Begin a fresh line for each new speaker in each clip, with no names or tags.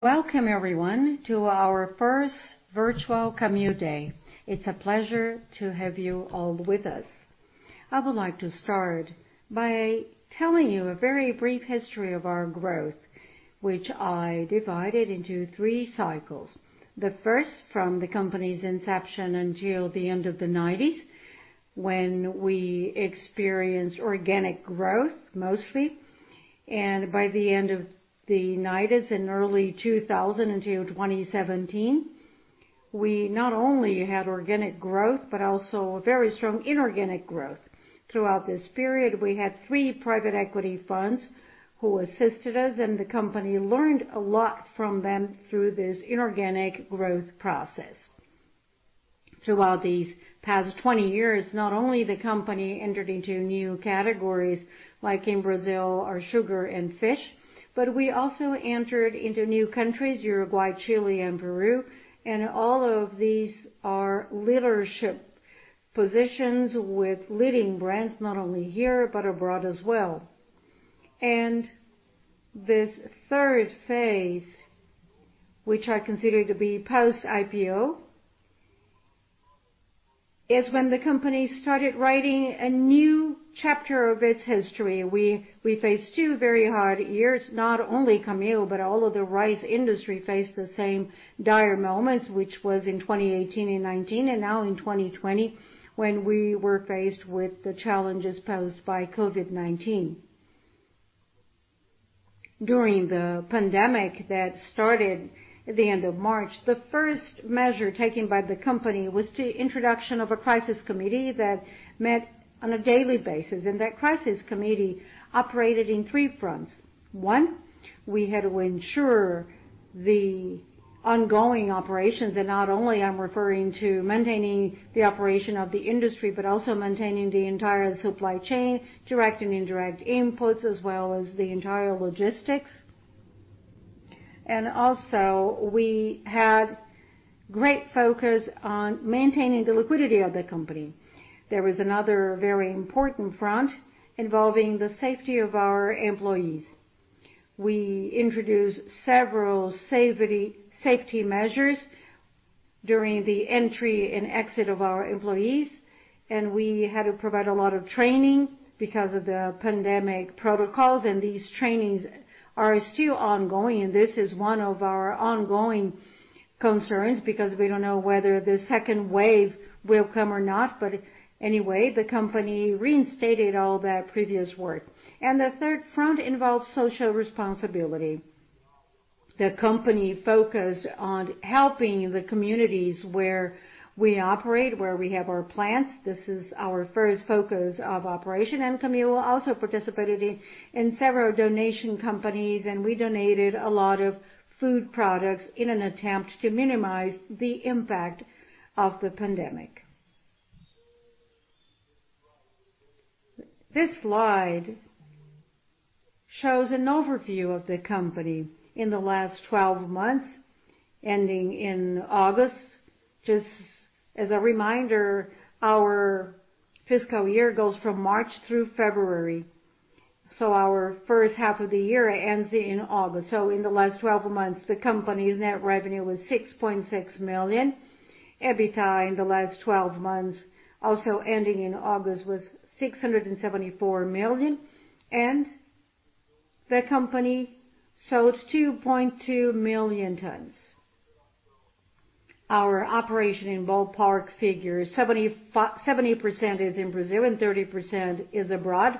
Welcome everyone to our first virtual Camil Day. It's a pleasure to have you all with us. I would like to start by telling you a very brief history of our growth, which I divided into three cycles. The first from the company's inception until the end of the 1990s, when we experienced organic growth mostly. By the end of the 1990s and early 2000 until 2017, we not only had organic growth, but also very strong inorganic growth. Throughout this period, we had three private equity funds who assisted us, and the company learned a lot from them through this inorganic growth process. Throughout these past 20 years, not only the company entered into new categories, like in Brazil, our sugar and fish, but we also entered into new countries, Uruguay, Chile, and Peru, and all of these are leadership positions with leading brands, not only here but abroad as well. This third phase, which I consider to be post-IPO, is when the company started writing a new chapter of its history. We faced two very hard years. Not only Camil, but all of the rice industry faced the same dire moments, which was in 2018 and 2019, and now in 2020, when we were faced with the challenges posed by COVID-19. During the pandemic that started at the end of March, the first measure taken by the company was the introduction of a crisis committee that met on a daily basis. That crisis committee operated in three fronts. One, we had to ensure the ongoing operations. Not only I'm referring to maintaining the operation of the industry, but also maintaining the entire supply chain, direct and indirect inputs, as well as the entire logistics. Also, we had great focus on maintaining the liquidity of the company. There was another very important front involving the safety of our employees. We introduced several safety measures during the entry and exit of our employees, and we had to provide a lot of training because of the pandemic protocols, and these trainings are still ongoing. This is one of our ongoing concerns because we don't know whether the second wave will come or not. Anyway, the company reinstated all that previous work. The third front involves social responsibility. The company focused on helping the communities where we operate, where we have our plants. This is our first focus of operation. Camil also participated in several donation companies, and we donated a lot of food products in an attempt to minimize the impact of the pandemic. This slide shows an overview of the company in the last 12 months, ending in August. Just as a reminder, our fiscal year goes from March through February. Our first half of the year ends in August. In the last 12 months, the company's net revenue was 6.6 million. EBITDA in the last 12 months, also ending in August, was 674 million. The company sold 2.2 million tons. Our operation in ballpark figures, 70% is in Brazil and 30% is abroad.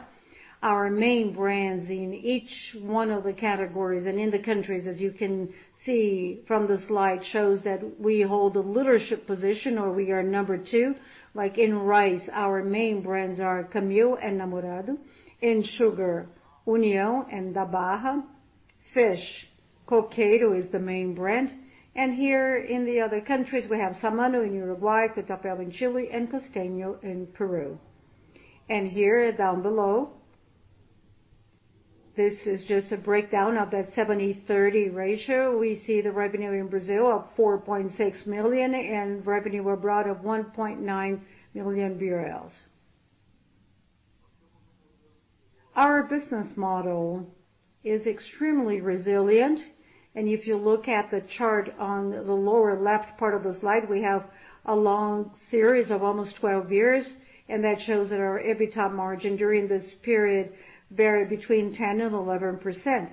Our main brands in each one of the categories and in the countries, as you can see from the slide, shows that we hold a leadership position or we are number two. In rice, our main brands are Camil and Namorado. In sugar, União and Da Barra. Fish, Coqueiro is the main brand. Here in the other countries, we have Saman in Uruguay, Tucapel in Chile, and Costeño in Peru. Here down below, this is just a breakdown of that 70/30 ratio. We see the revenue in Brazil of 4.6 million and revenue abroad of 1.9 million BRL. Our business model is extremely resilient, and if you look at the chart on the lower left part of the slide, we have a long series of almost 12 years, and that shows that our EBITDA margin during this period varied between 10% and 11%.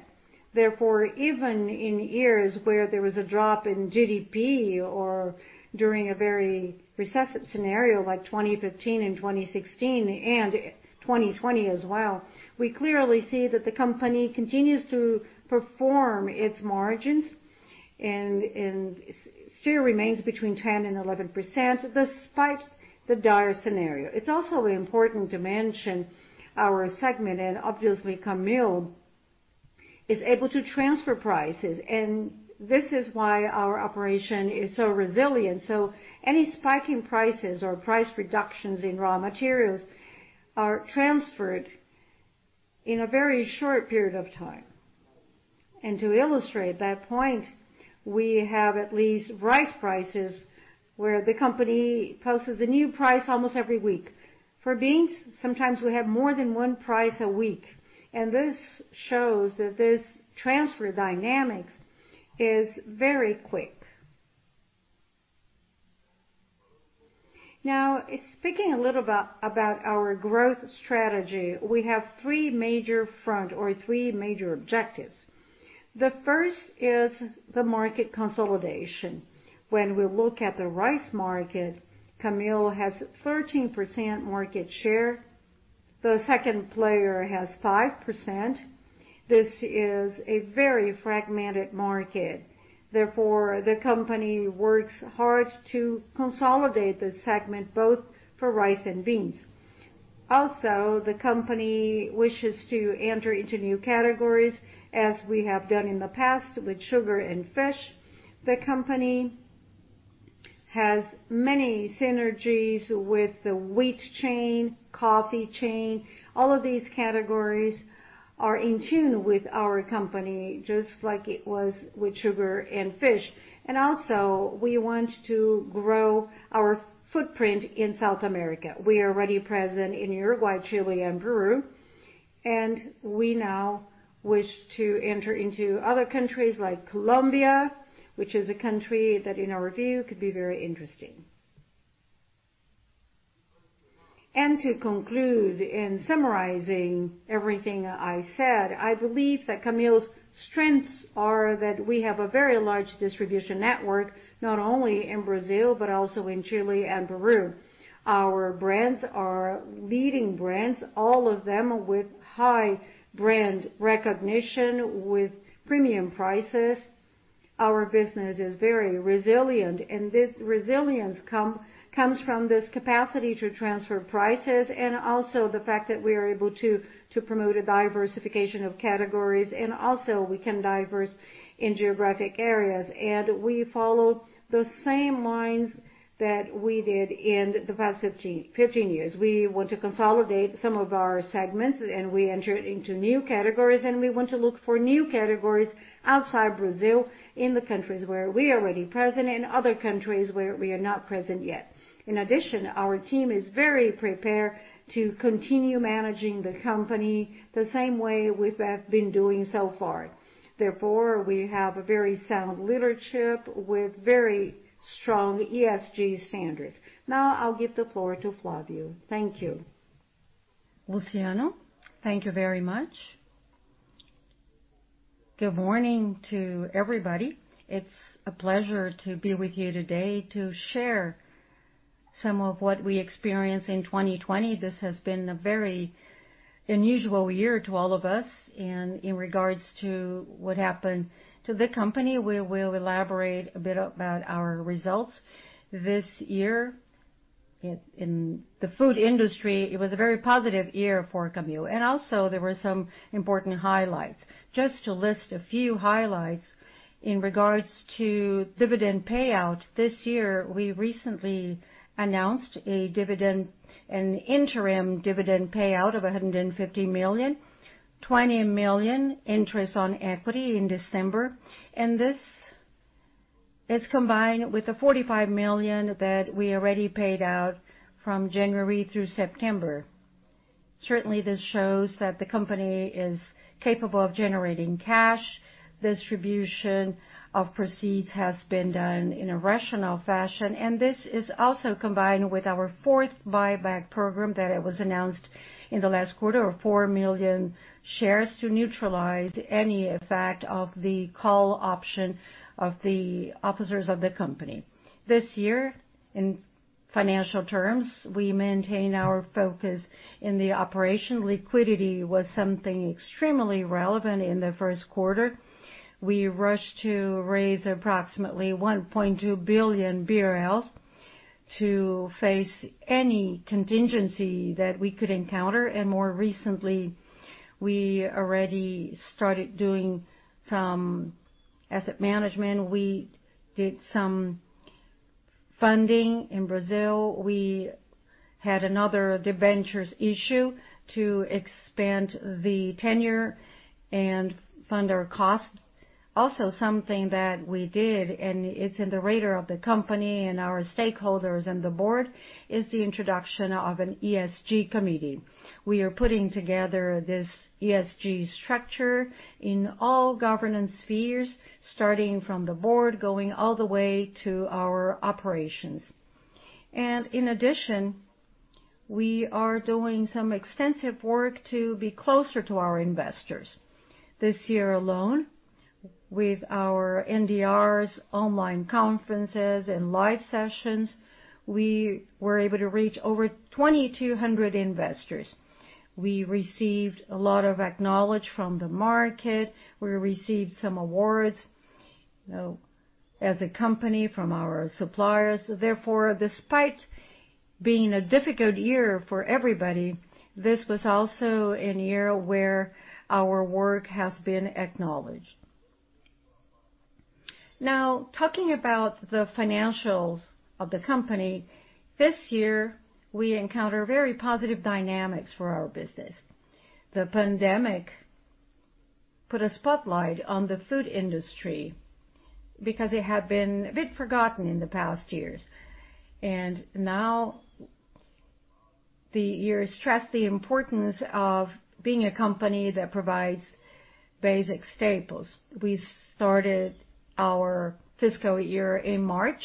Even in years where there was a drop in GDP or during a very recessive scenario like 2015 and 2016 and 2020 as well, we clearly see that the company continues to perform its margins and still remains between 10%-11%, despite the dire scenario. It's also important to mention our segment, obviously Camil is able to transfer prices, this is why our operation is so resilient. Any spike in prices or price reductions in raw materials are transferred in a very short period of time. To illustrate that point, we have at least rice prices, where the company posts a new price almost every week. For beans, sometimes we have more than one price a week, this shows that this transfer dynamic is very quick. Speaking a little about our growth strategy, we have three major front or three major objectives. The first is the market consolidation. When we look at the rice market, Camil has 13% market share. The second player has 5%. This is a very fragmented market. Therefore, the company works hard to consolidate this segment both for rice and beans. Also, the company wishes to enter into new categories, as we have done in the past with sugar and fish. The company has many synergies with the wheat chain, coffee chain. All of these categories are in tune with our company, just like it was with sugar and fish. Also, we want to grow our footprint in South America. We are already present in Uruguay, Chile, and Peru, and we now wish to enter into other countries like Colombia, which is a country that, in our view, could be very interesting. To conclude, in summarizing everything I said, I believe that Camil's strengths are that we have a very large distribution network, not only in Brazil but also in Chile and Peru. Our brands are leading brands, all of them with high brand recognition, with premium prices. Our business is very resilient, and this resilience comes from this capacity to transfer prices and also the fact that we are able to promote a diversification of categories, and also we can diverse in geographic areas. We follow the same lines that we did in the past 15 years. We want to consolidate some of our segments, and we enter into new categories, and we want to look for new categories outside Brazil in the countries where we are already present and other countries where we are not present yet. In addition, our team is very prepared to continue managing the company the same way we have been doing so far. We have a very sound leadership with very strong ESG standards. I'll give the floor to Flavio. Thank you.
Luciano, thank you very much. Good morning to everybody. It's a pleasure to be with you today to share some of what we experienced in 2020. This has been a very unusual year to all of us and in regards to what happened to the company. We will elaborate a bit about our results this year. In the food industry, it was a very positive year for Camil. There were some important highlights. Just to list a few highlights in regards to dividend payout this year, we recently announced an interim dividend payout of 150 million, 20 million interest on equity in December, and this is combined with the 45 million that we already paid out from January through September. Certainly, this shows that the company is capable of generating cash. Distribution of proceeds has been done in a rational fashion, and this is also combined with our fourth buyback program that was announced in the last quarter of 4 million shares to neutralize any effect of the call option of the officers of the company. This year, in financial terms, we maintain our focus in the operation. Liquidity was something extremely relevant in the first quarter. We rushed to raise approximately 1.2 billion to face any contingency that we could encounter. More recently, we already started doing some asset management. We did some funding in Brazil. We had another debentures issue to expand the tenure and fund our costs. Something that we did, and it's in the radar of the company and our stakeholders and the board, is the introduction of an ESG committee. We are putting together this ESG structure in all governance spheres, starting from the board, going all the way to our operations. In addition, we are doing some extensive work to be closer to our investors. This year alone, with our NDRs, online conferences, and live sessions, we were able to reach over 2,200 investors. We received a lot of acknowledgment from the market. We received some awards as a company from our suppliers. Despite being a difficult year for everybody, this was also a year where our work has been acknowledged. Talking about the financials of the company. This year, we encounter very positive dynamics for our business. The pandemic put a spotlight on the food industry, because it had been a bit forgotten in the past years. Now the year stressed the importance of being a company that provides basic staples. We started our fiscal year in March,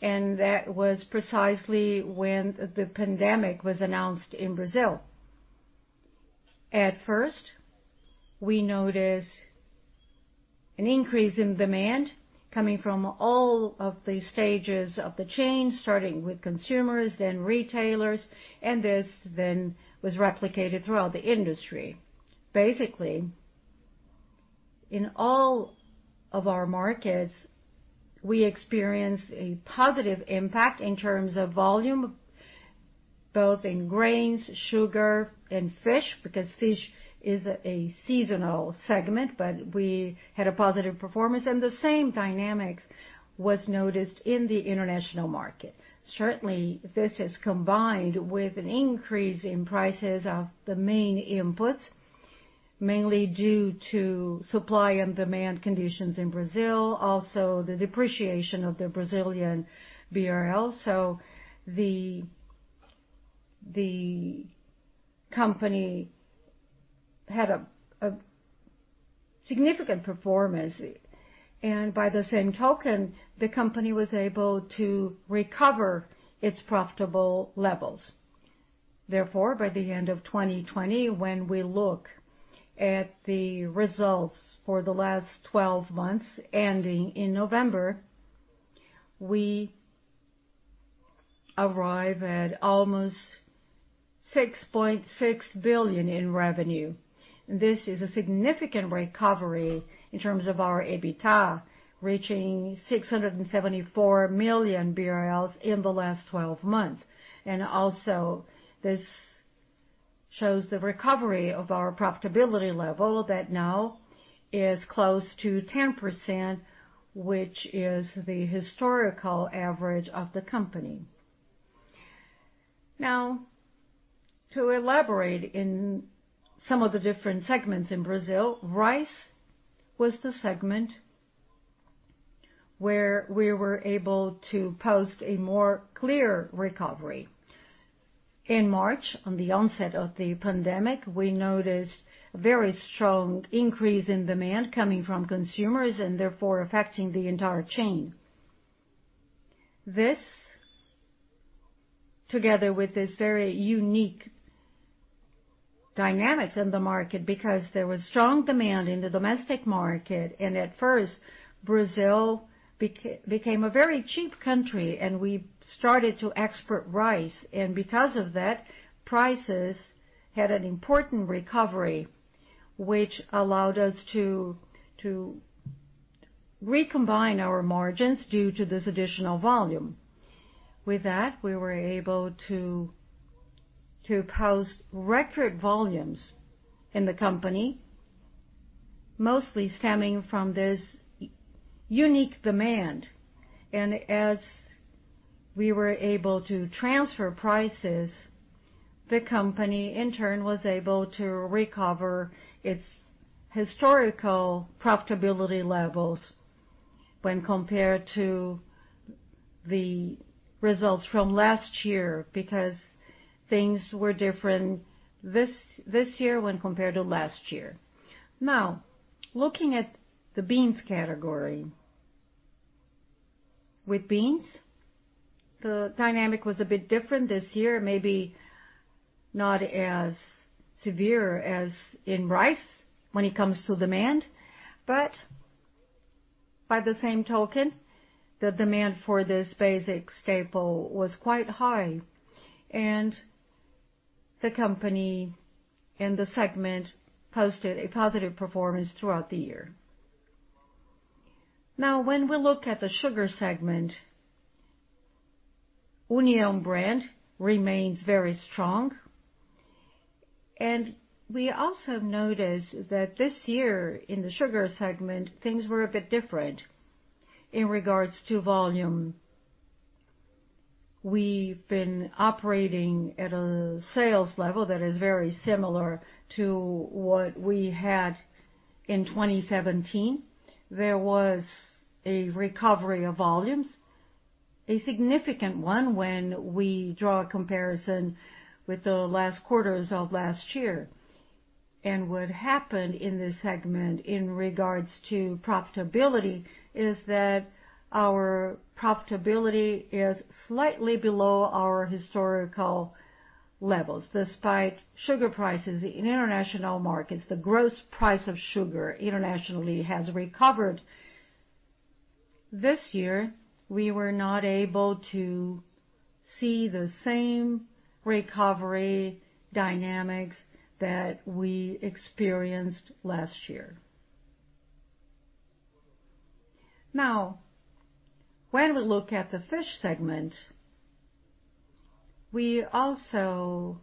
and that was precisely when the pandemic was announced in Brazil. At first, we noticed an increase in demand coming from all of the stages of the chain, starting with consumers, then retailers, and this then was replicated throughout the industry. Basically, in all of our markets, we experienced a positive impact in terms of volume, both in grains, sugar, and fish, because fish is a seasonal segment, but we had a positive performance, and the same dynamics was noticed in the international market. This has combined with an increase in prices of the main inputs, mainly due to supply and demand conditions in Brazil. The depreciation of the Brazilian BRL. The company had a significant performance. By the same token, the company was able to recover its profitable levels. By the end of 2020, when we look at the results for the last 12 months ending in November, we arrive at almost 6.6 billion in revenue. This is a significant recovery in terms of our EBITDA, reaching 674 million BRL in the last 12 months. Also this shows the recovery of our profitability level that now is close to 10%, which is the historical average of the company. To elaborate in some of the different segments in Brazil, rice was the segment where we were able to post a more clear recovery. In March, on the onset of the pandemic, we noticed a very strong increase in demand coming from consumers and therefore affecting the entire chain. This together with this very unique dynamics in the market because there was strong demand in the domestic market, at first Brazil became a very cheap country and we started to export rice. Because of that, prices had an important recovery, which allowed us to recombine our margins due to this additional volume. With that, we were able to post record volumes in the company, mostly stemming from this unique demand. As we were able to transfer prices, the company, in turn, was able to recover its historical profitability levels when compared to the results from last year, because things were different this year when compared to last year. Now, looking at the beans category. With beans, the dynamic was a bit different this year, maybe not as severe as in rice when it comes to demand, but by the same token, the demand for this basic staple was quite high and the company and the segment posted a positive performance throughout the year. When we look at the sugar segment, União brand remains very strong. We also noticed that this year in the sugar segment, things were a bit different in regards to volume. We've been operating at a sales level that is very similar to what we had in 2017. There was a recovery of volumes, a significant one when we draw a comparison with the last quarters of last year. What happened in this segment in regards to profitability is that our profitability is slightly below our historical levels. Despite sugar prices in international markets, the gross price of sugar internationally has recovered. This year, we were not able to see the same recovery dynamics that we experienced last year. When we look at the fish segment, we also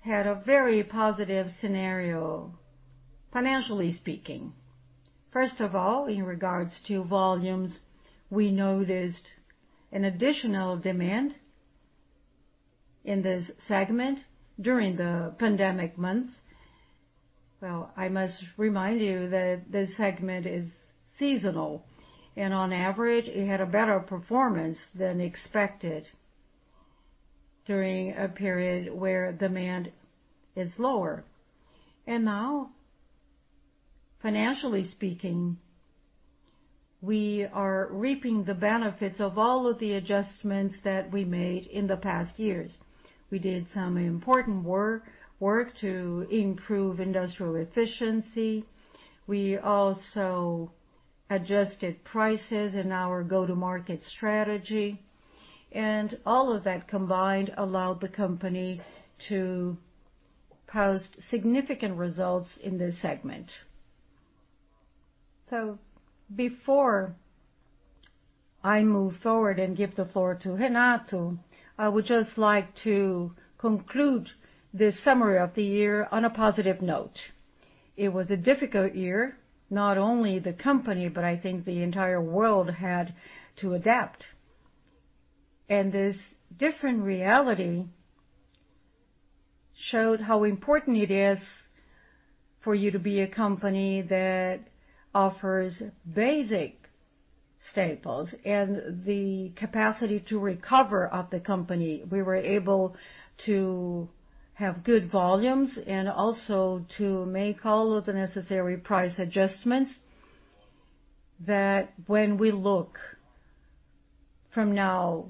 had a very positive scenario financially speaking. First of all, in regards to volumes, we noticed an additional demand in this segment, during the pandemic months, well, I must remind you that this segment is seasonal and on average, it had a better performance than expected during a period where demand is lower. Now financially speaking, we are reaping the benefits of all of the adjustments that we made in the past years. We did some important work to improve industrial efficiency. We also adjusted prices in our go-to-market strategy, all of that combined allowed the company to post significant results in this segment. Before I move forward and give the floor to Renato, I would just like to conclude this summary of the year on a positive note. It was a difficult year. Not only the company, but I think the entire world had to adapt. This different reality showed how important it is for you to be a company that offers basic staples and the capacity to recover of the company. We were able to have good volumes and also to make all of the necessary price adjustments that when we look from now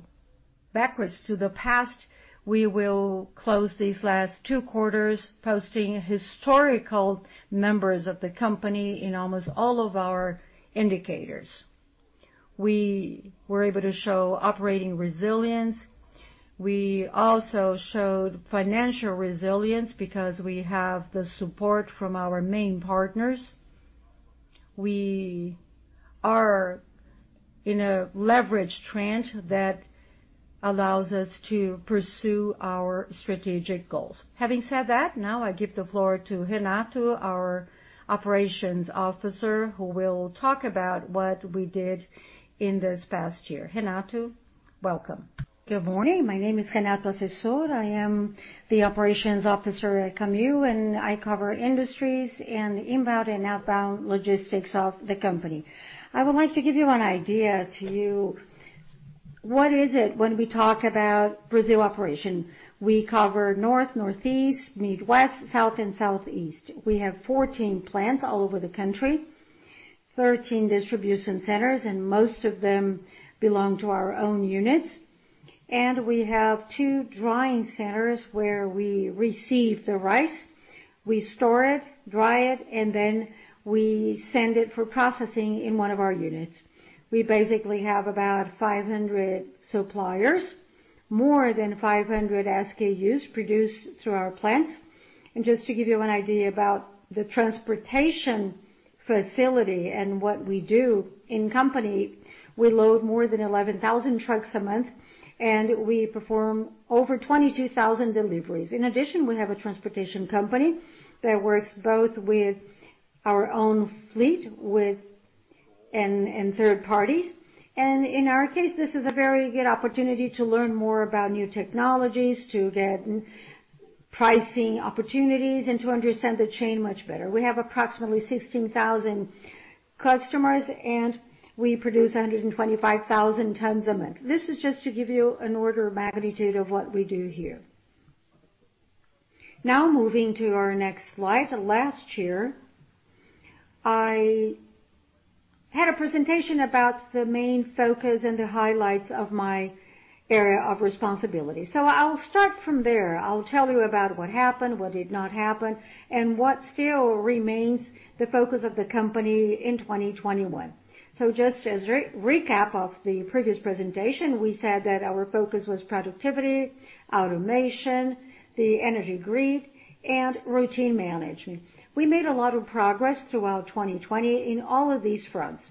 backwards to the past, we will close these last two quarters posting historical numbers of the company in almost all of our indicators. We were able to show operating resilience. We also showed financial resilience because we have the support from our main partners. We are in a leverage trench that allows us to pursue our strategic goals. Having said that, now I give the floor to Renato, our operations officer, who will talk about what we did in this past year. Renato, welcome.
Good morning. My name is Renato Accessor. I am the operations officer at Camil, and I cover industries and inbound and outbound logistics of the company. I would like to give you an idea what is it when we talk about Brazil operation. We cover North, Northeast, Midwest, South, and Southeast. We have 14 plants all over the country, 13 distribution centers, and most of them belong to our own units. We have two drying centers where we receive the rice, we store it, dry it, and then we send it for processing in one of our units. We basically have about 500 suppliers, more than 500 SKUs produced through our plants. Just to give you an idea about the transportation facility and what we do in company, we load more than 11,000 trucks a month, and we perform over 22,000 deliveries. In addition, we have a transportation company that works both with our own fleet and third parties. In our case, this is a very good opportunity to learn more about new technologies, to get pricing opportunities, and to understand the chain much better. We have approximately 16,000 customers, and we produce 125,000 tons a month. This is just to give you an order of magnitude of what we do here. Now moving to our next slide. Last year, I had a presentation about the main focus and the highlights of my area of responsibility. I'll start from there. I'll tell you about what happened, what did not happen, and what still remains the focus of the company in 2021. Just as a recap of the previous presentation, we said that our focus was productivity, automation, the energy grid, and routine management. We made a lot of progress throughout 2020 in all of these fronts.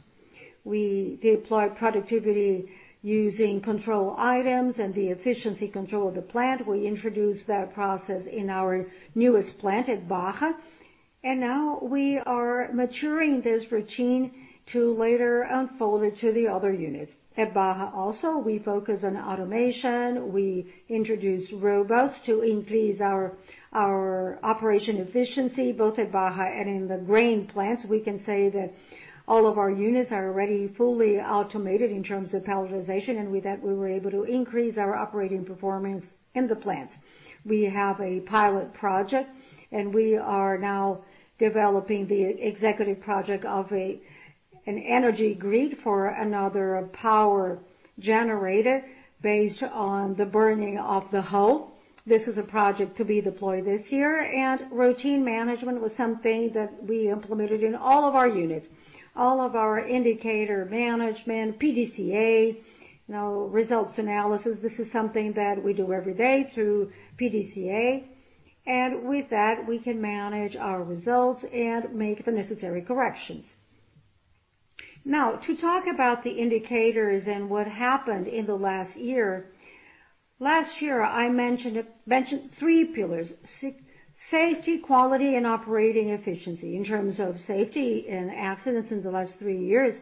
We deployed productivity using control items and the efficiency control of the plant. We introduced that process in our newest plant at Barra, and now we are maturing this routine to later unfold it to the other units. At Barra also, we focus on automation. We introduce robots to increase our operation efficiency both at Barra and in the grain plants. We can say that all of our units are already fully automated in terms of palletization, and with that, we were able to increase our operating performance in the plants. We have a pilot project, and we are now developing the executive project of an energy grid for another power generator based on the burning of the hull. This is a project to be deployed this year. Routine management was something that we implemented in all of our units, all of our indicator management, PDCA, results analysis. This is something that we do every day through PDCA. With that, we can manage our results and make the necessary corrections. Now, to talk about the indicators and what happened in the last year. Last year, I mentioned three pillars, safety, quality, and operating efficiency. In terms of safety and accidents in the last three years,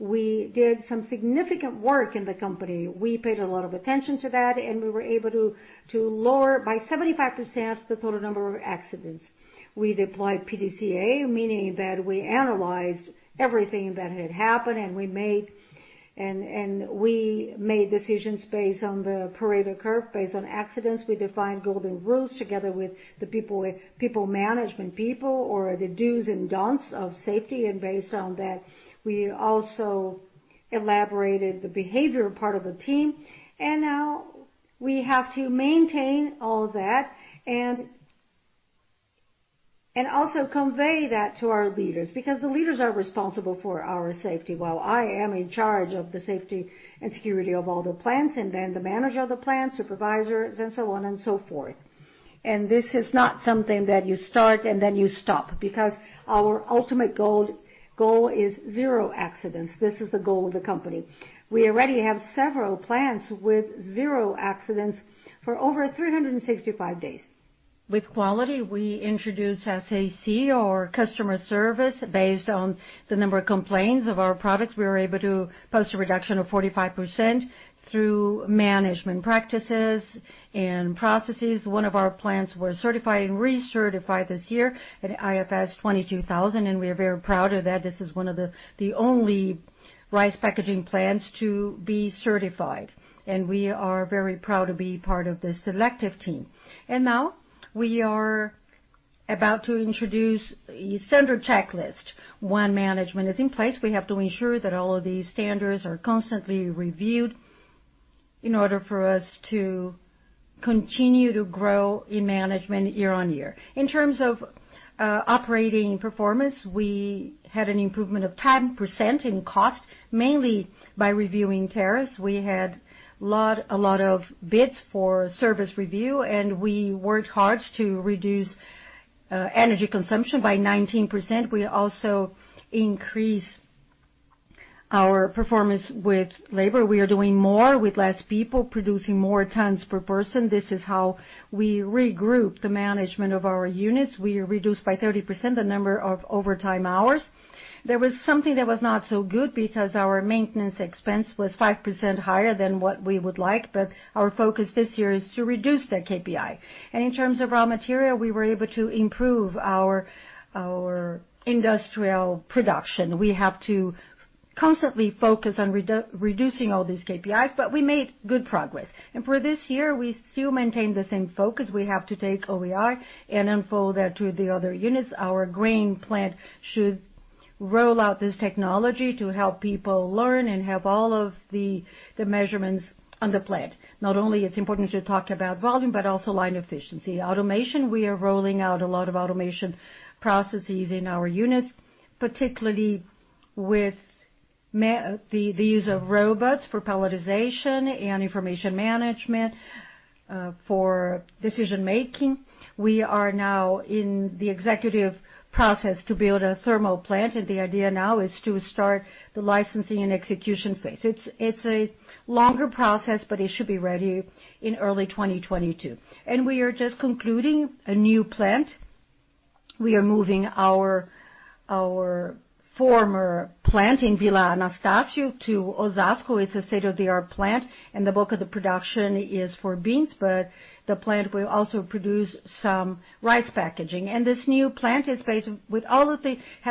we did some significant work in the company. We paid a lot of attention to that, and we were able to lower by 75% the total number of accidents. We deployed PDCA, meaning that we analyzed everything that had happened. We made decisions based on the Pareto curve, based on accidents. We defined golden rules together with the people management people, or the dos and don'ts of safety. Based on that, we also elaborated the behavior part of the team. Now we have to maintain all of that and also convey that to our leaders because the leaders are responsible for our safety. While I am in charge of the safety and security of all the plants, the manager of the plant, supervisors, and so on and so forth. This is not something that you start and then you stop, because our ultimate goal is zero accidents. This is the goal of the company. We already have several plants with zero accidents for over 365 days. With quality, we introduced SAC or customer service, based on the number of complaints of our products. We were able to post a reduction of 45% through management practices and processes. One of our plants was certified and recertified this year at FSSC 22000, and we are very proud of that. This is one of the only rice packaging plants to be certified, and we are very proud to be part of the selective team. Now we are about to introduce a standard checklist. Once management is in place, we have to ensure that all of these standards are constantly reviewed in order for us to continue to grow in management year on year. In terms of operating performance, we had an improvement of 10% in cost, mainly by reviewing tariffs. We had a lot of bids for service review. We worked hard to reduce energy consumption by 19%. We also increased our performance with labor. We are doing more with less people, producing more tons per person. This is how we regroup the management of our units. We reduced by 30% the number of overtime hours. There was something that was not so good because our maintenance expense was 5% higher than what we would like, but our focus this year is to reduce that KPI. In terms of raw material, we were able to improve our industrial production. We have to constantly focus on reducing all these KPIs, but we made good progress. For this year, we still maintain the same focus. We have to take OER and unfold that to the other units. Our grain plant should roll out this technology to help people learn and have all of the measurements on the plant. Not only it's important to talk about volume but also line efficiency. Automation, we are rolling out a lot of automation processes in our units, particularly with the use of robots for palletization and information management for decision making. We are now in the executive process to build a thermal plant. The idea now is to start the licensing and execution phase. It's a longer process, but it should be ready in early 2022. We are just concluding a new plant. We are moving our former plant in Vila Anastácio to Osasco. It's a state-of-the-art plant. The bulk of the production is for beans, but the plant will also produce some rice packaging. This new plant has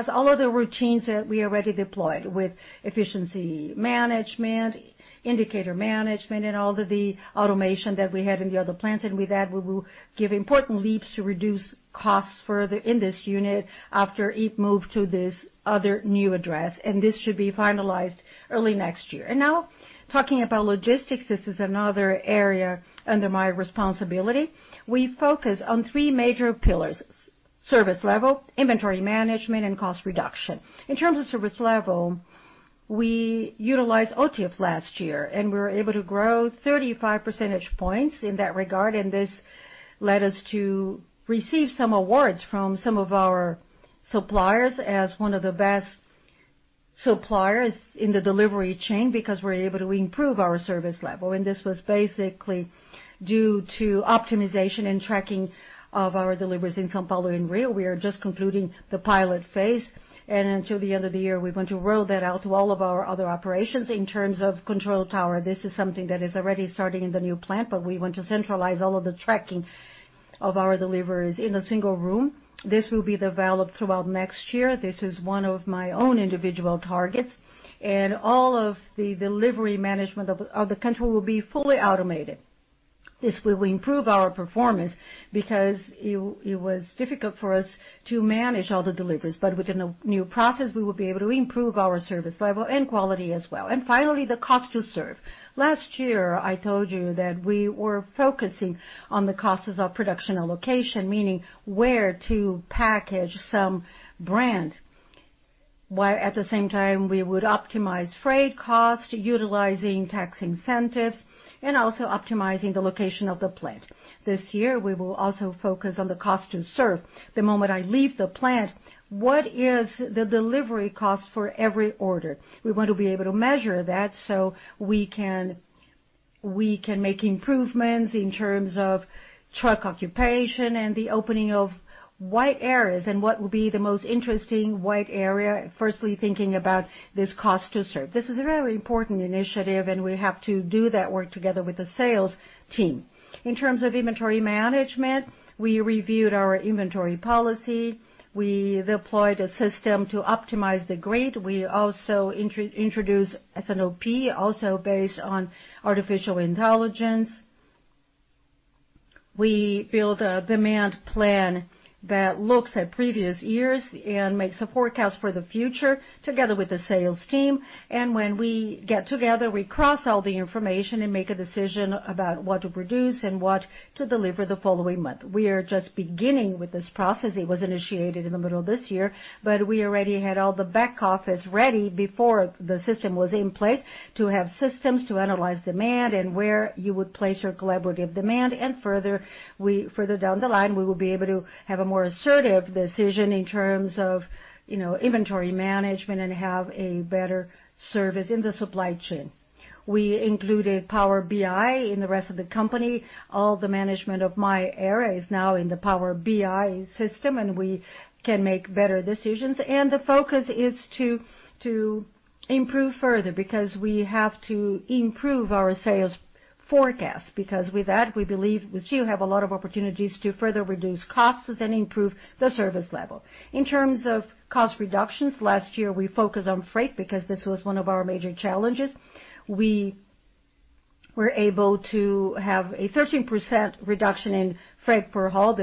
all of the routines that we already deployed with efficiency management, indicator management, and all of the automation that we had in the other plants. With that, we will give important leaps to reduce costs further in this unit after it moves to this other new address. This should be finalized early next year. Now talking about logistics, this is another area under my responsibility. We focus on three major pillars: service level, inventory management, and cost reduction. In terms of service level, we utilized OTIF last year, and we were able to grow 35 percentage points in that regard, and this led us to receive some awards from some of our suppliers as one of the best suppliers in the delivery chain because we're able to improve our service level. This was basically due to optimization and tracking of our deliveries in São Paulo and Rio. We are just concluding the pilot phase, and until the end of the year, we're going to roll that out to all of our other operations. In terms of control tower, this is something that is already starting in the new plant, but we want to centralize all of the tracking of our deliveries in a single room. This will be developed throughout next year. This is one of my own individual targets, and all of the delivery management of the country will be fully automated. This will improve our performance because it was difficult for us to manage all the deliveries, but with the new process, we will be able to improve our service level and quality as well. Finally, the cost to serve. Last year, I told you that we were focusing on the cost of our production allocation, meaning where to package some brand, while at the same time we would optimize freight cost, utilizing tax incentives, and also optimizing the location of the plant. This year, we will also focus on the cost to serve. The moment I leave the plant, what is the delivery cost for every order? We want to be able to measure that so we can make improvements in terms of truck occupation and the opening of white areas, and what will be the most interesting white area, firstly, thinking about this cost to serve. This is a very important initiative. We have to do that work together with the sales team. In terms of inventory management, we reviewed our inventory policy. We deployed a system to optimize the grade. We also introduced S&OP, also based on artificial intelligence. We build a demand plan that looks at previous years and makes a forecast for the future together with the sales team. When we get together, we cross all the information and make a decision about what to produce and what to deliver the following month. We are just beginning with this process. It was initiated in the middle of this year, but we already had all the back office ready before the system was in place to have systems to analyze demand and where you would place your collaborative demand. Further down the line, we will be able to have a more assertive decision in terms of inventory management and have a better service in the supply chain. We included Power BI in the rest of the company. All the management of my area is now in the Power BI system, and we can make better decisions. The focus is to improve further because we have to improve our sales forecast, because with that, we believe we still have a lot of opportunities to further reduce costs and improve the service level. In terms of cost reductions, last year we focused on freight because this was one of our major challenges. We were able to have a 13% reduction in freight per haul.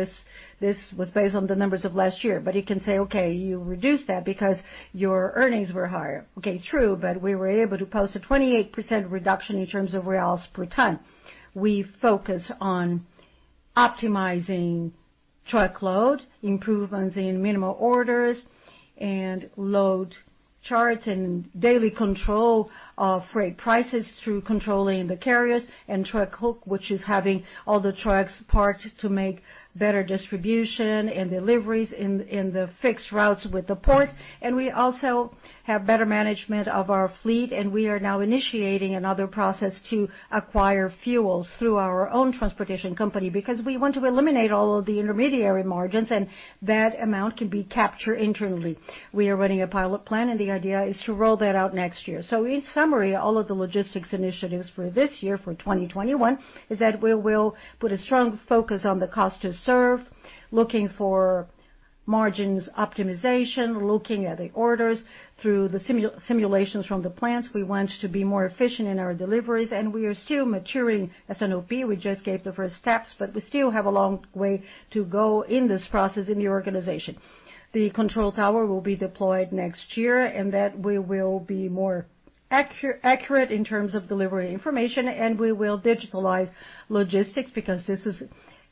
This was based on the numbers of last year. You can say, okay, you reduced that because your earnings were higher. Okay, true, but we were able to post a 28% reduction in terms of BRL per ton. We focus on optimizing truckload, improvements in minimal orders, and load charts and daily control of freight prices through controlling the carriers and truck hook, which is having all the trucks parked to make better distribution and deliveries in the fixed routes with the port. We also have better management of our fleet, and we are now initiating another process to acquire fuel through our own transportation company because we want to eliminate all of the intermediary margins, and that amount can be captured internally. We are running a pilot plan, and the idea is to roll that out next year. In summary, all of the logistics initiatives for this year, for 2021, is that we will put a strong focus on the cost to serve, looking for margins optimization, looking at the orders through the simulations from the plants. We want to be more efficient in our deliveries, and we are still maturing S&OP. We just gave the first steps, but we still have a long way to go in this process in the organization. The control tower will be deployed next year, and that we will be more accurate in terms of delivering information, and we will digitalize logistics because this is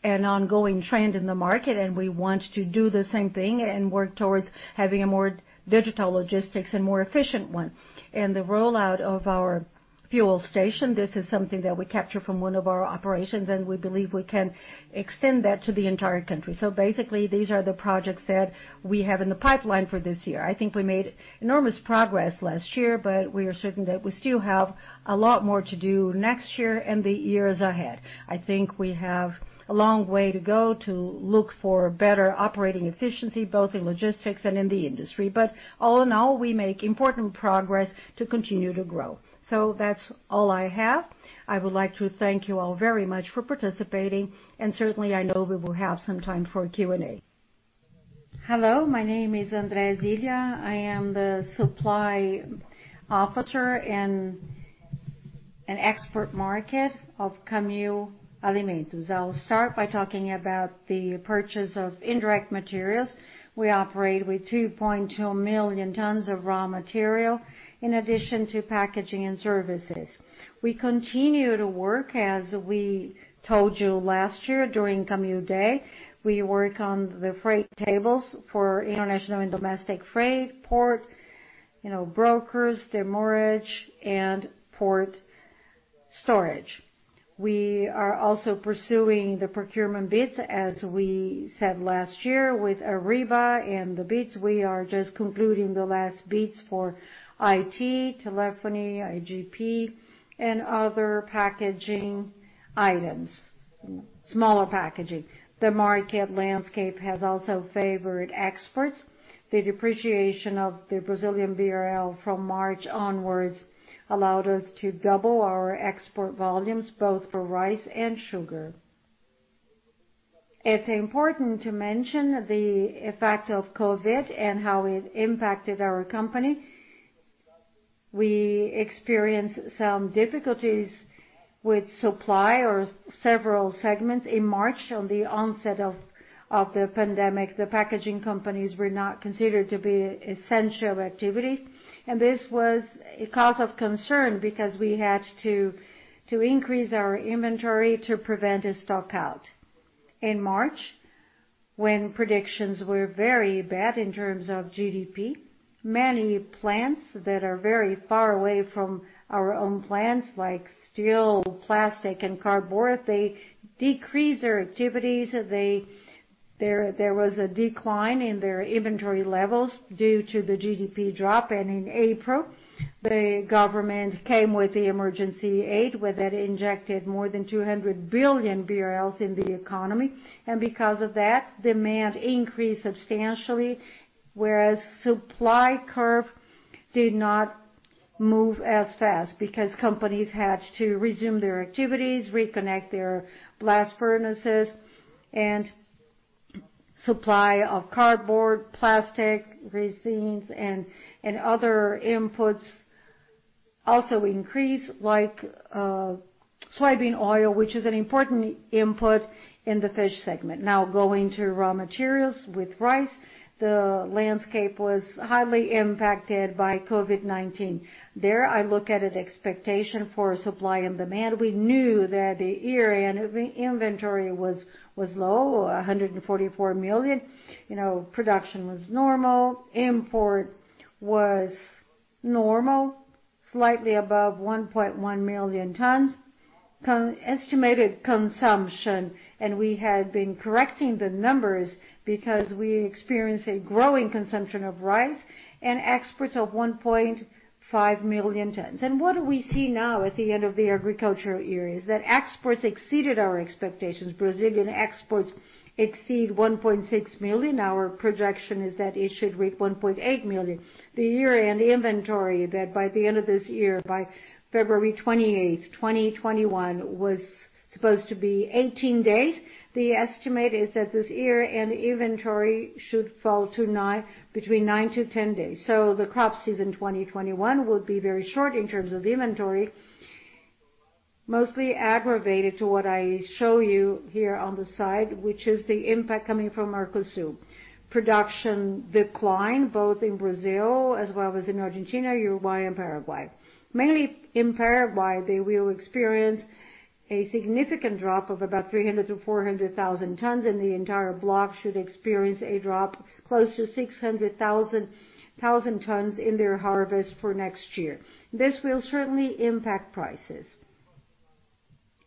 an ongoing trend in the market, and we want to do the same thing and work towards having a more digital logistics and more efficient one. The rollout of our fuel station, this is something that we capture from one of our operations, and we believe we can extend that to the entire country. Basically, these are the projects that we have in the pipeline for this year. I think we made enormous progress last year. We are certain that we still have a lot more to do next year and the years ahead. I think we have a long way to go to look for better operating efficiency, both in logistics and in the industry. All in all, we make important progress to continue to grow. That's all I have. I would like to thank you all very much for participating, and certainly, I know we will have some time for Q&A.
Hello, my name is André Zíglia. I am the Supply Officer and Export Market of Camil Alimentos. I will start by talking about the purchase of indirect materials. We operate with 2.2 million tons of raw material in addition to packaging and services. We continue to work, as we told you last year during Camil Day. We work on the freight tables for international and domestic freight, port, brokers, demurrage, and port storage. We are also pursuing the procurement bids, as we said last year with Ariba and the bids. We are just concluding the last bids for IT, telephony, IGP, and other packaging items, smaller packaging. The market landscape has also favored exports. The depreciation of the BRL from March onwards allowed us to double our export volumes, both for rice and sugar. It's important to mention the effect of COVID and how it impacted our company. We experienced some difficulties with supply or several segments in March on the onset of the pandemic. The packaging companies were not considered to be essential activities. This was a cause of concern because we had to increase our inventory to prevent a stock out. In March, when predictions were very bad in terms of GDP, many plants that are very far away from our own plants, like steel, plastic, and cardboard, they decreased their activities. There was a decline in their inventory levels due to the GDP drop. In April, the government came with the emergency aid, where that injected more than 200 billion BRL in the economy. Because of that, demand increased substantially, whereas supply curve did not move as fast, because companies had to resume their activities, reconnect their blast furnaces, and supply of cardboard, plastic, resins, and other inputs also increased, like soybean oil, which is an important input in the fish segment. Now going to raw materials with rice, the landscape was highly impacted by COVID-19. There, I look at expectation for supply and demand. We knew that the year-end inventory was low, 144 million. Production was normal. Import was normal, slightly above 1.1 million tons. Estimated consumption, we had been correcting the numbers because we experienced a growing consumption of rice and exports of 1.5 million tons. What do we see now at the end of the agricultural year is that exports exceeded our expectations. Brazilian exports exceed 1.6 million. Our projection is that it should reach 1.8 million. The year-end inventory, that by the end of this year, by February 28th, 2021, was supposed to be 18 days. The estimate is that this year-end inventory should fall to between nine to 10 days. The crop season 2021 will be very short in terms of inventory, mostly aggravated to what I show you here on the side, which is the impact coming from Mercosul. Production declined both in Brazil as well as in Argentina, Uruguay, and Paraguay. Mainly in Paraguay, they will experience a significant drop of about 300,000 tons-400,000 tons, and the entire block should experience a drop close to 600,000 tons in their harvest for next year. This will certainly impact prices.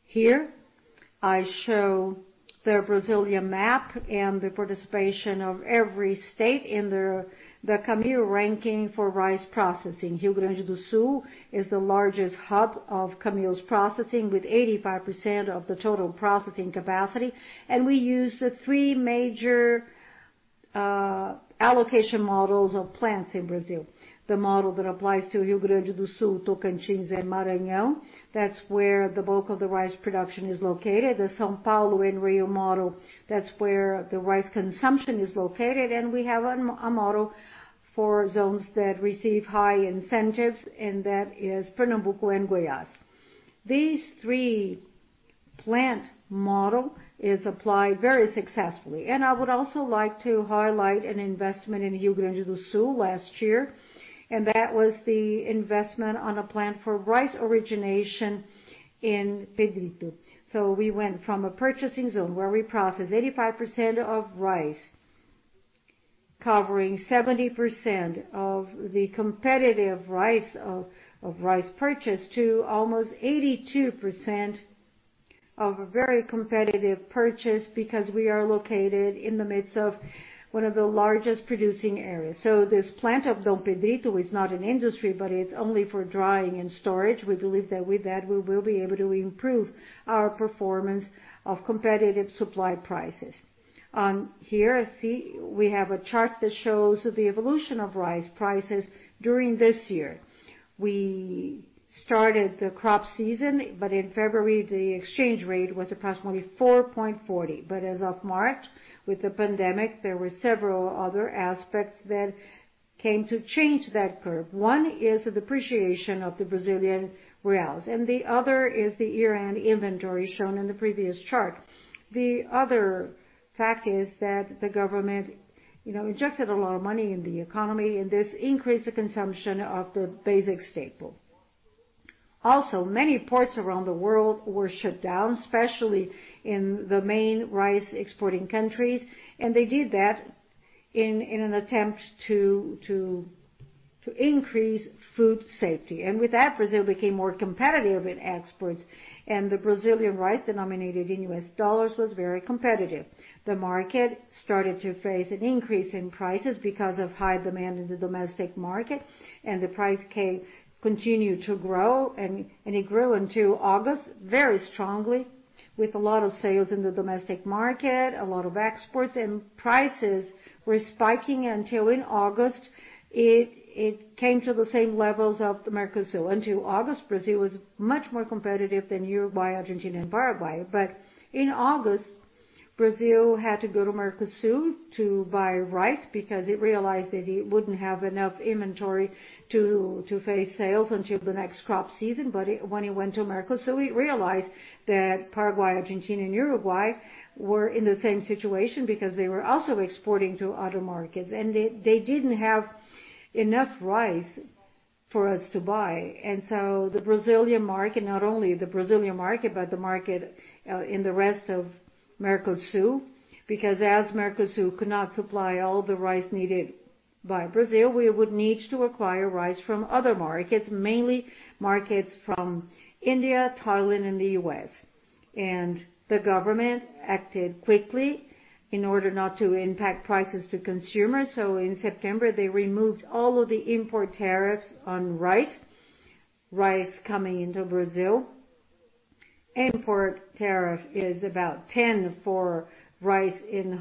Here, I show the Brazilian map and the participation of every state in the Camil ranking for rice processing. Rio Grande do Sul is the largest hub of Camil's processing, with 85% of the total processing capacity, and we use the three major allocation models of plants in Brazil. The model that applies to Rio Grande do Sul, Tocantins, and Maranhão, that's where the bulk of the rice production is located. The São Paulo and Rio model, that's where the rice consumption is located. We have a model for zones that receive high incentives, and that is Pernambuco and Goiás. These three plant model is applied very successfully. I would also like to highlight an investment in Rio Grande do Sul last year, and that was the investment on a plant for rice origination in Pedrito. We went from a purchasing zone where we process 85% of rice, covering 70% of the competitive rice purchased to almost 82% of a very competitive purchase because we are located in the midst of one of the largest producing areas. This plant of Dom Pedrito is not an industry, but it's only for drying and storage. We believe that with that, we will be able to improve our performance of competitive supply prices. Here, we have a chart that shows the evolution of rice prices during this year. We started the crop season, in February, the exchange rate was approximately 4.40. As of March, with the pandemic, there were several other aspects that came to change that curve. One is the depreciation of the Brazilian reals, and the other is the year-end inventory shown in the previous chart. The other fact is that the government injected a lot of money in the economy, and this increased the consumption of the basic staple. Also, many ports around the world were shut down, especially in the main rice exporting countries, and they did that in an attempt to increase food safety. With that, Brazil became more competitive in exports, and the Brazilian rice denominated in U.S. Dollars was very competitive. The market started to face an increase in prices because of high demand in the domestic market. The price continued to grow. It grew into August very strongly with a lot of sales in the domestic market, a lot of exports. Prices were spiking until in August it came to the same levels of Mercosul. Until August, Brazil was much more competitive than Uruguay, Argentina, and Paraguay. In August, Brazil had to go to Mercosul to buy rice because it realized that it wouldn't have enough inventory to face sales until the next crop season. When it went to Mercosul, it realized that Paraguay, Argentina, and Uruguay were in the same situation because they were also exporting to other markets, and they didn't have enough rice for us to buy. The Brazilian market, not only the Brazilian market, but the market in the rest of Mercosul, because as Mercosul could not supply all the rice needed by Brazil, we would need to acquire rice from other markets, mainly markets from India, Thailand, and the U.S. The government acted quickly in order not to impact prices to consumers. In September, they removed all of the import tariffs on rice coming into Brazil. Import tariff is about 10% for rice in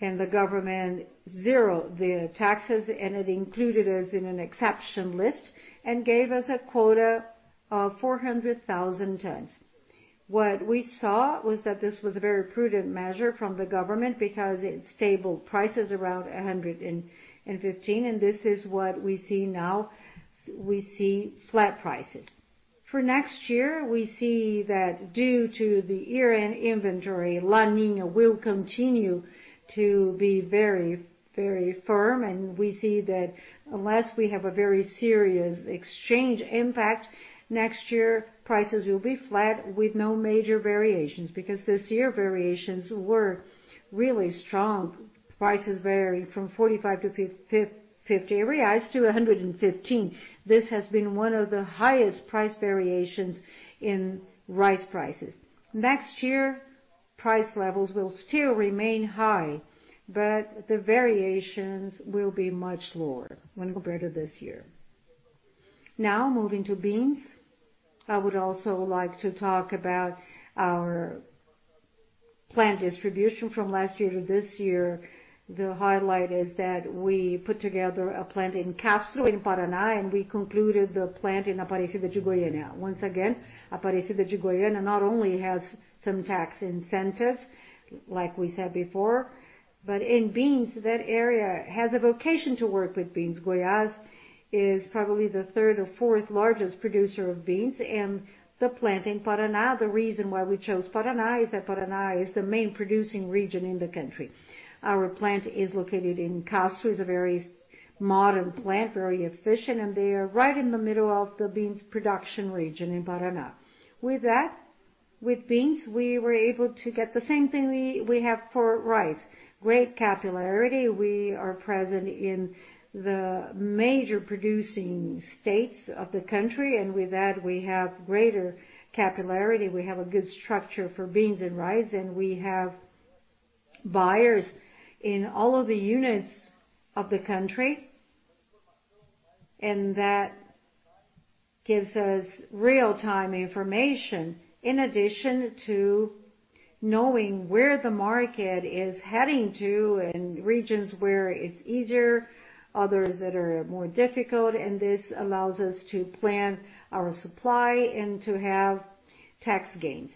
hull, the government zeroed the taxes, and it included us in an exception list and gave us a quota of 400,000 tons. What we saw was that this was a very prudent measure from the government because it stabilized prices around 115, and this is what we see now, we see flat prices. For next year, we see that due to the year-end inventory, La Niña will continue to be very firm. We see that unless we have a very serious exchange impact, next year prices will be flat with no major variations, because this year variations were really strong. Prices vary from 45-50 to 115. This has been one of the highest price variations in rice prices. Next year, price levels will still remain high, the variations will be much lower when compared to this year. Moving to beans. I would also like to talk about our plant distribution from last year to this year. The highlight is that we put together a plant in Castro, in Paraná, and we concluded the plant in Aparecida de Goiânia. Aparecida de Goiânia not only has some tax incentives, like we said before, but in beans, that area has a vocation to work with beans. Goiás is probably the third or fourth largest producer of beans, and the plant in Paraná. The reason why we chose Paraná is that Paraná is the main producing region in the country. Our plant is located in Castro, is a very modern plant, very efficient, and they are right in the middle of the beans production region in Paraná. With that, with beans, we were able to get the same thing we have for rice. Great capillarity. We are present in the major producing states of the country. With that, we have greater capillarity. We have a good structure for beans and rice, and we have buyers in all of the units of the country. That gives us real-time information, in addition to knowing where the market is heading to and regions where it's easier, others that are more difficult. This allows us to plan our supply and to have tax gains.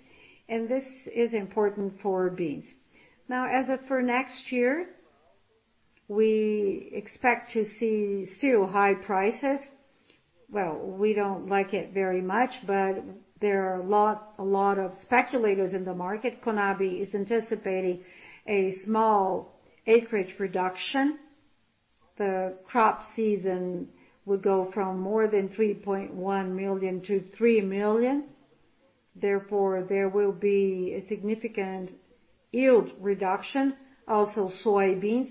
This is important for beans. Now, as of next year, we expect to see still high prices. Well, we don't like it very much, but there are a lot of speculators in the market. CONAB is anticipating a small acreage reduction. The crop season would go from more than 3.1 million to 3 million. Therefore, there will be a significant yield reduction. Also soybeans.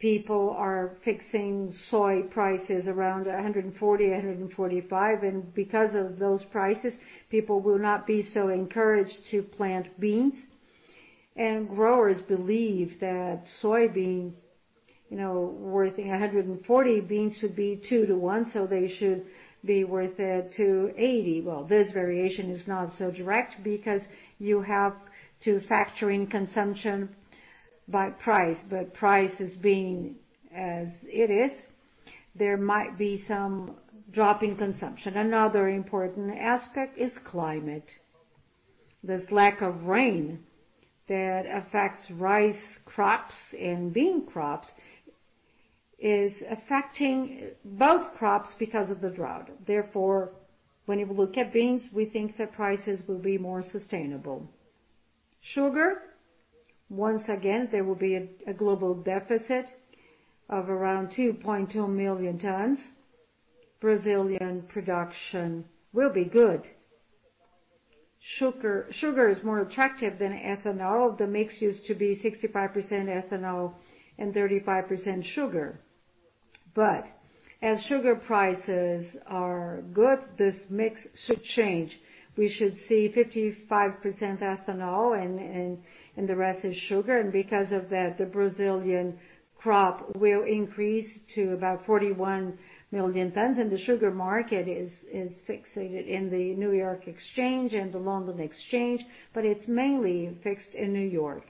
People are fixing soy prices around 140, 145. Because of those prices, people will not be so encouraged to plant beans. Growers believe that soybean worth 140, beans should be two to one, so they should be worth 80. Well, this variation is not so direct because you have to factor in consumption by price. Prices being as it is, there might be some drop in consumption. Another important aspect is climate. This lack of rain that affects rice crops and bean crops is affecting both crops because of the drought. When we look at beans, we think that prices will be more sustainable. Sugar, once again, there will be a global deficit of around 2.2 million tons. Brazilian production will be good. Sugar is more attractive than ethanol. The mix used to be 65% ethanol and 35% sugar. As sugar prices are good, this mix should change. We should see 55% ethanol and the rest is sugar. Because of that, the Brazilian crop will increase to about 41 million tons. The sugar market is fixated in the New York Exchange and the London Exchange, but it's mainly fixed in New York.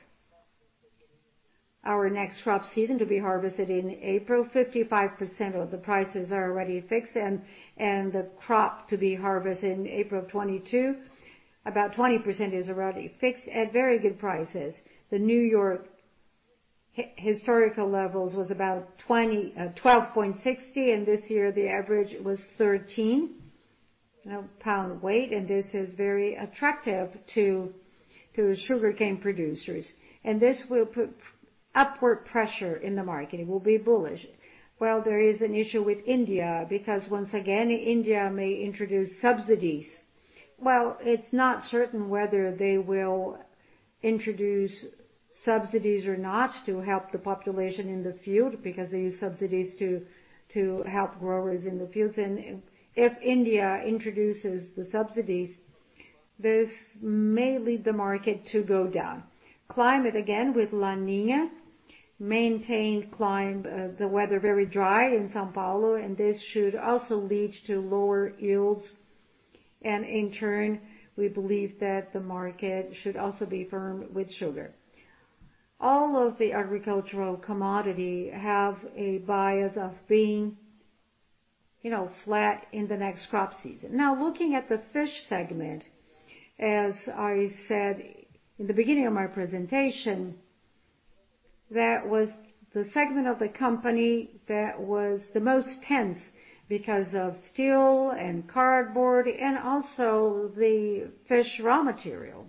Our next crop season to be harvested in April, 55% of the prices are already fixed and the crop to be harvested in April of 2022, about 20% is already fixed at very good prices. The New York historical levels was about 12.60, and this year the average was 13 lb weight, and this is very attractive to sugarcane producers. It will be bullish. Well, there is an issue with India, because once again, India may introduce subsidies. Well, it's not certain whether they will introduce subsidies or not to help the population in the field because they use subsidies to help growers in the fields. If India introduces the subsidies, this may lead the market to go down. Climate, again, with La Niña, maintained the weather very dry in São Paulo. This should also lead to lower yields. In turn, we believe that the market should also be firm with sugar. All of the agricultural commodity have a bias of being flat in the next crop season. Looking at the fish segment, as I said in the beginning of my presentation, that was the segment of the company that was the most tense because of steel and cardboard and also the fish raw material.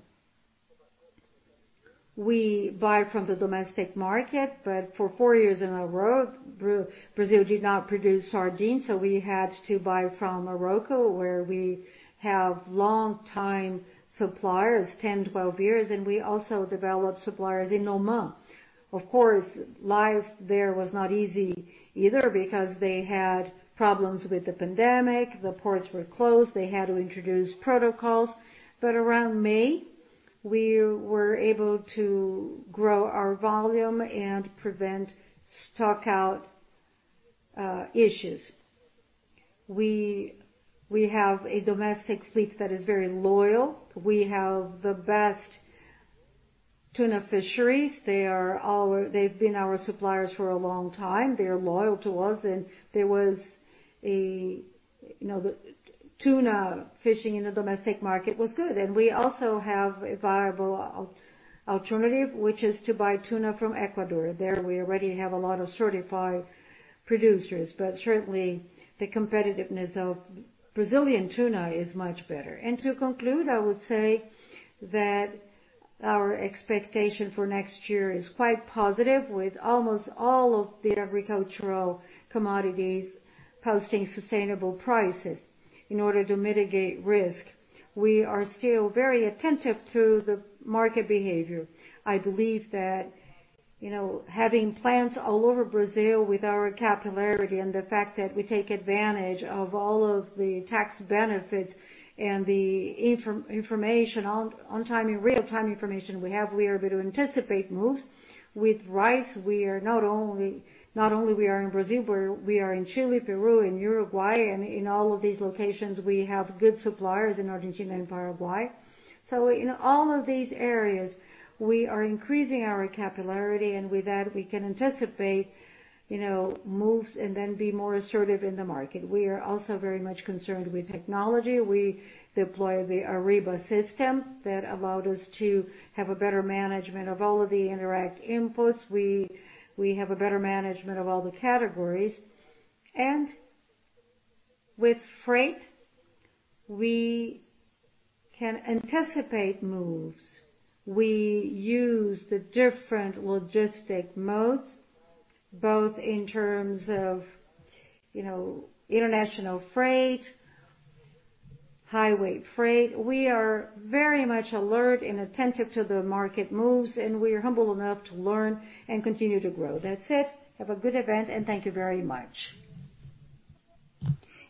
We buy from the domestic market. For four years in a row, Brazil did not produce sardines. We had to buy from Morocco, where we have long-time suppliers, 10 to 12 years. We also developed suppliers in Oman. Of course, life there was not easy either because they had problems with the pandemic. The ports were closed. They had to introduce protocols. Around May, we were able to grow our volume and prevent stock out issues. We have a domestic fleet that is very loyal. We have the best tuna fisheries. They've been our suppliers for a long time. They're loyal to us, and the tuna fishing in the domestic market was good. We also have a viable alternative, which is to buy tuna from Ecuador. There, we already have a lot of certified producers. Certainly, the competitiveness of Brazilian tuna is much better. To conclude, I would say that our expectation for next year is quite positive, with almost all of the agricultural commodities posting sustainable prices. In order to mitigate risk, we are still very attentive to the market behavior. I believe that having plants all over Brazil with our capillarity and the fact that we take advantage of all of the tax benefits and the real-time information we have, we are able to anticipate moves. With rice, not only we are in Brazil, but we are in Chile, Peru, and Uruguay, and in all of these locations, we have good suppliers in Argentina and Paraguay. In all of these areas, we are increasing our capillarity, and with that, we can anticipate moves and then be more assertive in the market. We are also very much concerned with technology. We deploy the Ariba system that allowed us to have a better management of all of the indirect inputs. We have a better management of all the categories. With freight, we can anticipate moves. We use the different logistic modes, both in terms of international freight, highway freight. We are very much alert and attentive to the market moves, and we are humble enough to learn and continue to grow. That's it. Have a good event, and thank you very much.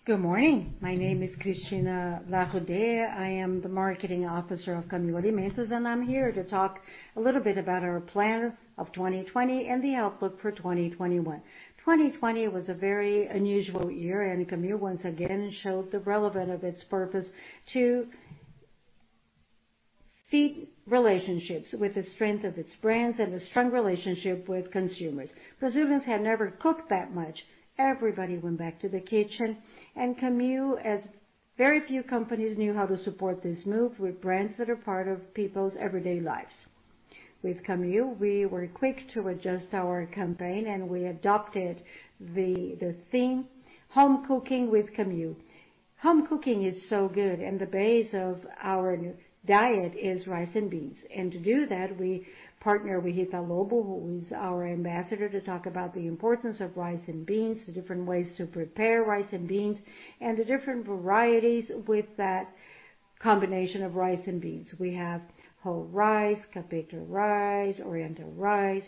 Good morning. My name is Christina Larroudé. I am the marketing officer of Camil Alimentos, and I'm here to talk a little bit about our plans of 2020 and the outlook for 2021. 2020 was a very unusual year, and Camil once again showed the relevance of its purpose to feed relationships with the strength of its brands and a strong relationship with consumers. Brazilians had never cooked that much. Everybody went back to the kitchen, and Camil, as very few companies knew how to support this move with brands that are part of people's everyday lives. With Camil, we were quick to adjust our campaign, and we adopted the theme Home Cooking with Camil. Home cooking is so good. The base of our new diet is rice and beans. To do that, we partnered with Rita Lobo, who is our ambassador, to talk about the importance of rice and beans, the different ways to prepare rice and beans, and the different varieties with that combination of rice and beans. We have whole rice, capeto rice, oriental rice.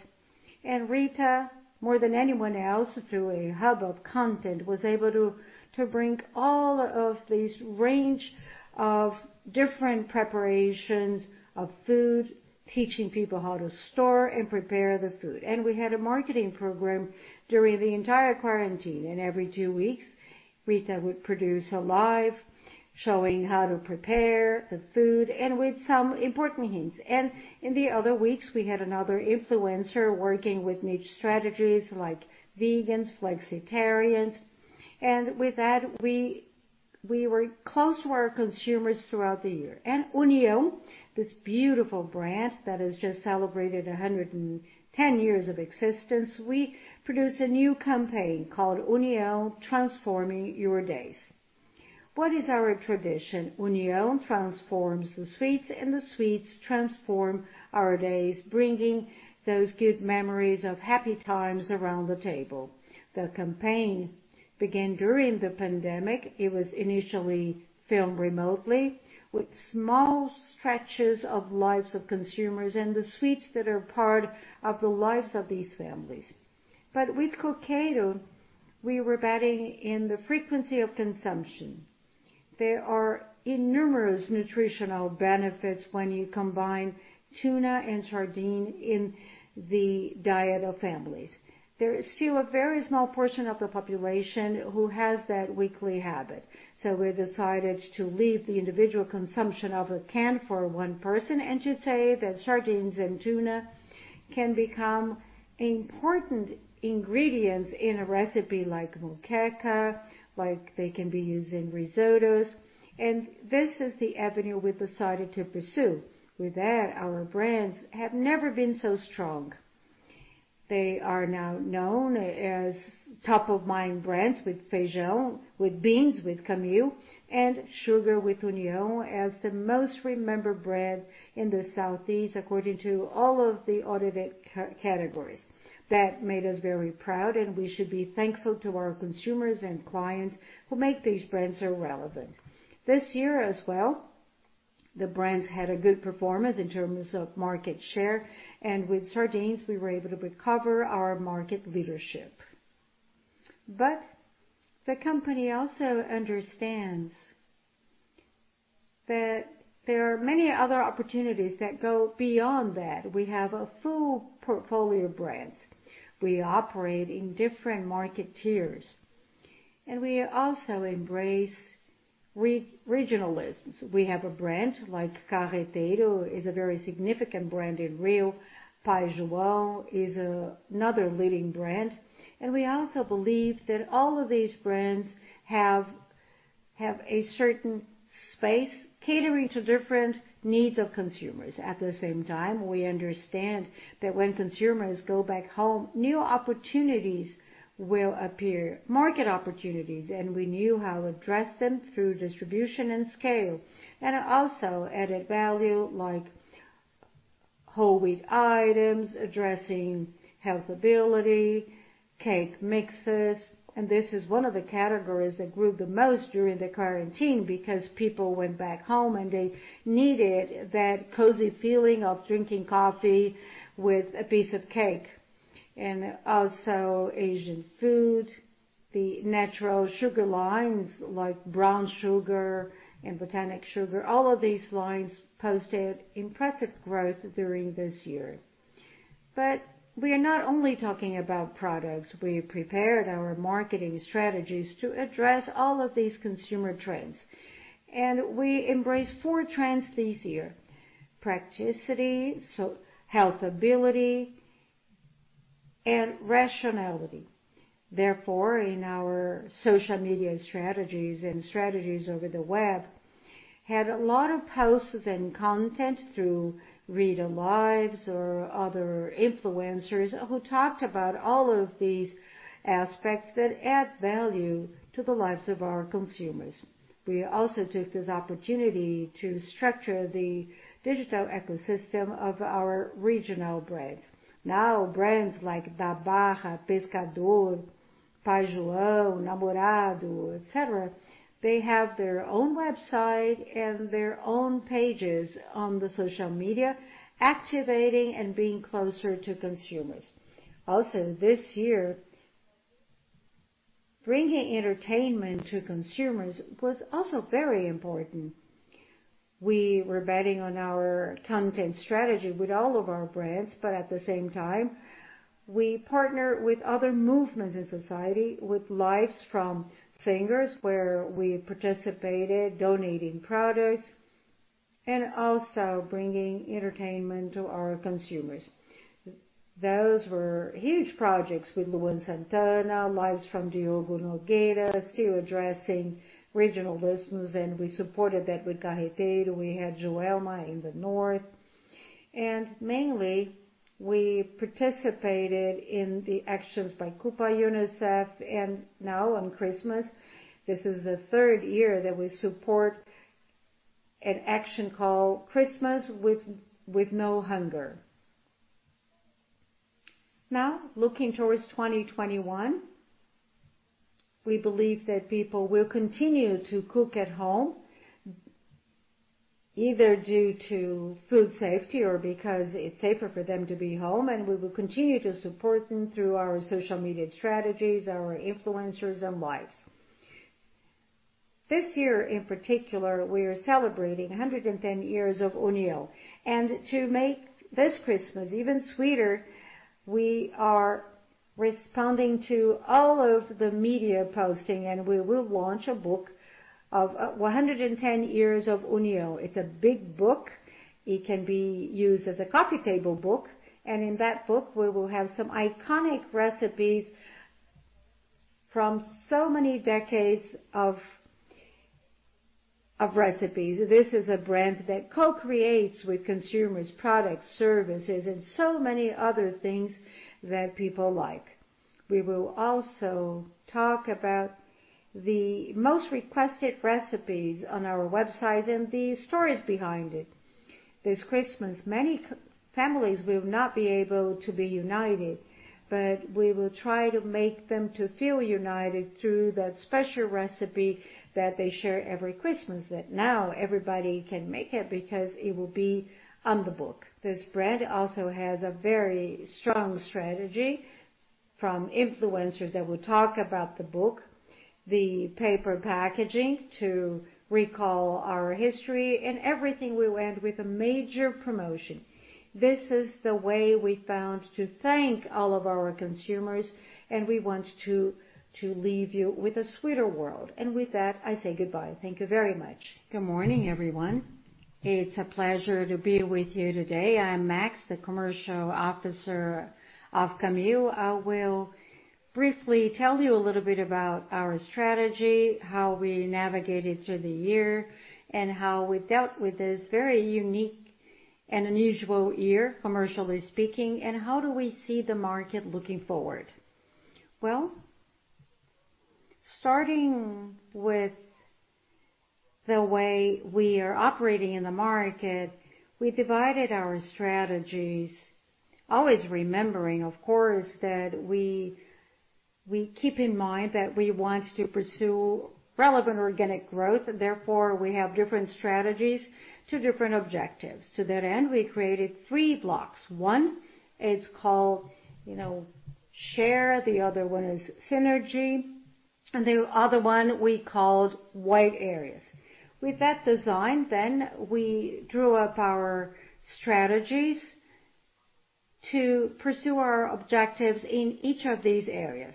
Rita, more than anyone else, through a hub of content, was able to bring all of these range of different preparations of food, teaching people how to store and prepare the food. We had a marketing program during the entire quarantine. Every two weeks, Rita would produce a live showing how to prepare the food and with some important hints. In the other weeks, we had another influencer working with niche strategies like vegans, flexitarians. With that, we were close to our consumers throughout the year. União, this beautiful brand that has just celebrated 110 years of existence, we produced a new campaign called União Transforming Your Days. What is our tradition? União transforms the sweets, and the sweets transform our days, bringing those good memories of happy times around the table. The campaign began during the pandemic. It was initially filmed remotely with small stretches of lives of consumers and the sweets that are part of the lives of these families. With Coqueiro, we were betting in the frequency of consumption. There are innumerous nutritional benefits when you combine tuna and sardine in the diet of families. There is still a very small portion of the population who has that weekly habit. We decided to leave the individual consumption of a can for one person and to say that sardines and tuna can become important ingredients in a recipe like moqueca, like they can be used in risottos. This is the avenue we decided to pursue. With that, our brands have never been so strong. They are now known as top-of-mind brands with feijão, with beans, with Camil, and sugar with União, as the most remembered brand in the Southeast, according to all of the audited categories. That made us very proud, and we should be thankful to our consumers and clients who make these brands so relevant. This year as well, the brands had a good performance in terms of market share, and with sardines, we were able to recover our market leadership. The company also understands that there are many other opportunities that go beyond that. We have a full portfolio of brands. We operate in different market tiers, and we also embrace regionalisms. We have a brand like Carreteiro is a very significant brand in Rio. Pai João is another leading brand. We also believe that all of these brands have a certain space catering to different needs of consumers. At the same time, we understand that when consumers go back home, new opportunities will appear, market opportunities, and we knew how to address them through distribution and scale. Also added value like whole wheat items, addressing health ability, cake mixes, and this is one of the categories that grew the most during the quarantine because people went back home, and they needed that cozy feeling of drinking coffee with a piece of cake. Also Asian food, the natural sugar lines like brown sugar and botanic sugar, all of these lines posted impressive growth during this year. We are not only talking about products. We prepared our marketing strategies to address all of these consumer trends. We embrace four trends this year: practicality, health ability, and rationality. Therefore, in our social media strategies and strategies over the web, had a lot of posts and content through Rita lives or other influencers who talked about all of these aspects that add value to the lives of our consumers. We also took this opportunity to structure the digital ecosystem of our regional brands. Now, brands like Da Barra, Pescador, Pai João, Namorado, et cetera, they have their own website and their own pages on the social media, activating and being closer to consumers. This year, bringing entertainment to consumers was also very important. We were betting on our content strategy with all of our brands, but at the same time, we partner with other movements in society, with lives from singers, where we participated, donating products, and also bringing entertainment to our consumers. Those were huge projects with Luan Santana, lives from Diogo Nogueira, still addressing regional business, and we supported that with Carreteiro. We had Joelma in the North. Mainly, we participated in the actions by Copa UNICEF, and now on Christmas, this is the third year that we support an action called Christmas With No Hunger. Now, looking towards 2021, we believe that people will continue to cook at home, either due to food safety or because it's safer for them to be home, and we will continue to support them through our social media strategies, our influencers, and lives. To make this Christmas even sweeter, we are responding to all of the media posting, and we will launch a book of 110 years of União. It's a big book. It can be used as a coffee table book. In that book, we will have some iconic recipes from so many decades of recipes. This is a brand that co-creates with consumers, products, services, and so many other things that people like. We will also talk about the most requested recipes on our website and the stories behind it. This Christmas, many families will not be able to be united, but we will try to make them to feel united through that special recipe that they share every Christmas, that now everybody can make it because it will be on the book. This brand also has a very strong strategy from influencers that will talk about the book, the paper packaging to recall our history, and everything will end with a major promotion. This is the way we found to thank all of our consumers, and we want to leave you with a sweeter world. With that, I say goodbye. Thank you very much.
Good morning, everyone. It's a pleasure to be with you today. I am Max, the Commercial Officer of Camil. I will briefly tell you a little bit about our strategy, how we navigated through the year, and how we dealt with this very unique and unusual year, commercially speaking, and how do we see the market looking forward. Well, starting with the way we are operating in the market, we divided our strategies, always remembering, of course, that we keep in mind that we want to pursue relevant organic growth. Therefore, we have different strategies to different objectives. To that end, we created three blocks. One is called share, the other one is synergy, and the other one we called white areas. With that design then, we drew up our strategies to pursue our objectives in each of these areas.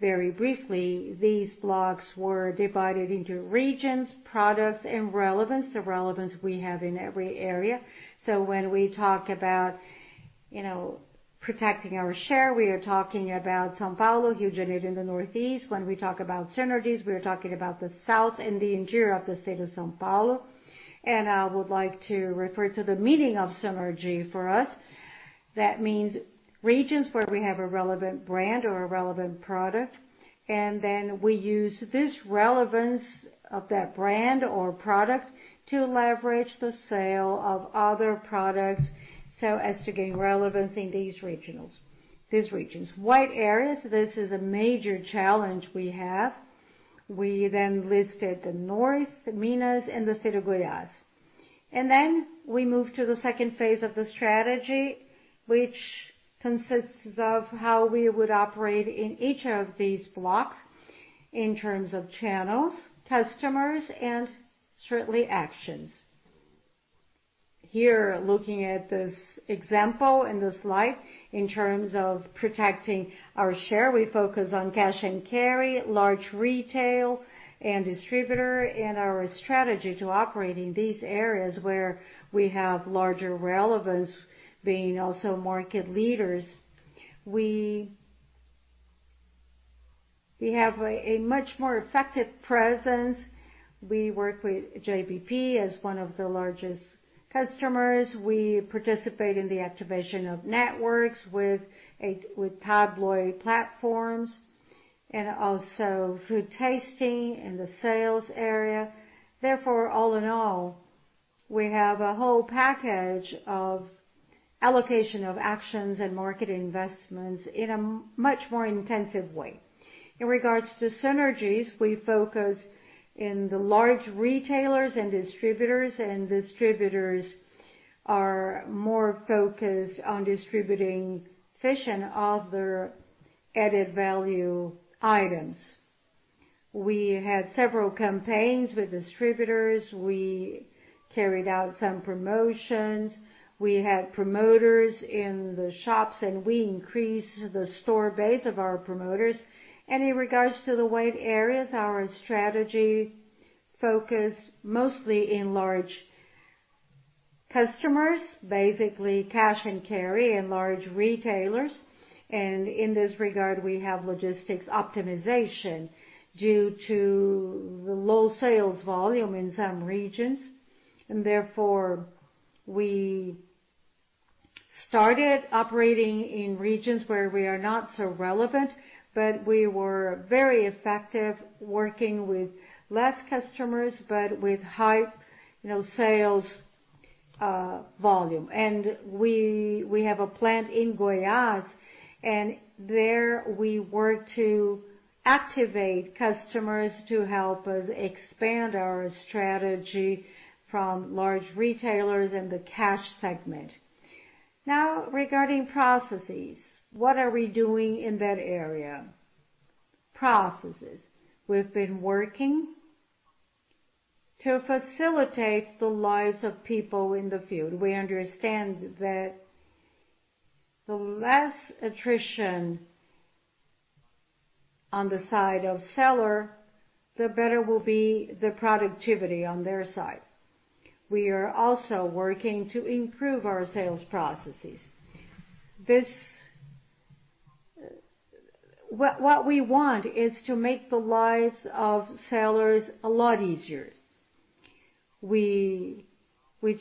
Very briefly, these blocks were divided into regions, products, and relevance, the relevance we have in every area. When we talk about protecting our share, we are talking about São Paulo, Rio de Janeiro, and the Northeast. When we talk about synergies, we are talking about the South and the interior of the state of São Paulo. I would like to refer to the meaning of synergy for us. That means regions where we have a relevant brand or a relevant product, and then we use this relevance of that brand or product to leverage the sale of other products so as to gain relevance in these regions. White areas, this is a major challenge we have. We then listed the North, Minas, and the state of Goiás. Then we move to the second phase of the strategy, which consists of how we would operate in each of these blocks in terms of channels, customers, and certainly actions. Here, looking at this example in this slide, in terms of protecting our share, we focus on cash and carry, large retail, and distributor. Our strategy to operate in these areas where we have larger relevance, being also market leaders. We have a much more effective presence. We work with JBP as one of the largest customers. We participate in the activation of networks with Pabbly platforms and also food tasting in the sales area. All in all, we have a whole package of allocation of actions and market investments in a much more intensive way. In regards to synergies, we focus in the large retailers and distributors, and distributors are more focused on distributing fish and other added-value items. We had several campaigns with distributors. We carried out some promotions. We had promoters in the shops, and we increased the store base of our promoters. In regards to the white areas, our strategy focus mostly in large customers, basically cash and carry and large retailers. In this regard, we have logistics optimization due to the low sales volume in some regions. Therefore, we started operating in regions where we are not so relevant, but we were very effective working with less customers, but with high sales volume. We have a plant in Goiás, and there we work to activate customers to help us expand our strategy from large retailers and the cash segment. Now, regarding processes, what are we doing in that area? Processes. We've been working to facilitate the lives of people in the field. We understand that the less attrition on the side of seller, the better will be the productivity on their side. We are also working to improve our sales processes. What we want is to make the lives of sellers a lot easier. We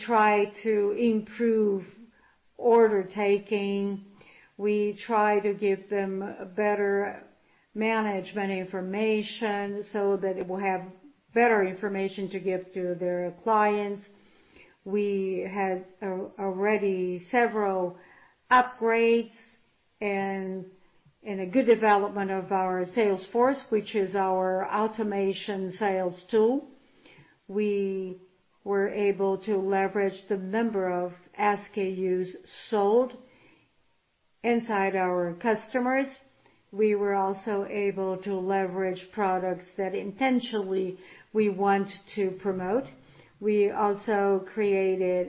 try to improve order taking. We try to give them better management information so that it will have better information to give to their clients. We had already several upgrades and a good development of our Salesforce, which is our automation sales tool. We were able to leverage the number of SKUs sold inside our customers. We were also able to leverage products that intentionally we want to promote. We also created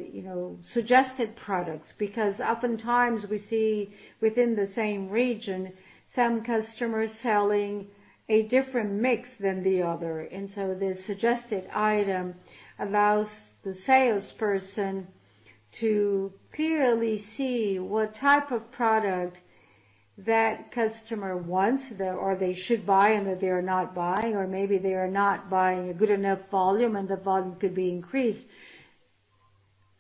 suggested products, because oftentimes we see within the same region, some customers selling a different mix than the other. The suggested item allows the salesperson to clearly see what type of product that customer wants, or they should buy and that they are not buying, or maybe they are not buying a good enough volume and the volume could be increased.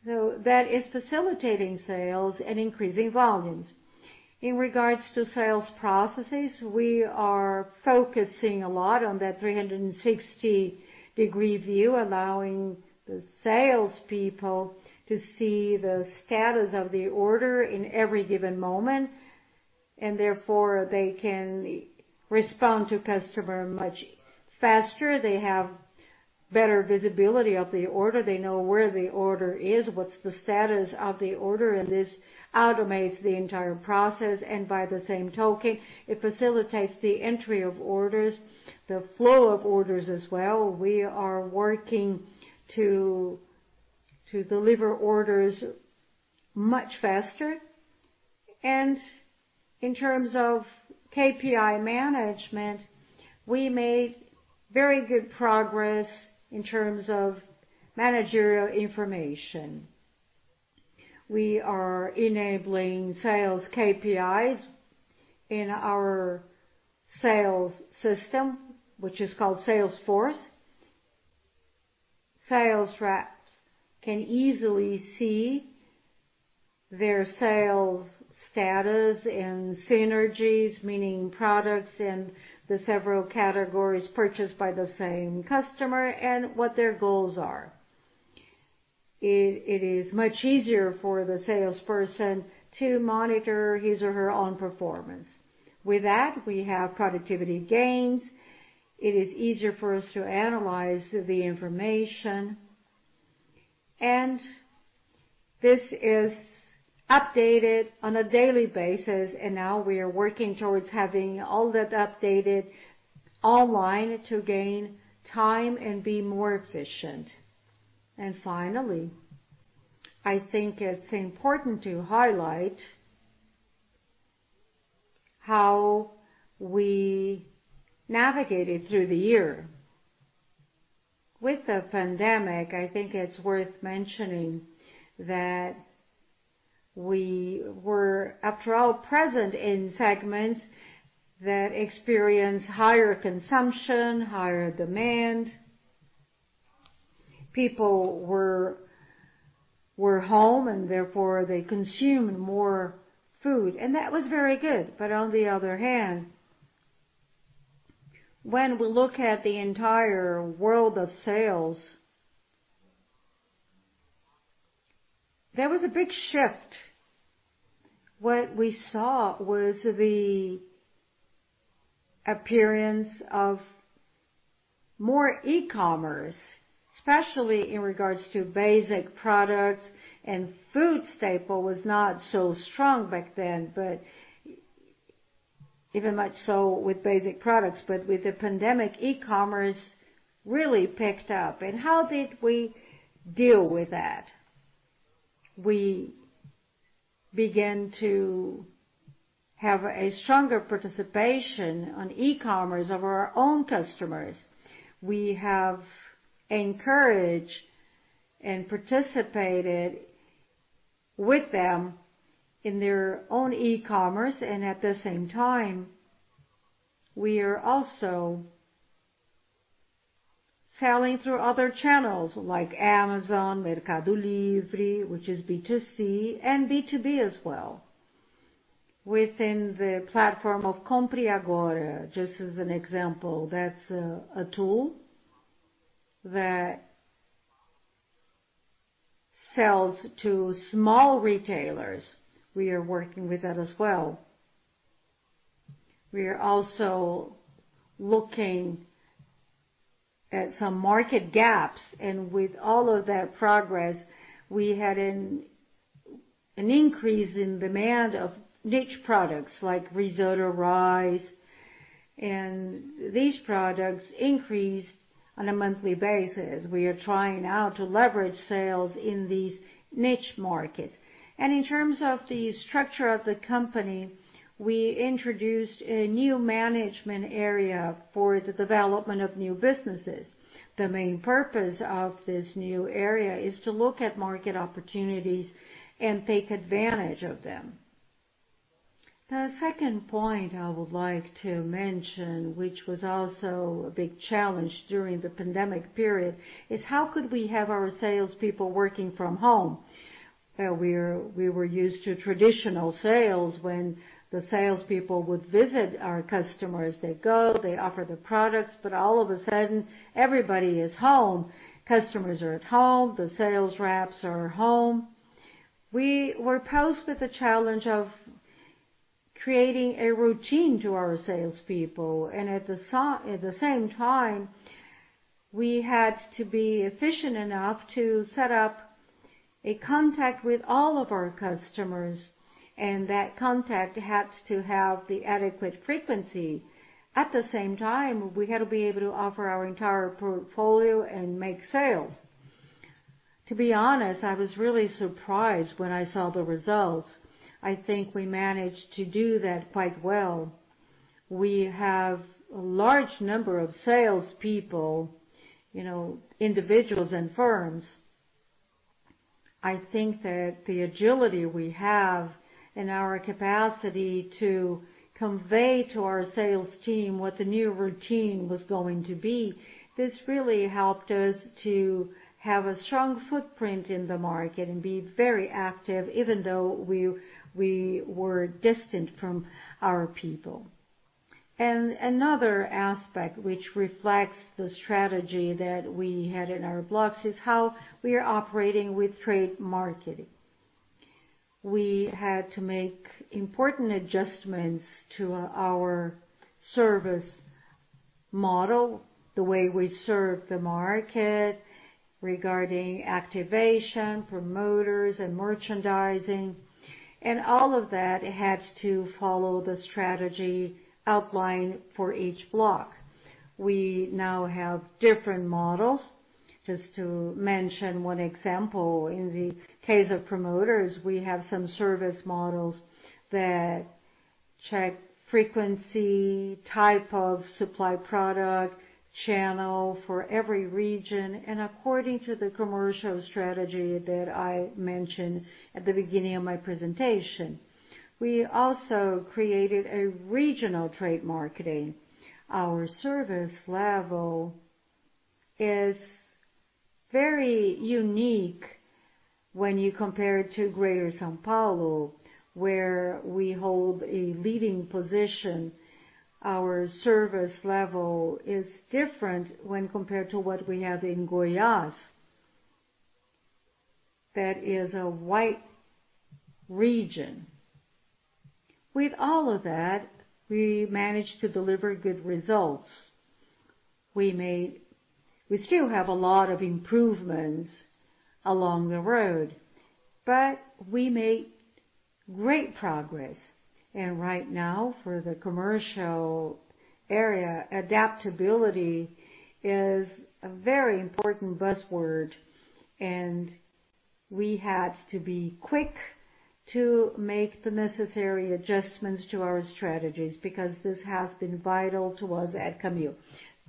That is facilitating sales and increasing volumes. In regards to sales processes, we are focusing a lot on that 360-degree view, allowing the salespeople to see the status of the order in every given moment, and therefore, they can respond to customer much faster. They have better visibility of the order. They know where the order is, what's the status of the order, and this automates the entire process, and by the same token, it facilitates the entry of orders, the flow of orders as well. We are working to deliver orders much faster. In terms of KPI management, we made very good progress in terms of managerial information. We are enabling sales KPIs in our sales system, which is called Salesforce. Sales reps can easily see their sales status and synergies, meaning products and the several categories purchased by the same customer, and what their goals are. It is much easier for the salesperson to monitor his or her own performance. With that, we have productivity gains. It is easier for us to analyze the information. This is updated on a daily basis, and now we are working towards having all that updated online to gain time and be more efficient. Finally, I think it's important to highlight how we navigated through the year. With the pandemic, I think it's worth mentioning that we were, after all, present in segments that experience higher consumption, higher demand. People were home, and therefore, they consumed more food. That was very good. On the other hand, when we look at the entire world of sales, there was a big shift. What we saw was the appearance of more e-commerce, especially in regards to basic products, and food staple was not so strong back then. Even much so with basic products. With the pandemic, e-commerce really picked up. How did we deal with that? We began to have a stronger participation on e-commerce of our own customers. We have encouraged and participated with them in their own e-commerce, and at the same time, we are also selling through other channels like Amazon, Mercado Livre, which is B2C and B2B as well. Within the platform of Compra Agora, just as an example, that's a tool that sells to small retailers. We are working with that as well. We are also looking at some market gaps, and with all of that progress, we had an increase in demand of niche products like risotto rice, and these products increased on a monthly basis. We are trying now to leverage sales in these niche markets. In terms of the structure of the company, we introduced a new management area for the development of new businesses. The main purpose of this new area is to look at market opportunities and take advantage of them. The second point I would like to mention, which was also a big challenge during the pandemic period, is how could we have our salespeople working from home? We were used to traditional sales when the salespeople would visit our customers. They go, they offer the products, but all of a sudden, everybody is home. Customers are at home, the sales reps are home. We were posed with the challenge of creating a routine to our salespeople, and at the same time, we had to be efficient enough to set up a contact with all of our customers, and that contact had to have the adequate frequency. At the same time, we had to be able to offer our entire portfolio and make sales. To be honest, I was really surprised when I saw the results. I think we managed to do that quite well. We have a large number of salespeople, individuals and firms. I think that the agility we have and our capacity to convey to our sales team what the new routine was going to be, this really helped us to have a strong footprint in the market and be very active, even though we were distant from our people. Another aspect which reflects the strategy that we had in our blocks is how we are operating with trade marketing. We had to make important adjustments to our service model, the way we serve the market regarding activation, promoters, and merchandising. All of that had to follow the strategy outlined for each block. We now have different models. Just to mention one example, in the case of promoters, we have some service models that check frequency, type of supply product, channel for every region, and according to the commercial strategy that I mentioned at the beginning of my presentation. We also created a regional trade marketing. Our service level is very unique when you compare it to Greater São Paulo, where we hold a leading position. Our service level is different when compared to what we have in Goiás. That is a white region. With all of that, we managed to deliver good results. We still have a lot of improvements along the road. we made great progress. right now for the commercial area, adaptability is a very important buzzword, and we had to be quick to make the necessary adjustments to our strategies because this has been vital to us at Camil.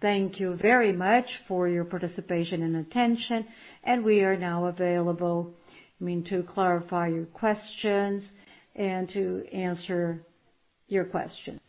Thank you very much for your participation and attention, and we are now available, I mean, to clarify your questions and to answer your questions.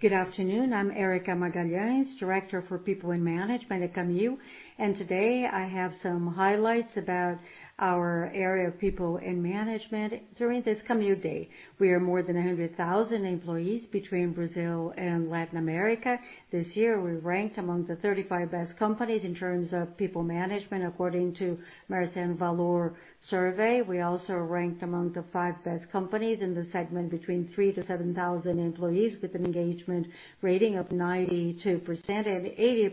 Good afternoon. I'm Erika Magalhães, Director for People in Management at Camil, and today I have some highlights about our area of people in management during this Camil Day. We are more than 100,000 employees between Brazil and Latin America. This year, we ranked among the 35 best companies in terms of people management according to Mercer Valor survey. We also ranked among the five best companies in the segment between 3,000 to 7,000 employees, with an engagement rating of 92% and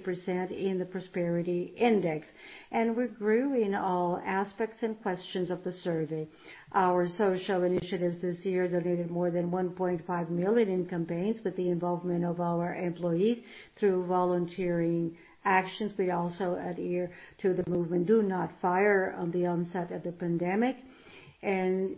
80% in the Prosperity Index. We grew in all aspects and questions of the survey. Our social initiatives this year donated more than 1.5 million in campaigns with the involvement of our employees through volunteering actions. We also adhere to the movement Do Not Fire on the onset of the pandemic, and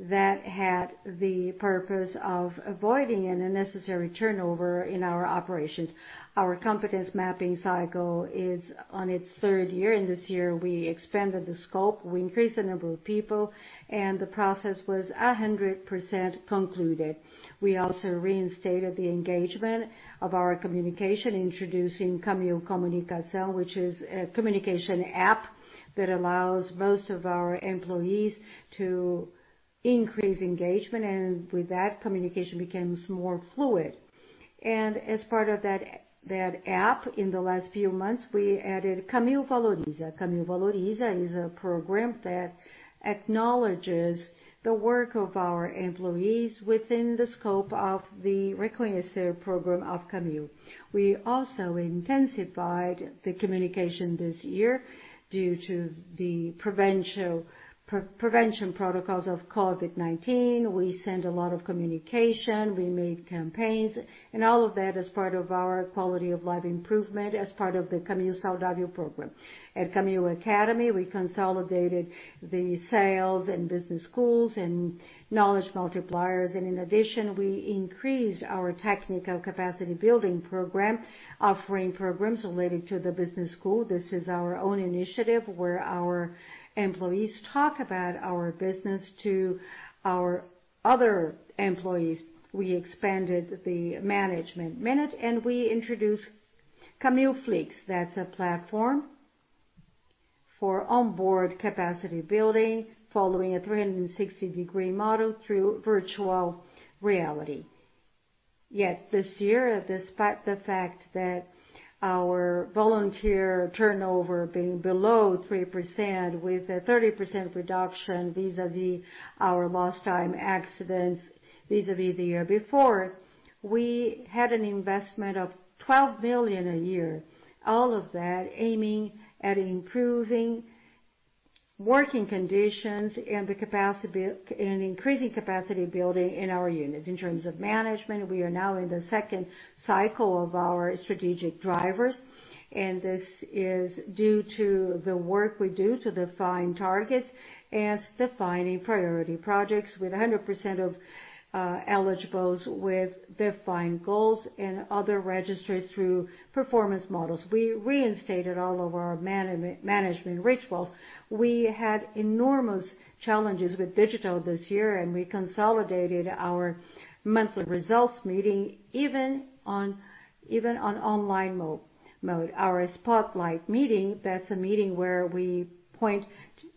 that had the purpose of avoiding an unnecessary turnover in our operations. Our competence mapping cycle is on its third year. In this year, we expanded the scope, we increased the number of people, and the process was 100% concluded. We also reinstated the engagement of our communication, introducing Camil Comunicação, which is a communication app that allows most of our employees to increase engagement, and with that, communication becomes more fluid. As part of that app, in the last few months, we added Camil Valoriza. Camil Valoriza is a program that acknowledges the work of our employees within the scope of the recognized program of Camil. We also intensified the communication this year due to the prevention protocols of COVID-19. We sent a lot of communication, we made campaigns, and all of that as part of our quality of life improvement, as part of the Camil Saudável program. At Camil Academy, we consolidated the sales and business schools and knowledge multipliers. In addition, we increased our technical capacity building program, offering programs related to the business school. This is our own initiative where our employees talk about our business to our other employees. We expanded the Management Minute, and we introduced Camil Flix, that's a platform for onboard capacity building following a 360-degree model through virtual reality. This year, despite the fact that our volunteer turnover being below 3% with a 30% reduction vis-à-vis our lost time accidents vis-à-vis the year before, we had an investment of 12 million a year. All of that aiming at improving working conditions and increasing capacity building in our units. In terms of management, we are now in the second cycle of our strategic drivers, and this is due to the work we do to define targets and defining priority projects with 100% of eligibles with defined goals and other registered through performance models. We reinstated all of our management rituals. We had enormous challenges with digital this year, and we consolidated our monthly results meeting even on online mode. Our spotlight meeting, that's a meeting where we point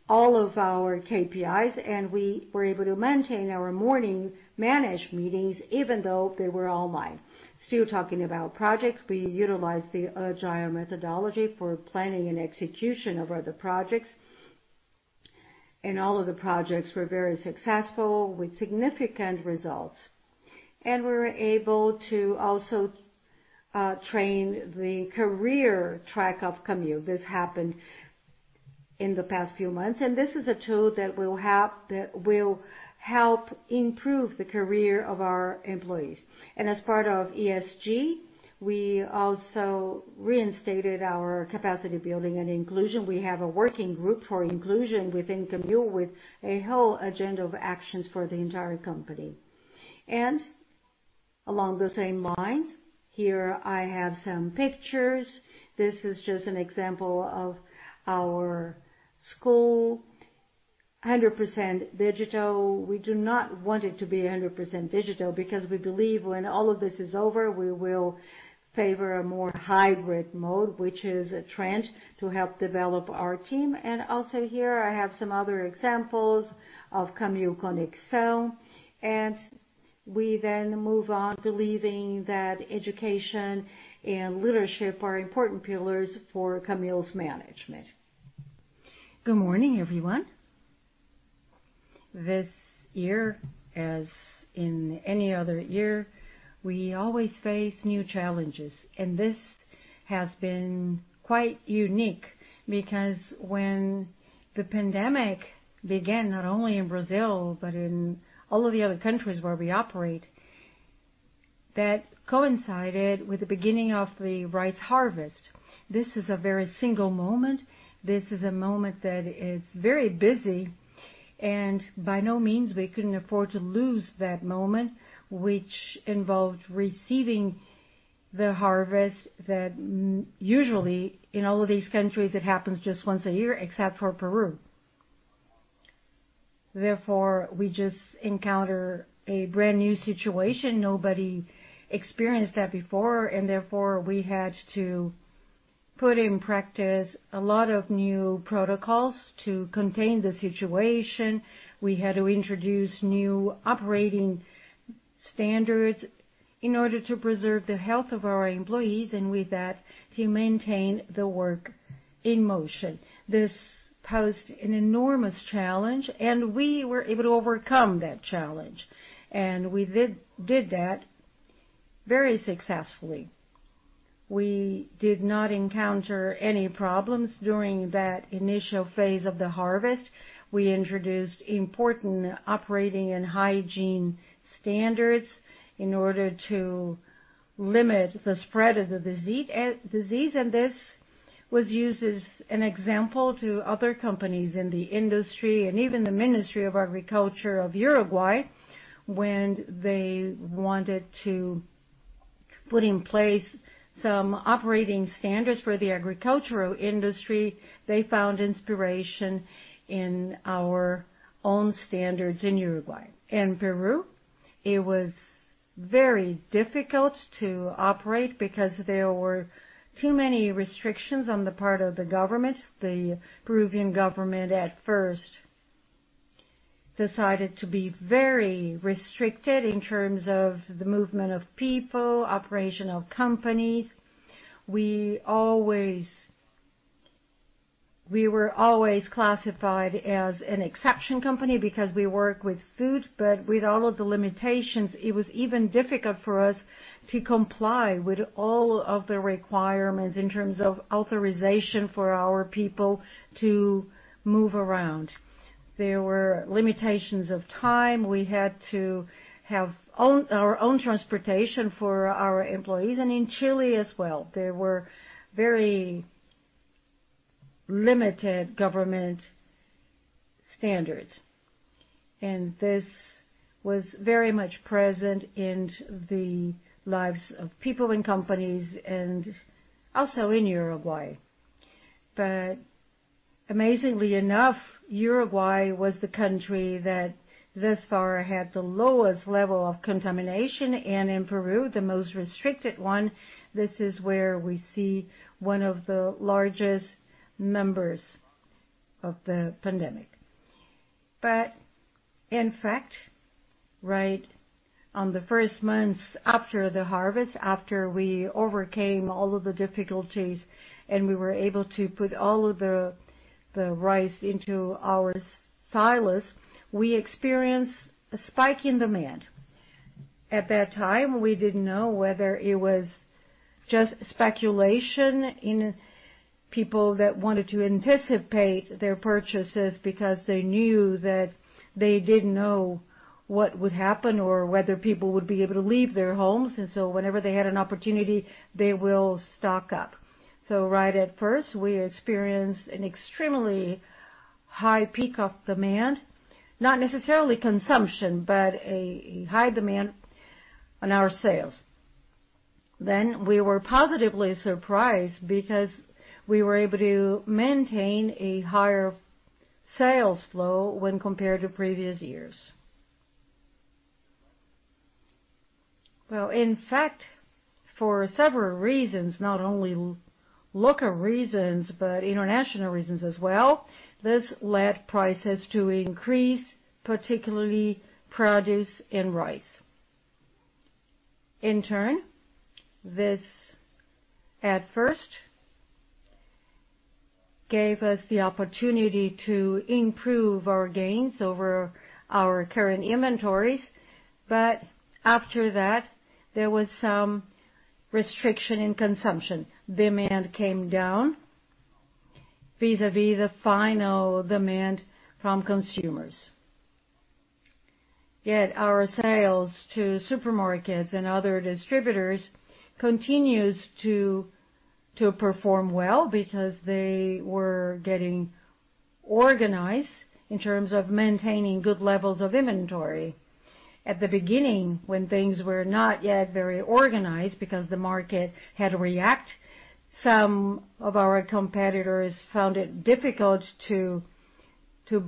all of our KPIs, and we were able to maintain our morning manage meetings even though they were online. Still talking about projects, we utilized the agile methodology for planning and execution of other projects. All of the projects were very successful with significant results. We were able to also train the career track of Camil. This happened in the past few months, and this is a tool that will help improve the career of our employees. As part of ESG, we also reinstated our capacity building and inclusion. We have a working group for inclusion within Camil with a whole agenda of actions for the entire company. Along the same lines, here I have some pictures. This is just an example of our school, 100% digital. We do not want it to be 100% digital because we believe when all of this is over, we will favor a more hybrid mode, which is a trend to help develop our team. Also here I have some other examples of Camil Conexão. We then move on believing that education and leadership are important pillars for Camil's management.
Good morning, everyone. This year, as in any other year, we always face new challenges. This has been quite unique because when the pandemic began, not only in Brazil, but in all of the other countries where we operate, that coincided with the beginning of the rice harvest. This is a very unique moment. This is a moment that is very busy, and by no means we couldn't afford to lose that moment, which involved receiving the harvest that usually in all of these countries it happens just once a year except for Peru. Therefore, we just encounter a brand new situation. Nobody experienced that before, and therefore, we had to put in practice a lot of new protocols to contain the situation. We had to introduce new operating standards in order to preserve the health of our employees, and with that, to maintain the work in motion. This posed an enormous challenge, and we were able to overcome that challenge. We did that very successfully. We did not encounter any problems during that initial phase of the harvest. We introduced important operating and hygiene standards in order to limit the spread of the disease. This was used as an example to other companies in the industry and even the Ministry of Agriculture of Uruguay when they wanted to put in place some operating standards for the agricultural industry. They found inspiration in our own standards in Uruguay. In Peru, it was very difficult to operate because there were too many restrictions on the part of the government. The Peruvian government at first decided to be very restricted in terms of the movement of people, operation of companies. We were always classified as an exception company because we work with food, but with all of the limitations, it was even difficult for us to comply with all of the requirements in terms of authorization for our people to move around. There were limitations of time. We had to have our own transportation for our employees. In Chile as well, there were very limited government standards. This was very much present in the lives of people and companies, and also in Uruguay. Amazingly enough, Uruguay was the country that thus far had the lowest level of contamination. In Peru, the most restricted one, this is where we see one of the largest numbers of the pandemic. In fact, right on the first months after the harvest, after we overcame all of the difficulties and we were able to put all of the rice into our silos, we experienced a spike in demand. At that time, we didn't know whether it was just speculation in people that wanted to anticipate their purchases because they knew that they didn't know what would happen or whether people would be able to leave their homes. Whenever they had an opportunity, they will stock up. Right at first, we experienced an extremely high peak of demand, not necessarily consumption, but a high demand on our sales. We were positively surprised because we were able to maintain a higher sales flow when compared to previous years. Well, in fact, for several reasons, not only local reasons, but international reasons as well, this led prices to increase, particularly produce and rice. In turn, this at first gave us the opportunity to improve our gains over our current inventories, but after that, there was some restriction in consumption. Demand came down vis-a-vis the final demand from consumers. Yet our sales to supermarkets and other distributors continues to perform well because they were getting organized in terms of maintaining good levels of inventory. At the beginning, when things were not yet very organized because the market had to react, some of our competitors found it difficult to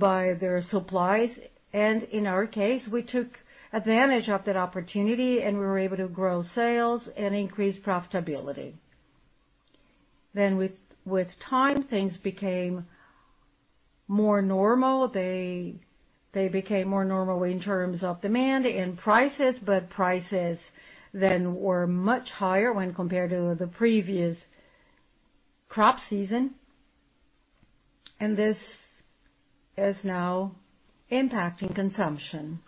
buy their supplies. In our case, we took advantage of that opportunity, and we were able to grow sales and increase profitability. With time, things became more normal. They became more normal in terms of demand and prices, but prices then were much higher when compared to the previous crop season, and this is now impacting consumption.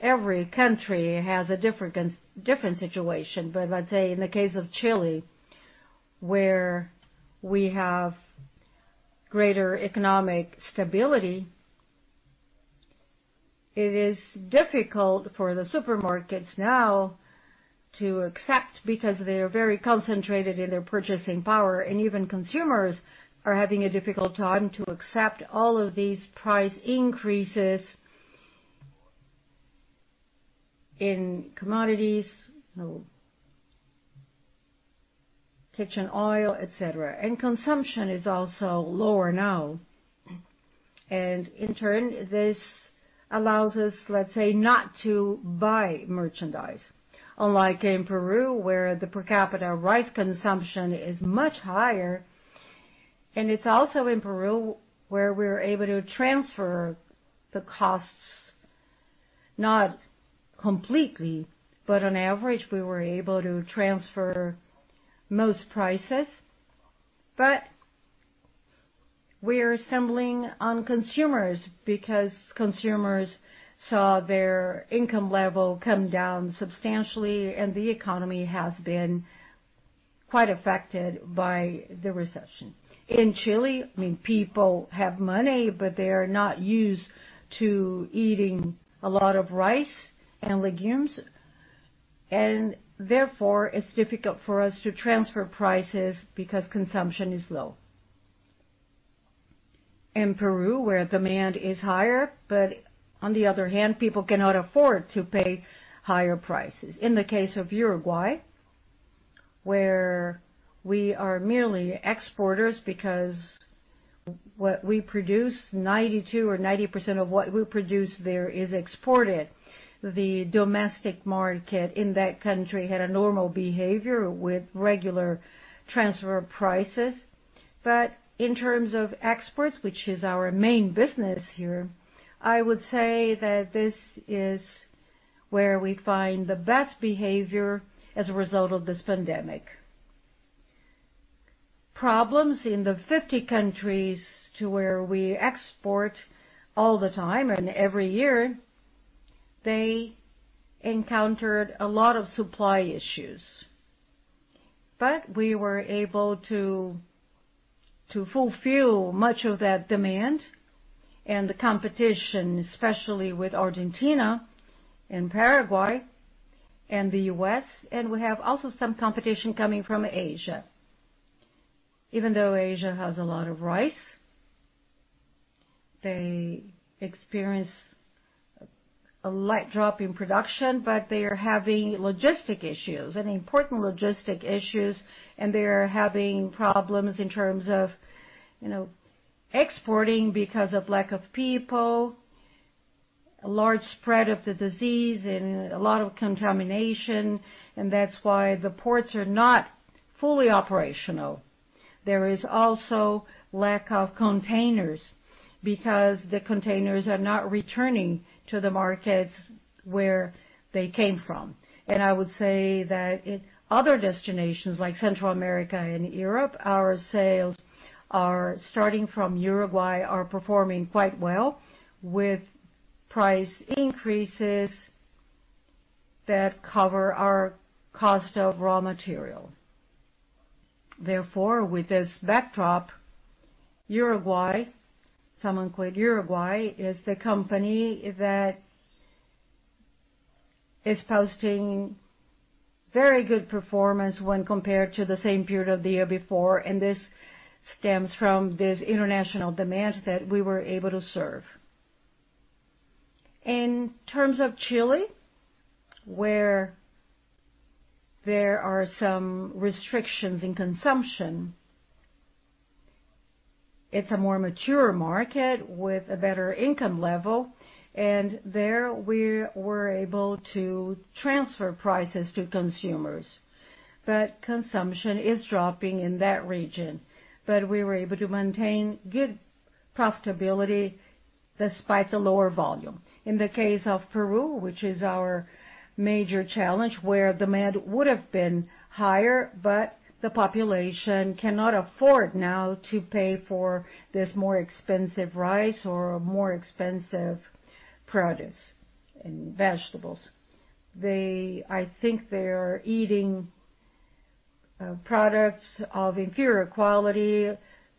Every country has a different situation, but let's say in the case of Chile, where we have greater economic stability, it is difficult for the supermarkets now to accept because they are very concentrated in their purchasing power. Even consumers are having a difficult time to accept all of these price increases in commodities, kitchen oil, et cetera. Consumption is also lower now. In turn, this allows us, let's say, not to buy merchandise. Unlike in Peru, where the per capita rice consumption is much higher, and it's also in Peru where we're able to transfer the costs, not completely, but on average, we were able to transfer most prices. We're stumbling on consumers because consumers saw their income level come down substantially, and the economy has been quite affected by the recession. In Chile, people have money, but they are not used to eating a lot of rice and legumes, and therefore, it's difficult for us to transfer prices because consumption is low. In Peru, where demand is higher, but on the other hand, people cannot afford to pay higher prices. In the case of Uruguay, where we are merely exporters because what we produce, 92 or 90% of what we produce there is exported. The domestic market in that country had a normal behavior with regular transfer prices. In terms of exports, which is our main business here, I would say that this is where we find the best behavior as a result of this pandemic. Problems in the 50 countries to where we export all the time and every year, they encountered a lot of supply issues. We were able to fulfill much of that demand and the competition, especially with Argentina and Paraguay and the U.S., and we have also some competition coming from Asia. Even though Asia has a lot of rice. They experience a light drop in production, but they are having logistic issues, and important logistic issues, and they are having problems in terms of exporting because of lack of people, a large spread of the disease and a lot of contamination, and that's why the ports are not fully operational. There is also lack of containers because the containers are not returning to the markets where they came from. I would say that in other destinations like Central America and Europe, our sales are starting from Uruguay are performing quite well with price increases that cover our cost of raw material. Therefore, with this backdrop, Uruguay, some include Uruguay, is the company that is posting very good performance when compared to the same period of the year before, and this stems from this international demand that we were able to serve. In terms of Chile, where there are some restrictions in consumption, it's a more mature market with a better income level, and there we were able to transfer prices to consumers. consumption is dropping in that region, but we were able to maintain good profitability despite the lower volume. In the case of Peru, which is our major challenge, where demand would have been higher, but the population cannot afford now to pay for this more expensive rice or more expensive produce and vegetables. I think they're eating products of inferior quality.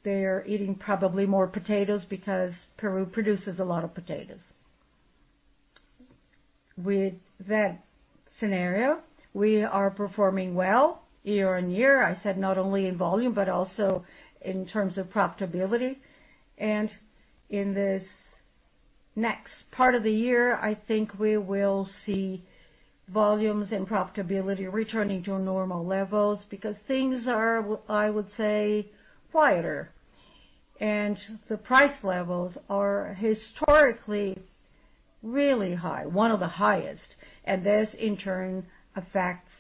They're eating probably more potatoes because Peru produces a lot of potatoes. With that scenario, we are performing well year-on-year. I said, not only in volume, but also in terms of profitability. In this next part of the year, I think we will see volumes and profitability returning to normal levels because things are, I would say, quieter, and the price levels are historically really high, one of the highest, and this in turn affects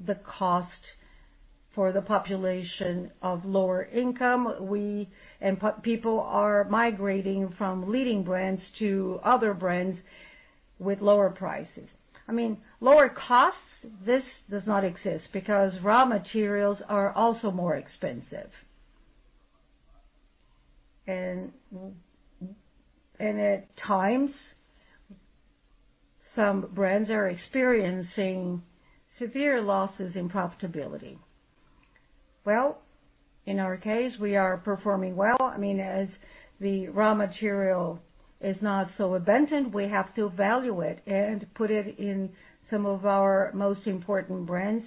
the cost for the population of lower income. People are migrating from leading brands to other brands with lower prices. Lower costs, this does not exist because raw materials are also more expensive. At times, some brands are experiencing severe losses in profitability. Well, in our case, we are performing well. As the raw material is not so abundant, we have to value it and put it in some of our most important brands.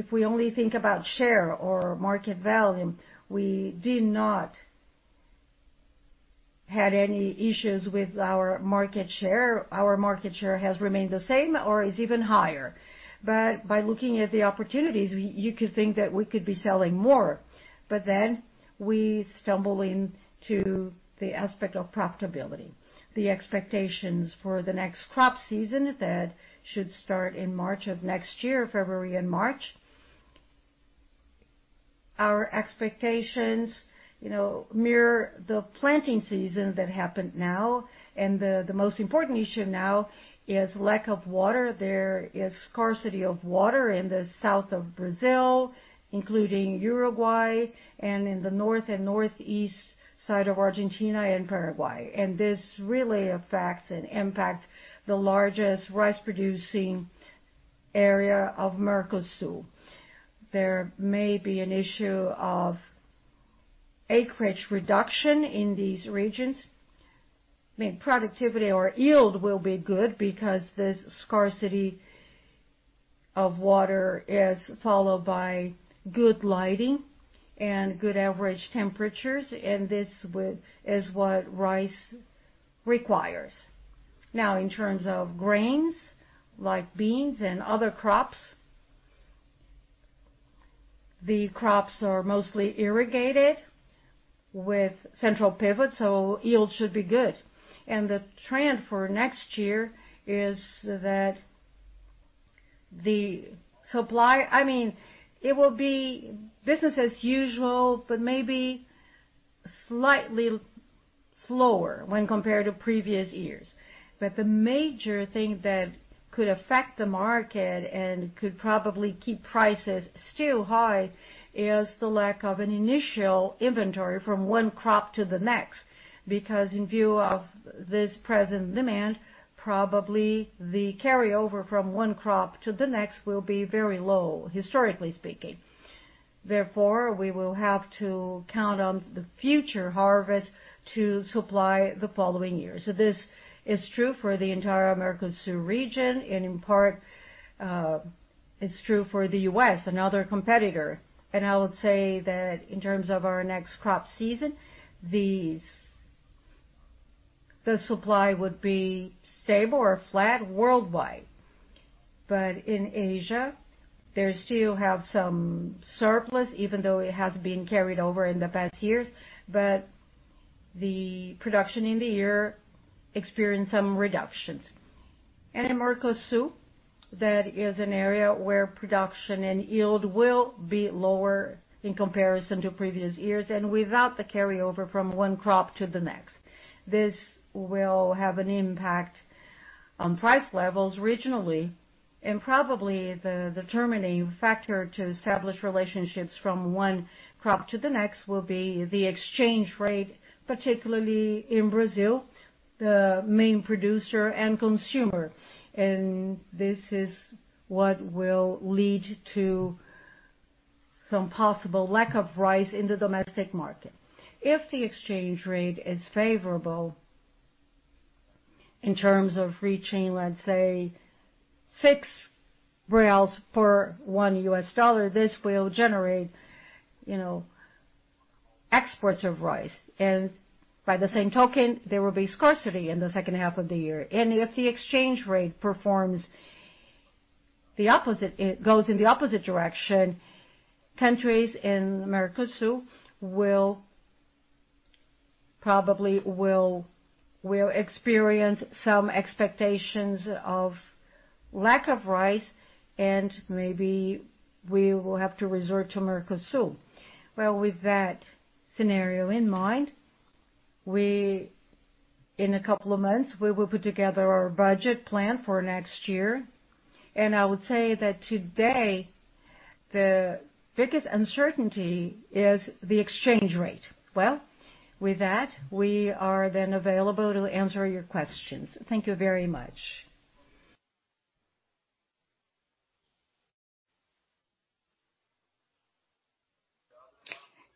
If we only think about share or market value, we did not have any issues with our market share. Our market share has remained the same or is even higher. By looking at the opportunities, you could think that we could be selling more. We stumble into the aspect of profitability. The expectations for the next crop season that should start in March of next year, February and March. Our expectations mirror the planting season that happened now, and the most important issue now is lack of water. There is scarcity of water in the south of Brazil, including Uruguay and in the north and northeast side of Argentina and Paraguay. This really affects and impacts the largest rice-producing area of Mercosul. There may be an issue of acreage reduction in these regions. Productivity or yield will be good because this scarcity of water is followed by good lighting and good average temperatures, and this is what rice requires. Now, in terms of grains like beans and other crops, the crops are mostly irrigated with central pivots, so yield should be good. The trend for next year is that the supply. It will be business as usual, but maybe slightly slower when compared to previous years. The major thing that could affect the market and could probably keep prices still high is the lack of an initial inventory from one crop to the next, because in view of this present demand, probably the carryover from one crop to the next will be very low, historically speaking. Therefore, we will have to count on the future harvest to supply the following year. This is true for the entire Mercosul region and in part, is true for the U.S., another competitor. I would say that in terms of our next crop season, the supply would be stable or flat worldwide. In Asia, they still have some surplus, even though it has been carried over in the past years. The production in the year experienced some reductions. In Mercosul, that is an area where production and yield will be lower in comparison to previous years, and without the carryover from one crop to the next. This will have an impact on price levels regionally, and probably the determining factor to establish relationships from one crop to the next will be the exchange rate, particularly in Brazil, the main producer and consumer. This is what will lead to some possible lack of rice in the domestic market. If the exchange rate is favorable in terms of reaching, let's say six reals for one US dollar, this will generate exports of rice. By the same token, there will be scarcity in the second half of the year. If the exchange rate performs the opposite, it goes in the opposite direction, countries in Mercosul probably will experience some expectations of lack of rice, and maybe we will have to resort to Mercosul. Well, with that scenario in mind, in a couple of months, we will put together our budget plan for next year. I would say that today the biggest uncertainty is the exchange rate. Well, with that, we are then available to answer your questions. Thank you very much.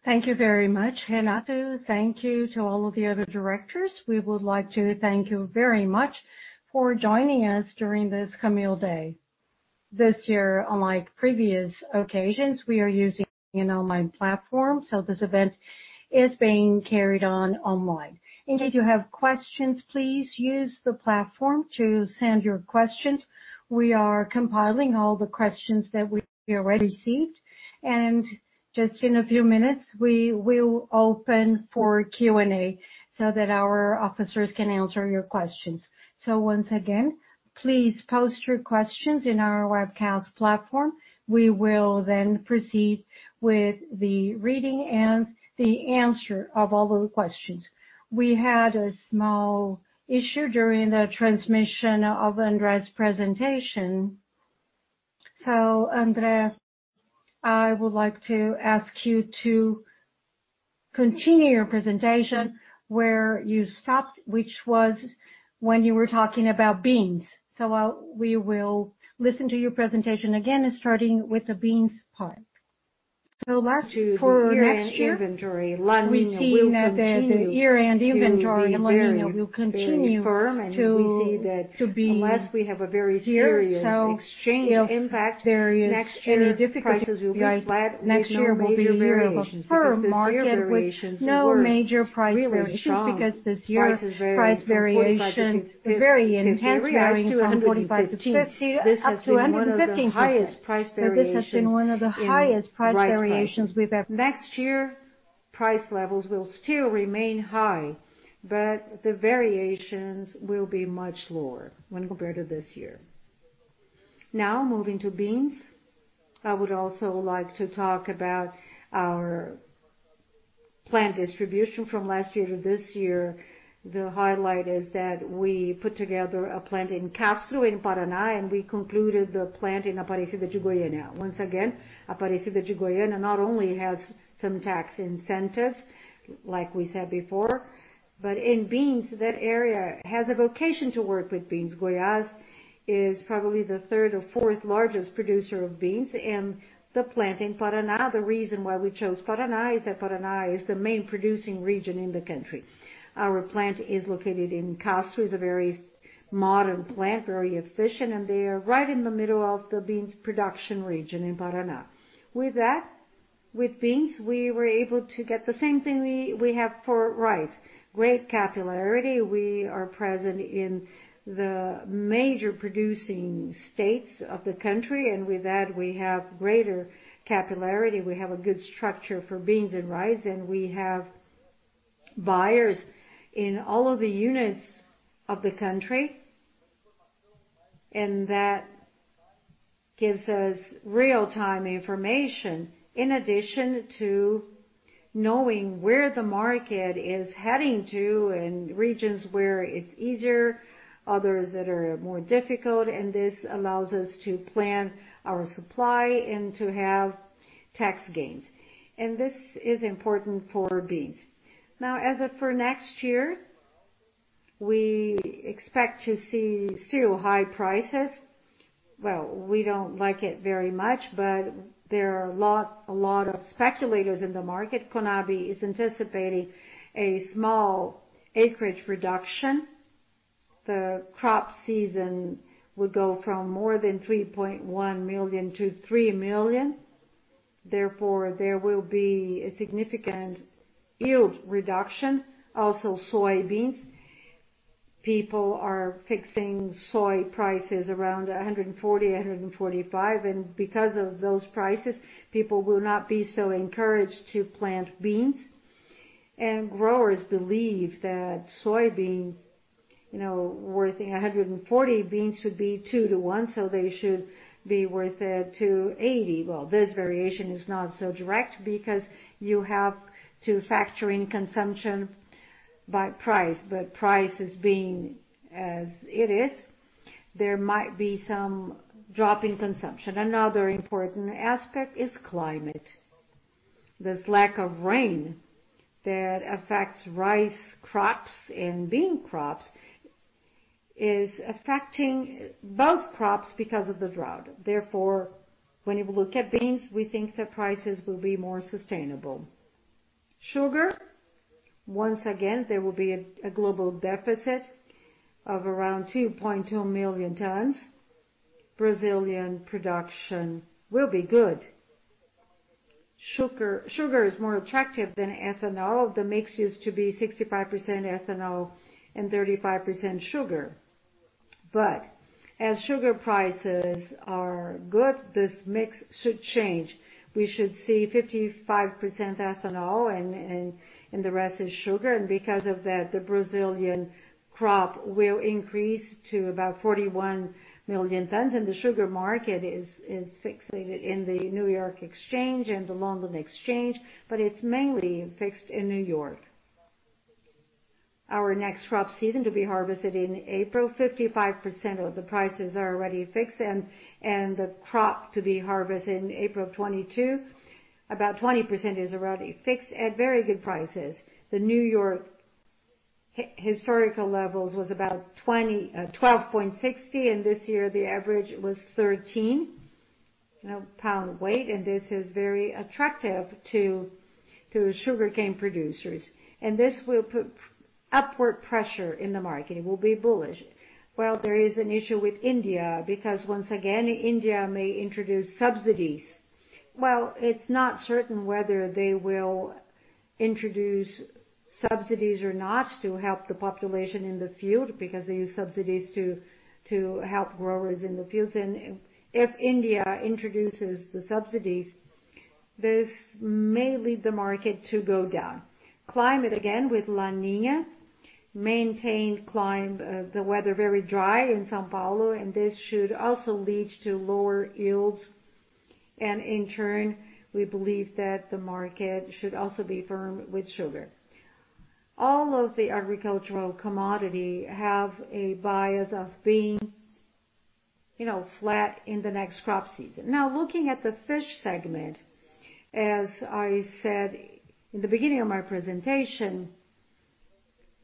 Thank you very much, Renato. Thank you to all of the other directors. We would like to thank you very much for joining us during this Camil Day. This year, unlike previous occasions, we are using an online platform, so this event is being carried on online. In case you have questions, please use the platform to send your questions. We are compiling all the questions that we have already received, and just in a few minutes, we will open for Q&A so that our officers can answer your questions. Once again, please post your questions in our webcast platform. We will then proceed with the reading and the answer of all those questions. We had a small issue during the transmission of André's presentation. André, I would like to ask you to continue your presentation where you stopped, which was when you were talking about beans. We will listen to your presentation again, starting with the beans part.
To the year-end inventory. We see that the year-end inventory in La Niña will continue to be very firm, and we see that unless we have a very serious exchange impact serious any difficulties. Next year prices will be flat with no major variations, because this year variations were really strong. Prices vary from 45-50. This has been one of the highest price variations we've ever. Next year, price levels will still remain high, but the variations will be much lower when compared to this year. Now moving to beans. I would also like to talk about our plant distribution from last year to this year. The highlight is that we put together a plant in Castro, in Paraná, and we concluded the plant in Aparecida de Goiânia. Once again, Aparecida de Goiânia not only has some tax incentives, like we said before, but in beans, that area has a vocation to work with beans. Goiás is probably the third or fourth largest producer of beans, and the plant in Paraná. The reason why we chose Paraná is that Paraná is the main producing region in the country. Our plant is located in Castro, is a very modern plant, very efficient, and they are right in the middle of the beans production region in Paraná. With that, with beans, we were able to get the same thing we have for rice. Great capillarity. We are present in the major producing states of the country, and with that, we have greater capillarity. We have a good structure for beans and rice, and we have buyers in all of the units of the country. That gives us real-time information, in addition to knowing where the market is heading to and regions where it's easier, others that are more difficult. This allows us to plan our supply and to have tax gains. This is important for beans. Now, as of for next year, we expect to see still high prices. Well, we don't like it very much, but there are a lot of speculators in the market. CONAB is anticipating a small acreage reduction. The crop season would go from more than 3.1 million to 3 million. Therefore, there will be a significant yield reduction. Also soybeans. People are fixing soy prices around 140, 145, and because of those prices, people will not be so encouraged to plant beans. Growers believe that soybean worthing 140 beans should be two to one, so they should be worth it 280. Well, this variation is not so direct because you have to factor in consumption by price. Price is being as it is, there might be some drop in consumption. Another important aspect is climate. This lack of rain that affects rice crops and bean crops is affecting both crops because of the drought. Therefore, when we look at beans, we think that prices will be more sustainable. Sugar, once again, there will be a global deficit of around 2.2 million tons. Brazilian production will be good. Sugar is more attractive than ethanol. The mix used to be 65% ethanol and 35% sugar. As sugar prices are good, this mix should change. We should see 55% ethanol and the rest is sugar. Because of that, the Brazilian crop will increase to about 41 million tons, and the sugar market is fixated in the New York Exchange and the London Exchange, but it's mainly fixed in New York. Our next crop season to be harvested in April, 55% of the prices are already fixed and the crop to be harvested in April of 2022, about 20% is already fixed at very good prices. The New York historical levels was about 12.60, and this year the average was 13 lb weight, and this is very attractive to sugarcane producers. This will put upward pressure in the market. It will be bullish. Well, there is an issue with India, because once again, India may introduce subsidies. Well, it's not certain whether they will introduce subsidies or not to help the population in the field because they use subsidies to help growers in the fields. If India introduces the subsidies, this may lead the market to go down. Climate, again, with La Niña, maintained climate. The weather very dry in São Paulo, and this should also lead to lower yields, and in turn, we believe that the market should also be firm with sugar. All of the agricultural commodity have a bias of being flat in the next crop season. Now, looking at the fish segment, as I said in the beginning of my presentation,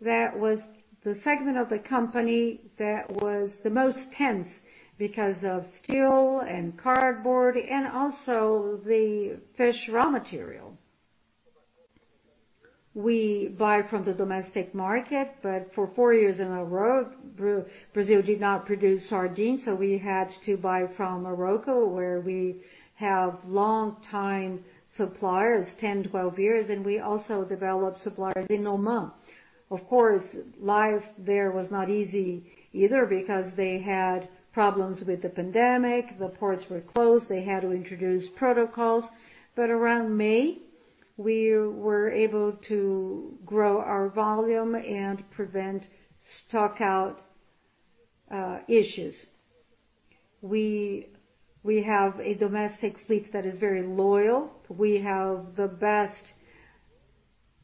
that was the segment of the company that was the most tense because of steel and cardboard and also the fish raw material. We buy from the domestic market, but for four years in a row, Brazil did not produce sardines, so we had to buy from Morocco, where we have long-time suppliers, 10, 12 years, and we also developed suppliers in Oman. Of course, life there was not easy either because they had problems with the pandemic. The ports were closed. They had to introduce protocols. Around May, we were able to grow our volume and prevent stock out issues. We have a domestic fleet that is very loyal. We have the best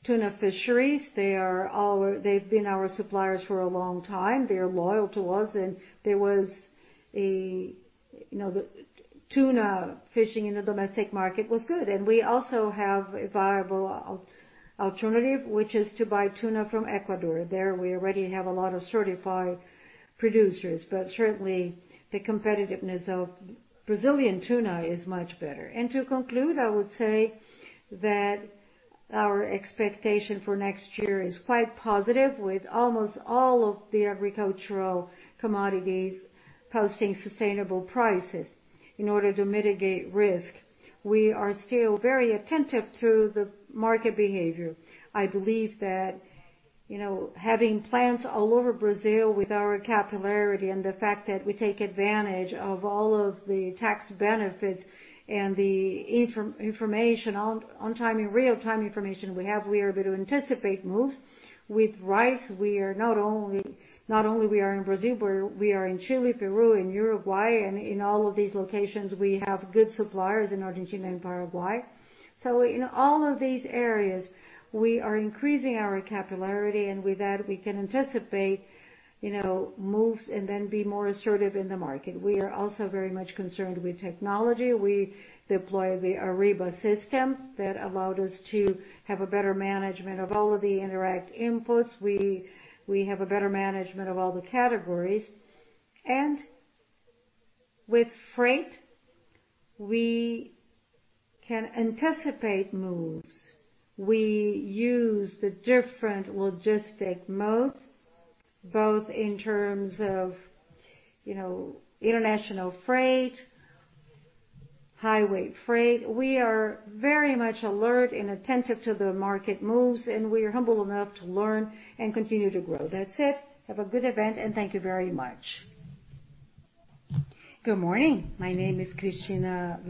tuna fisheries. They've been our suppliers for a long time. They are loyal to us. Tuna fishing in the domestic market was good. We also have a viable alternative, which is to buy tuna from Ecuador. There, we already have a lot of certified producers. Certainly, the competitiveness of Brazilian tuna is much better. To conclude, I would say that our expectation for next year is quite positive, with almost all of the agricultural commodities posting sustainable prices. In order to mitigate risk, we are still very attentive to the market behavior. I believe that having plants all over Brazil with our capillarity and the fact that we take advantage of all of the tax benefits and the information on time, in real-time information we have, we are able to anticipate moves. With rice, not only we are in Brazil, but we are in Chile, Peru, and Uruguay, and in all of these locations, we have good suppliers in Argentina and Paraguay. In all of these areas, we are increasing our capillarity, and with that, we can anticipate moves and then be more assertive in the market. We are also very much concerned with technology. We deploy the Ariba system that allowed us to have a better management of all of the indirect inputs. We have a better management of all the categories. With freight, we can anticipate moves. We use the different logistic modes, both in terms of international freight, highway freight. We are very much alert and attentive to the market moves, and we are humble enough to learn and continue to grow. That's it. Have a good event, and thank you very much.
Good morning. My name is Christina.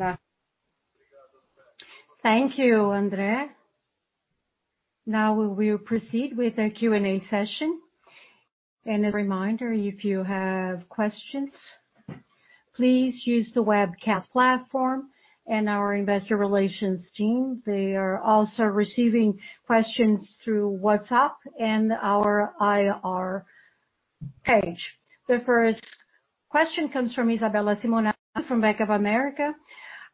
Thank you, Andre. Now we will proceed with the Q&A session. A reminder, if you have questions, please use the webcast platform and our investor relations team. They are also receiving questions through WhatsApp and our IR page. The first question comes from Isabella Simonato from Bank of America.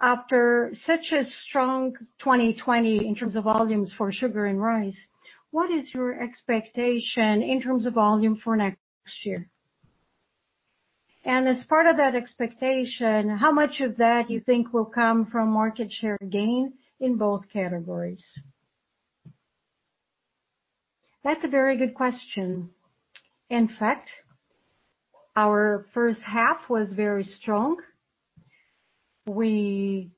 After such a strong 2020 in terms of volumes for sugar and rice, what is your expectation in terms of volume for next year? As part of that expectation, how much of that you think will come from market share gain in both categories?
That's a very good question. In fact, our first half was very strong. We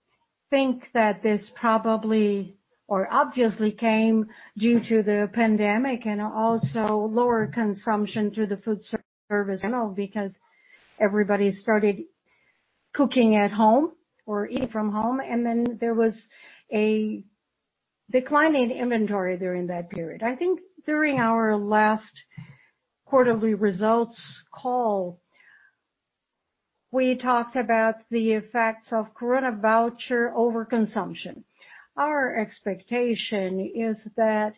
think that this probably or obviously came due to the pandemic and also lower consumption through the food service as well, because everybody started cooking at home or eating from home. There was a decline in inventory during that period. I think during our last quarterly results call, we talked about the effects of Coronavoucher overconsumption. Our expectation is that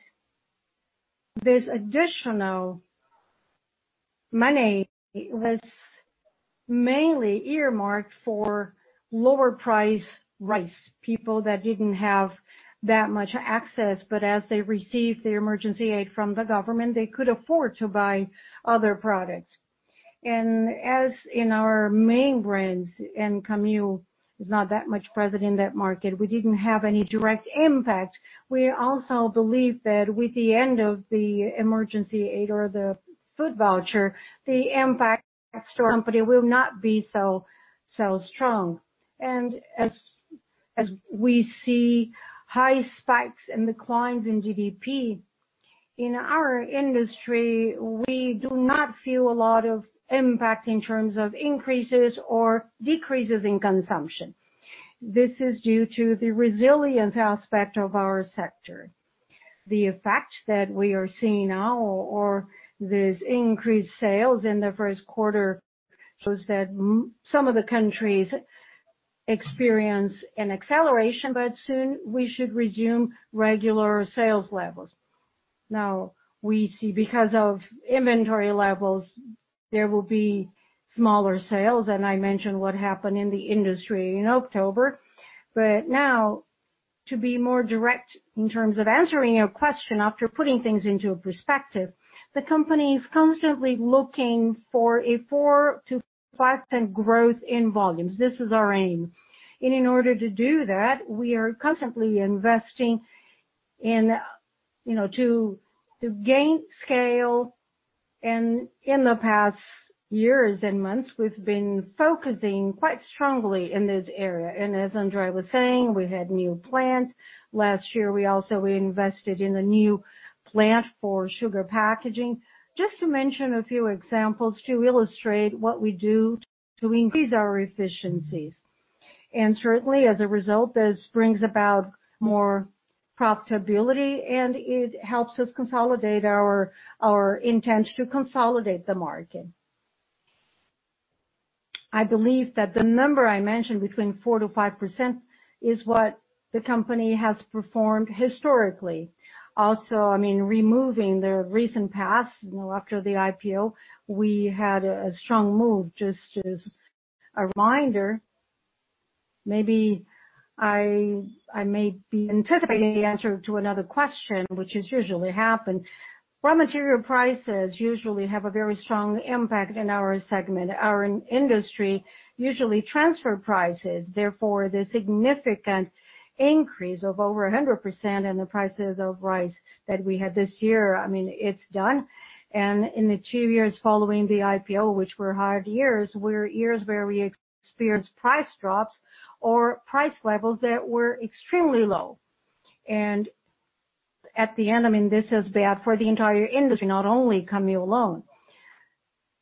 this additional money was mainly earmarked for lower priced rice. People that didn't have that much access, but as they received their emergency aid from the government, they could afford to buy other products. As in our main brands and Camil is not that much present in that market, we didn't have any direct impact. We also believe that with the end of the emergency aid or the food voucher, the impact to our company will not be so strong. As we see high spikes and declines in GDP, in our industry, we do not feel a lot of impact in terms of increases or decreases in consumption. This is due to the resilience aspect of our sector. The effect that we are seeing now or this increased sales in the first quarter shows that some of the countries experience an acceleration, but soon we should resume regular sales levels. Now we see because of inventory levels, there will be smaller sales, and I mentioned what happened in the industry in October. Now to be more direct in terms of answering your question after putting things into a perspective, the company is constantly looking for a 4%-5% growth in volumes. This is our aim. In order to do that, we are constantly investing to gain scale. In the past years and months, we've been focusing quite strongly in this area. As André was saying, we had new plants last year. We also invested in a new plant for sugar packaging. Just to mention a few examples to illustrate what we do to increase our efficiencies. Certainly as a result, this brings about more profitability and it helps us consolidate our intent to consolidate the market. I believe that the number I mentioned between 4%-5% is what the company has performed historically. Also, removing the recent past, after the IPO, we had a strong move. Just as a reminder, maybe I may be anticipating the answer to another question, which has usually happened. Raw material prices usually have a very strong impact in our segment. Our industry usually transfer prices, therefore the significant increase of over 100% in the prices of rice that we had this year, it's done. In the two years following the IPO, which were hard years, were years where we experienced price drops or price levels that were extremely low. At the end, this is bad for the entire industry, not only Camil alone.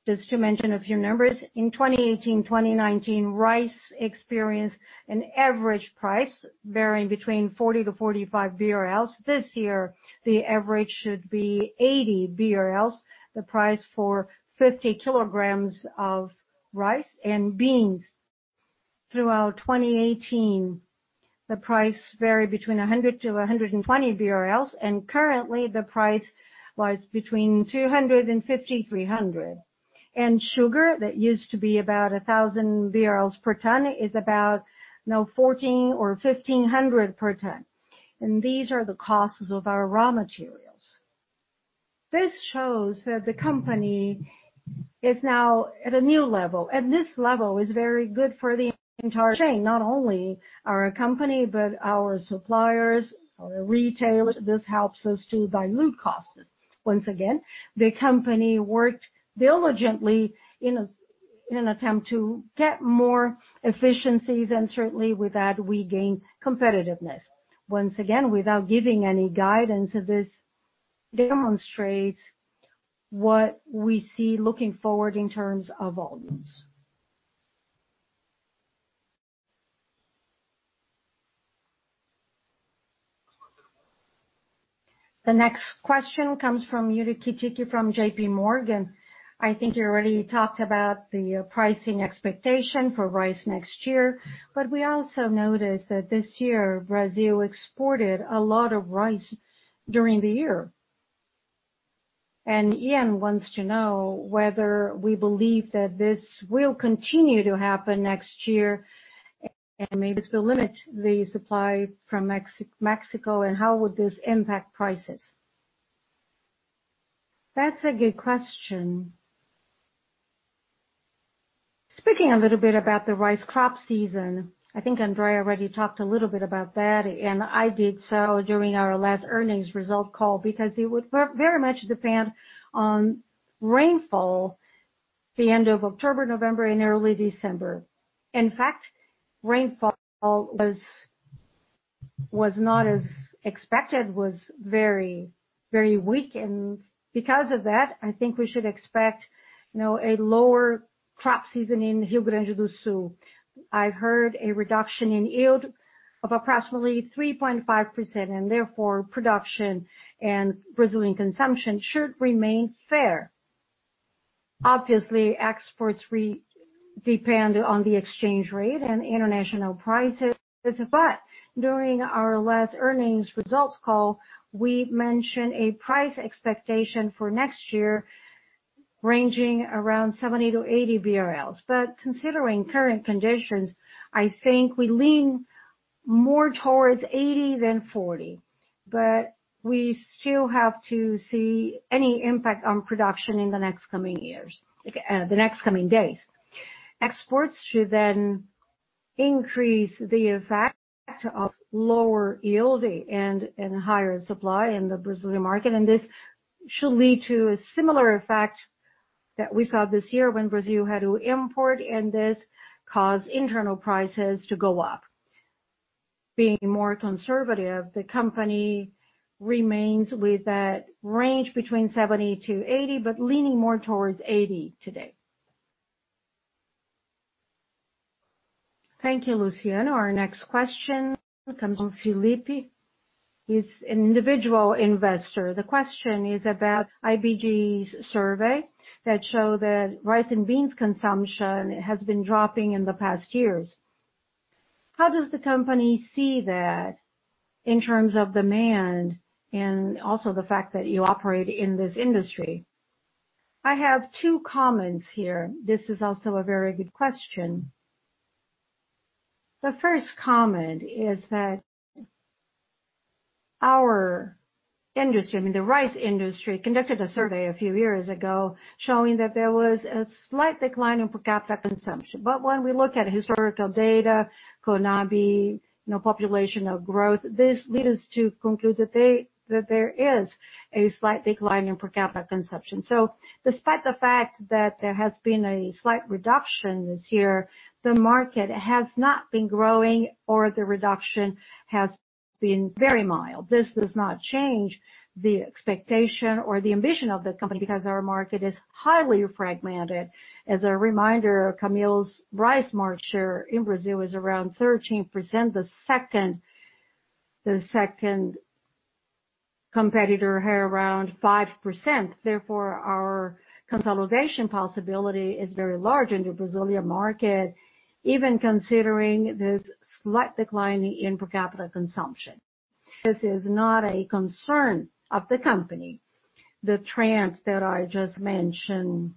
Just to mention a few numbers. In 2018, 2019, rice experienced an average price varying between 40 to 45 BRL. This year, the average should be 80 BRL. The price for 50 kilograms of rice and beans throughout 2018, the price varied between 100 to 120 BRL, and currently the price was between 250, 300. Sugar that used to be about 1,000 BRL per ton is about now 1400 or 1,500 per ton. These are the costs of our raw materials. This shows that the company is now at a new level, and this level is very good for the entire chain. Not only our company, but our suppliers, our retailers. This helps us to dilute costs. Once again, the company worked diligently in an attempt to get more efficiencies, and certainly with that, we gain competitiveness. Once again, without giving any guidance, this demonstrates what we see looking forward in terms of volumes.
The next question comes from Yuri Kitiki from JP Morgan. I think you already talked about the pricing expectation for rice next year, but we also noticed that this year, Brazil exported a lot of rice during the year. Ian wants to know whether we believe that this will continue to happen next year, and maybe this will limit the supply from Mexico, and how would this impact prices.
That's a good question. Speaking a little bit about the rice crop season, I think André already talked a little bit about that, and I did so during our last earnings result call, because it would very much depend on rainfall the end of October, November, and early December. In fact, rainfall was not as expected, was very weak. Because of that, I think we should expect a lower crop season in Rio Grande do Sul. I heard a reduction in yield of approximately 3.5%, and therefore production and Brazilian consumption should remain fair. Obviously, exports depend on the exchange rate and international prices. During our last earnings results call, we mentioned a price expectation for next year ranging around 70-80 BRL. considering current conditions, I think we lean more towards 80 than 40. we still have to see any impact on production in the next coming days. Exports should then increase the effect of lower yield and higher supply in the Brazilian market, and this should lead to a similar effect that we saw this year when Brazil had to import, and this caused internal prices to go up. Being more conservative, the company remains with that range between 70-80, but leaning more towards 80 today.
Thank you, Luciano. Our next question comes from Felipe. He's an individual investor. The question is about IBGE's survey that show that rice and beans consumption has been dropping in the past years. How does the company see that in terms of demand and also the fact that you operate in this industry?
I have two comments here. This is also a very good question. The first comment is that our industry, I mean, the rice industry, conducted a survey a few years ago showing that there was a slight decline in per capita consumption. When we look at historical data, CONAB, population of growth, this lead us to conclude that there is a slight decline in per capita consumption. Despite the fact that there has been a slight reduction this year, the market has not been growing or the reduction has been very mild. This does not change the expectation or the ambition of the company, because our market is highly fragmented. As a reminder, Camil's rice market share in Brazil is around 13%, the second competitor had around 5%. Therefore, our consolidation possibility is very large in the Brazilian market, even considering this slight decline in per capita consumption. This is not a concern of the company. The trends that I just mentioned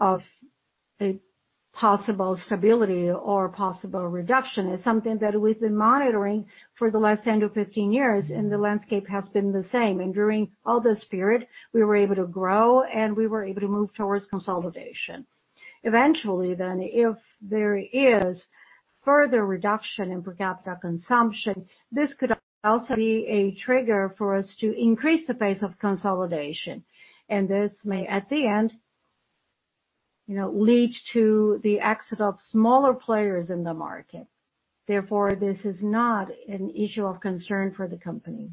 of a possible stability or possible reduction is something that we've been monitoring for the last 10 to 15 years, and the landscape has been the same. During all this period, we were able to grow and we were able to move towards consolidation. Eventually, if there is further reduction in per capita consumption, this could also be a trigger for us to increase the pace of consolidation. This may, at the end, lead to the exit of smaller players in the market. Therefore, this is not an issue of concern for the company.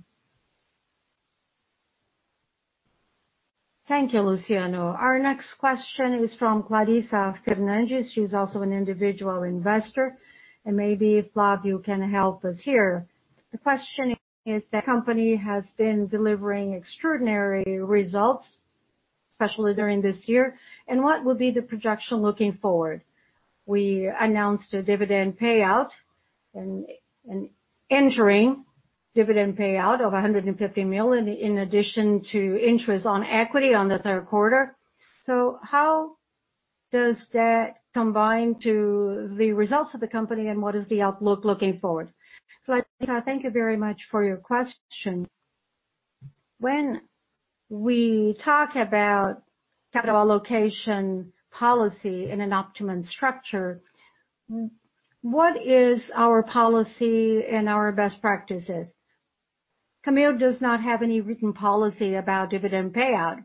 Thank you, Luciano. Our next question is from Clarissa Fernandes. She's also an individual investor, and maybe Flavio can help us here. The question is that company has been delivering extraordinary results, especially during this year, and what will be the projection looking forward? We announced a dividend payout, an interim dividend payout of 150 million in addition to interest on equity on the third quarter. How does that combine to the results of the company, and what is the outlook looking forward?
Fernandes, thank you very much for your question. When we talk about capital allocation policy in an optimum structure, what is our policy and our best practices? Camil does not have any written policy about dividend payout.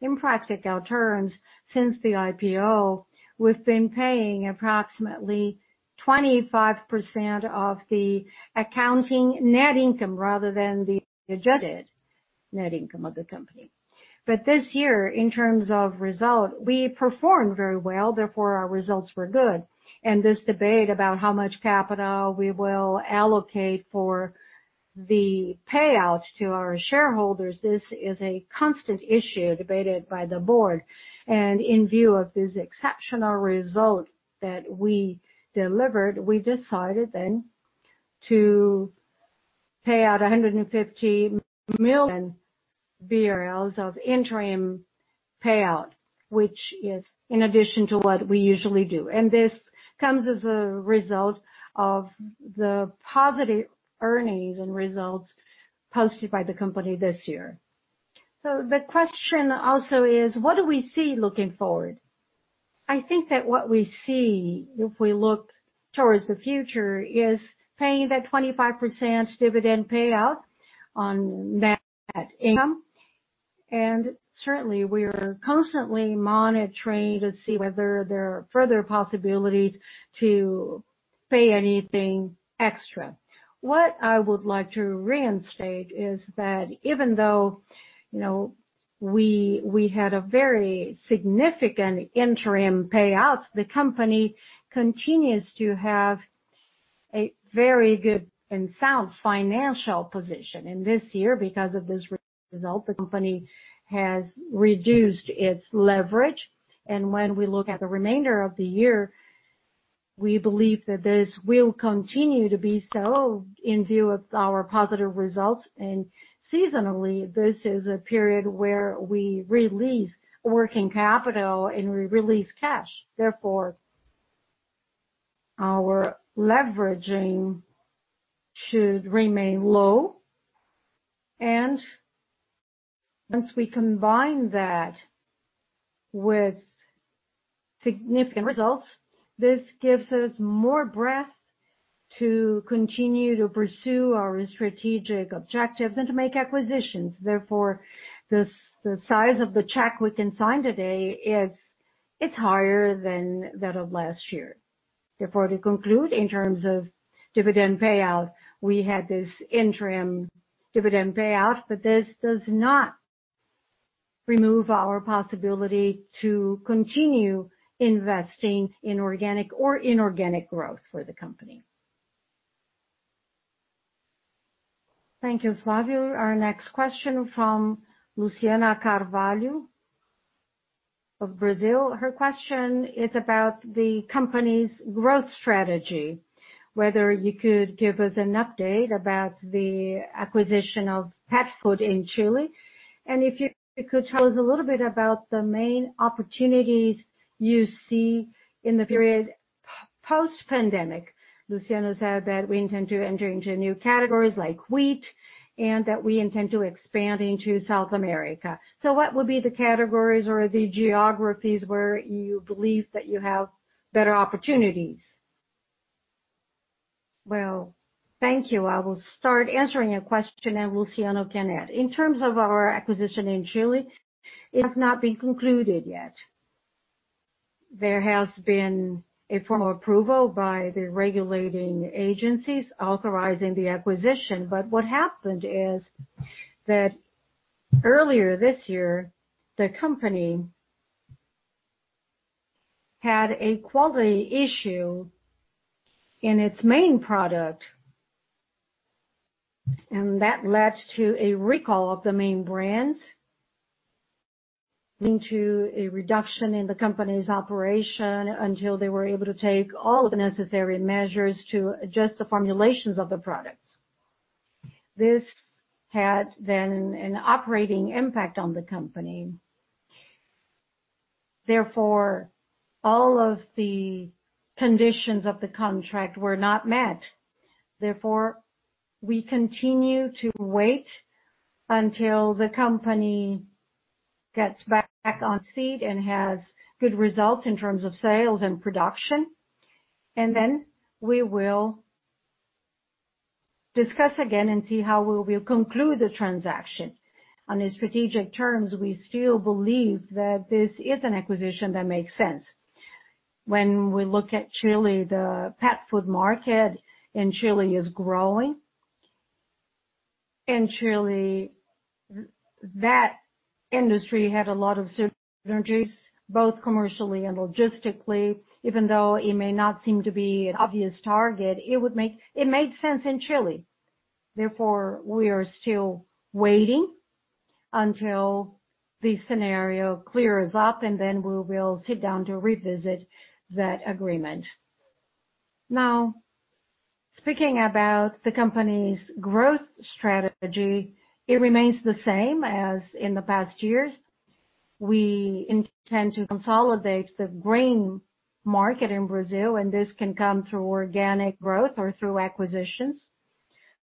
In practical terms, since the IPO, we've been paying approximately 25% of the accounting net income rather than the adjusted net income of the company. This year, in terms of result, we performed very well, therefore our results were good. This debate about how much capital we will allocate for the payouts to our shareholders, this is a constant issue debated by the board. In view of this exceptional result that we delivered, we decided then to pay out 150 million BRL of interim payout, which is in addition to what we usually do. This comes as a result of the positive earnings and results posted by the company this year. The question also is: What do we see looking forward? I think that what we see if we look towards the future is paying that 25% dividend payout on net income. Certainly, we are constantly monitoring to see whether there are further possibilities to pay anything extra. What I would like to reinstate is that even though we had a very significant interim payout, the company continues to have a very good and sound financial position. This year, because of this result, the company has reduced its leverage. When we look at the remainder of the year, we believe that this will continue to be so in view of our positive results. Seasonally, this is a period where we release working capital and we release cash. Therefore, our leveraging should remain low. Once we combine that with significant results, this gives us more breadth to continue to pursue our strategic objectives and to make acquisitions. Therefore, the size of the check we can sign today is higher than that of last year. Therefore, to conclude, in terms of dividend payout, we had this interim dividend payout, but this does not remove our possibility to continue investing in organic or inorganic growth for the company.
Thank you, Flavio. Our next question from Luciana Carvalho of Brazil. Her question is about the company's growth strategy, whether you could give us an update about the acquisition of pet food in Chile. If you could tell us a little bit about the main opportunities you see in the period post-pandemic. Luciana said that we intend to enter into new categories like wheat and that we intend to expand into South America. What will be the categories or the geographies where you believe that you have better opportunities?
Well, thank you. I will start answering your question, and Luciano can add. In terms of our acquisition in Chile, it has not been concluded yet. There has been a formal approval by the regulating agencies authorizing the acquisition. What happened is that earlier this year, the company had a quality issue in its main product, and that led to a recall of the main brands, leading to a reduction in the company's operation until they were able to take all of the necessary measures to adjust the formulations of the products. This had then an operating impact on the company. Therefore, all of the conditions of the contract were not met. Therefore, we continue to wait until the company gets back on speed and has good results in terms of sales and production. We will discuss again and see how we will conclude the transaction. On strategic terms, we still believe that this is an acquisition that makes sense. When we look at Chile, the pet food market in Chile is growing.
In Chile, that industry had a lot of synergies, both commercially and logistically. Even though it may not seem to be an obvious target, it made sense in Chile. Therefore, we are still waiting until the scenario clears up, and then we will sit down to revisit that agreement. Now, speaking about the company's growth strategy, it remains the same as in the past years. We intend to consolidate the grain market in Brazil, and this can come through organic growth or through acquisitions.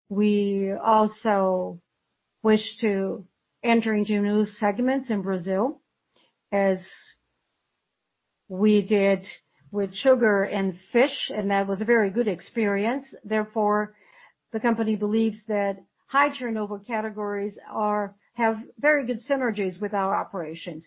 We also wish to enter into new segments in Brazil, as we did with sugar and fish, and that was a very good experience. Therefore, the company believes that high turnover categories have very good synergies with our operations.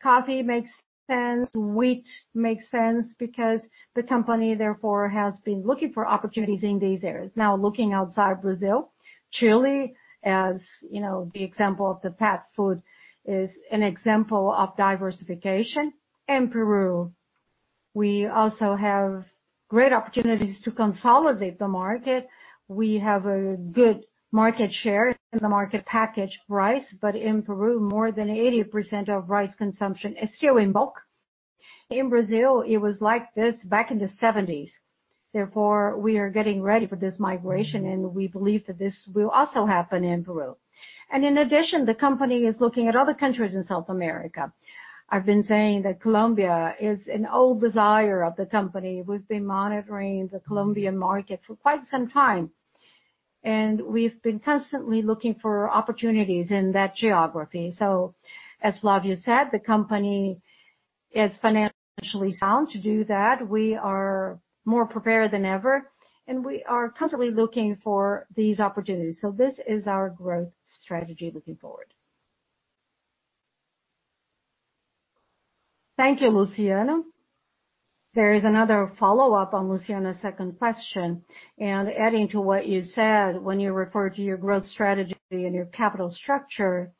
Coffee makes sense, wheat makes sense, because the company, therefore, has been looking for opportunities in these areas. Now looking outside Brazil, Chile, as the example of the pet food, is an example of diversification. In Peru, we also have great opportunities to consolidate the market. We have a good market share in the market packaged rice. In Peru, more than 80% of rice consumption is still in bulk. In Brazil, it was like this back in the 1970s. Therefore, we are getting ready for this migration, and we believe that this will also happen in Peru. In addition, the company is looking at other countries in South America. I've been saying that Colombia is an old desire of the company. We've been monitoring the Colombian market for quite some time, and we've been constantly looking for opportunities in that geography. As Flavio said, the company is financially sound to do that. We are more prepared than ever, and we are constantly looking for these opportunities. This is our growth strategy looking forward.
Thank you, Luciano. There is another follow-up on Luciana's second question, adding to what you said when you referred to your growth strategy and your capital structure,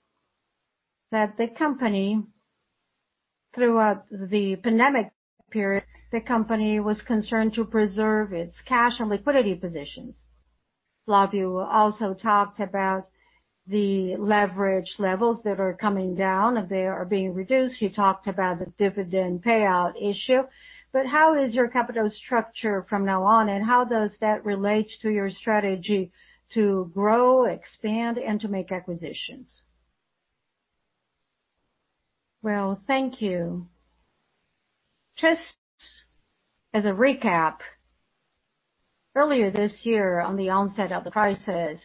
that throughout the pandemic period, the company was concerned to preserve its cash and liquidity positions. Flavio also talked about the leverage levels that are coming down, that they are being reduced. You talked about the dividend payout issue, but how is your capital structure from now on, and how does that relate to your strategy to grow, expand, and to make acquisitions?
Well, thank you. Just as a recap, earlier this year on the onset of the crisis,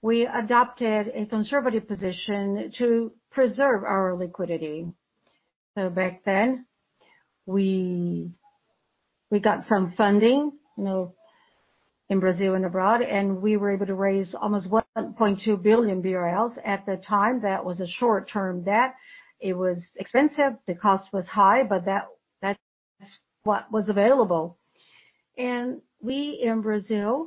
we adopted a conservative position to preserve our liquidity. Back then we got some funding in Brazil and abroad, we were able to raise almost 1.2 billion BRL. At the time, that was a short-term debt. It was expensive. The cost was high, but that's what was available. We, mainly in Brazil,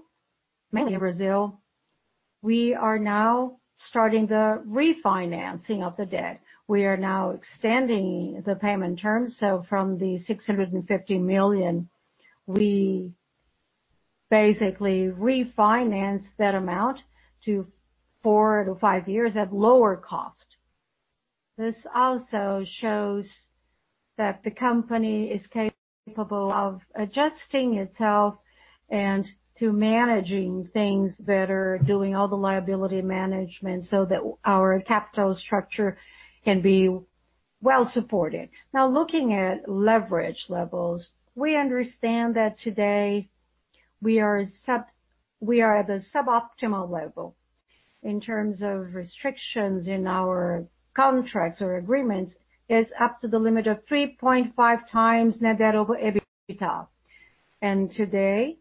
we are now starting the refinancing of the debt. We are now extending the payment terms. From the 650 million, we basically refinanced that amount to four to five years at lower cost. This also shows that the company is capable of adjusting itself and to managing things better, doing all the liability management so that our capital structure can be well-supported. Looking at leverage levels, we understand that today we are at the suboptimal level in terms of restrictions in our contracts or agreements. It's up to the limit of 3.5 times net debt over EBITDA. Today,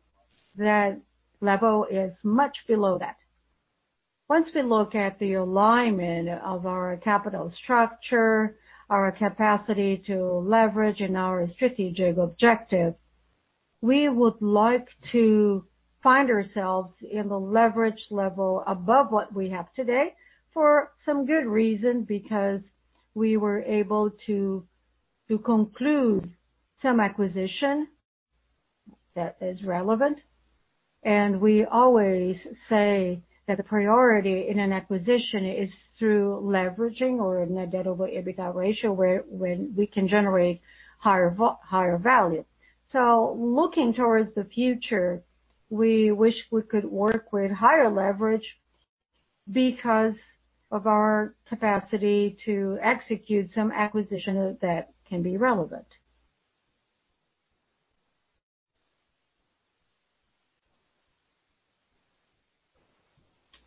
that level is much below that. Once we look at the alignment of our capital structure, our capacity to leverage, and our strategic objective, we would like to find ourselves in the leverage level above what we have today for some good reason, because we were able to conclude some acquisition that is relevant. We always say that the priority in an acquisition is through leveraging or net debt/EBITDA ratio, when we can generate higher value. Looking towards the future, we wish we could work with higher leverage because of our capacity to execute some acquisition that can be relevant.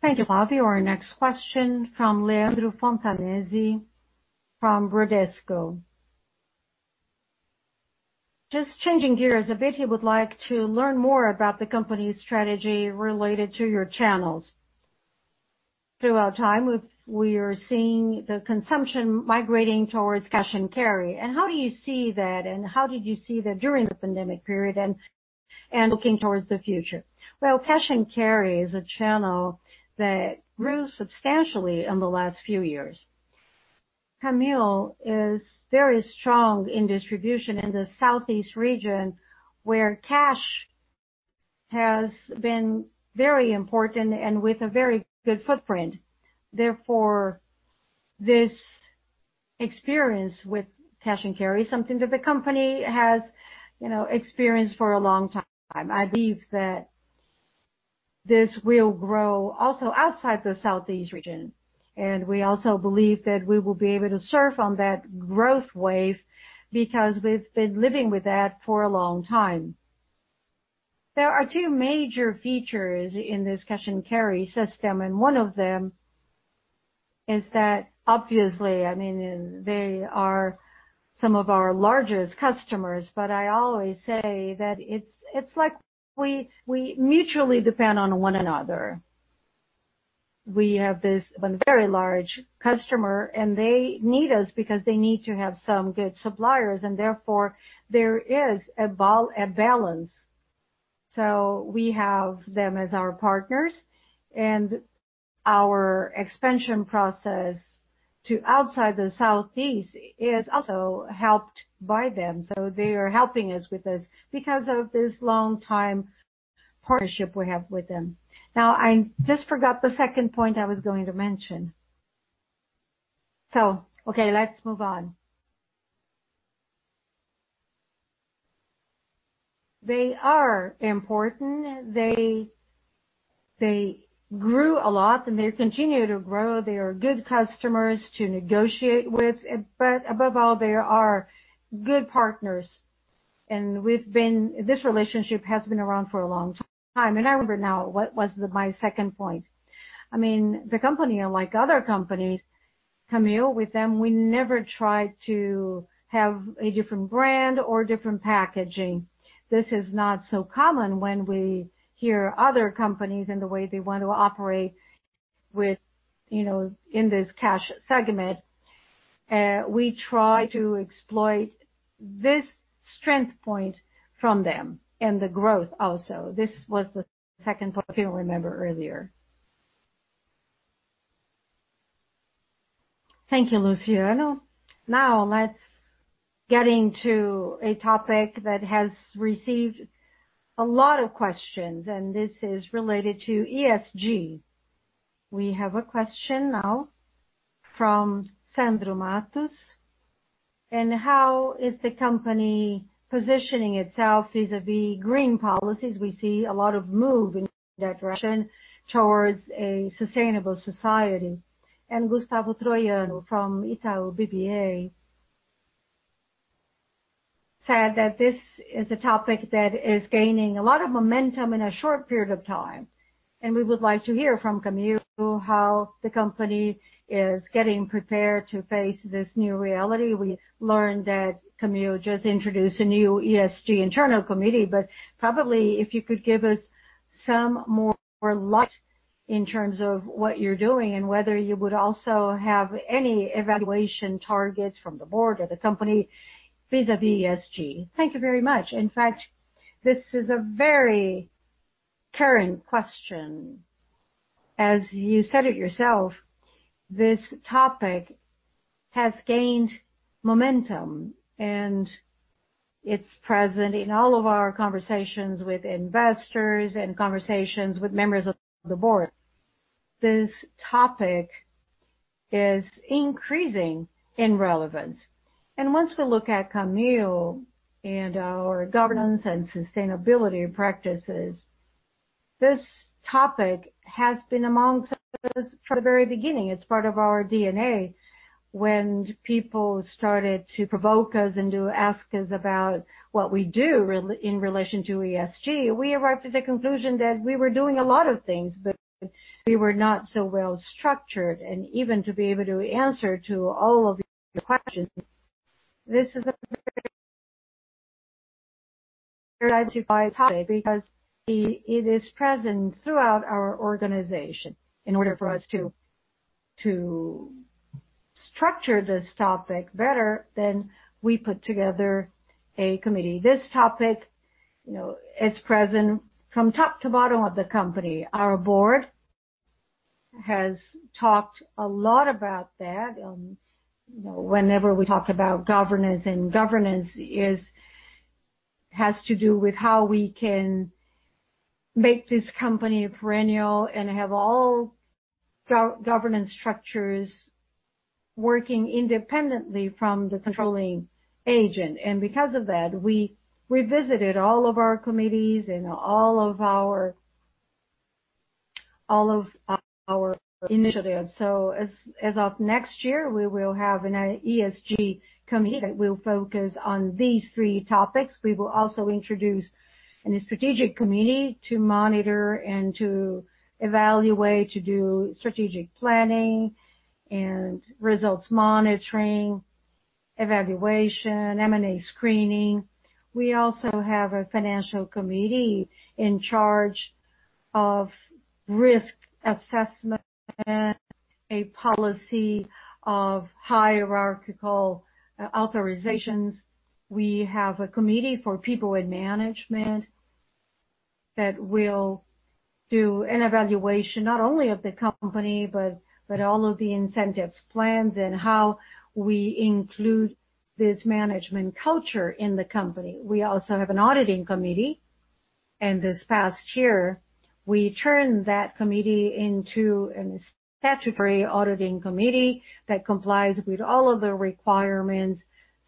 Thank you, Flavio. Our next question from Leandro Fontanesi from Bradesco. Just changing gears a bit, he would like to learn more about the company's strategy related to your channels. Throughout time, we are seeing the consumption migrating towards cash and carry. How do you see that, and how did you see that during the pandemic period and looking towards the future?
Well, cash and carry is a channel that grew substantially in the last few years. Camil is very strong in distribution in the Southeast region, where cash and carry has been very important and with a very good footprint. Therefore, this experience with cash and carry is something that the company has experienced for a long time. I believe that this will grow also outside the Southeast region, and we also believe that we will be able to surf on that growth wave because we've been living with that for a long time. There are two major features in this cash and carry system, and one of them is that obviously, they are some of our largest customers, but I always say that it's like we mutually depend on one another. We have this one very large customer, and they need us because they need to have some good suppliers, and therefore, there is a balance. We have them as our partners, and our expansion process to outside the Southeast is also helped by them. They are helping us with this because of this longtime partnership we have with them. I just forgot the second point I was going to mention. Okay, let's move on. They are important. They grew a lot, and they continue to grow. They are good customers to negotiate with. Above all, they are good partners. This relationship has been around for a long time. I remember now what was my second point. The company, unlike other companies, Camil with them, we never try to have a different brand or different packaging. This is not so common when we hear other companies and the way they want to operate in this cash segment. We try to exploit this strength point from them and the growth also. This was the second point I couldn't remember earlier.
Thank you, Luciano. Let's get into a topic that has received a lot of questions, and this is related to ESG. We have a question now from Sandro Mattos. How is the company positioning itself vis-à-vis green policies? We see a lot of move in that direction towards a sustainable society. Gustavo Troyano from Itaú BBA said that this is a topic that is gaining a lot of momentum in a short period of time, and we would like to hear from Camil how the company is getting prepared to face this new reality. We learned that Camil just introduced a new ESG internal committee. Probably if you could give us some more light in terms of what you're doing and whether you would also have any evaluation targets from the board or the company vis-à-vis ESG.
Thank you very much. In fact, this is a very current question. As you said it yourself, this topic has gained momentum. It's present in all of our conversations with investors and conversations with members of the board. This topic is increasing in relevance. Once we look at Camil and our governance and sustainability practices, this topic has been amongst us from the very beginning. It's part of our DNA. When people started to provoke us and to ask us about what we do in relation to ESG, we arrived at the conclusion that we were doing a lot of things, but we were not so well-structured, and even to be able to answer to all of your questions, this is a very diversified topic because it is present throughout our organization. In order for us to structure this topic better, we put together a committee. This topic, it's present from top to bottom of the company. Our board has talked a lot about that. Whenever we talk about governance has to do with how we can make this company perennial and have all governance structures working independently from the controlling agent. Because of that, we revisited all of our committees and all of our initiatives. As of next year, we will have an ESG committee that will focus on these three topics. We will also introduce a strategic committee to monitor and to evaluate, to do strategic planning and results monitoring, evaluation, M&A screening. We also have a financial committee in charge of risk assessment and a policy of hierarchical authorizations. We have a committee for people in management that will do an evaluation not only of the company, but all of the incentives plans and how we include this management culture in the company. We also have an auditing committee, and this past year, we turned that committee into a statutory auditing committee that complies with all of the requirements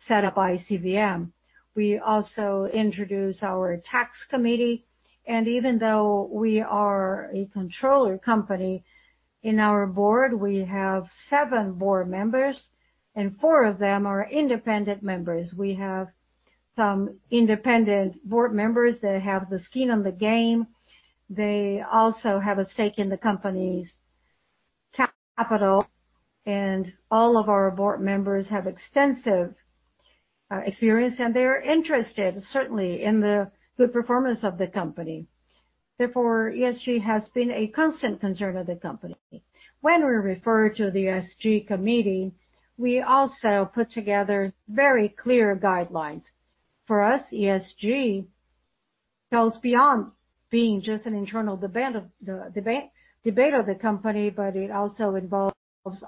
set up by CVM. We also introduced our tax committee, and even though we are a controller company, in our board, we have seven board members, and four of them are independent members. We have some independent board members that have the skin in the game. They also have a stake in the company's capital, and all of our board members have extensive experience, and they're interested, certainly, in the good performance of the company. Therefore, ESG has been a constant concern of the company. When we refer to the ESG committee, we also put together very clear guidelines. For us, ESG goes beyond being just an internal debate of the company, but it also involves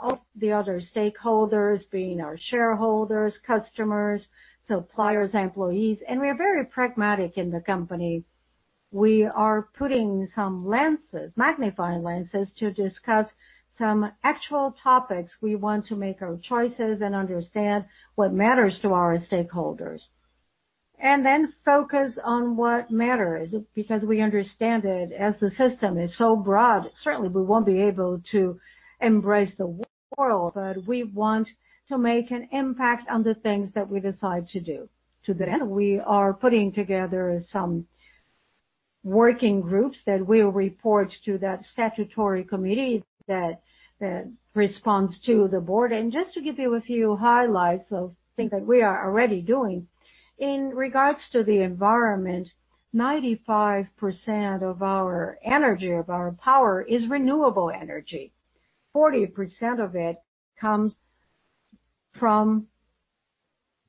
all the other stakeholders, being our shareholders, customers, suppliers, employees, and we are very pragmatic in the company. We are putting some magnifying lenses to discuss some actual topics. We want to make our choices and understand what matters to our stakeholders. Focus on what matters, because we understand that as the system is so broad, certainly we won't be able to embrace the world, but we want to make an impact on the things that we decide to do. To that end, we are putting together some working groups that will report to that statutory committee that responds to the board. Just to give you a few highlights of things that we are already doing. In regards to the environment, 95% of our energy, of our power is renewable energy. 40% of it comes from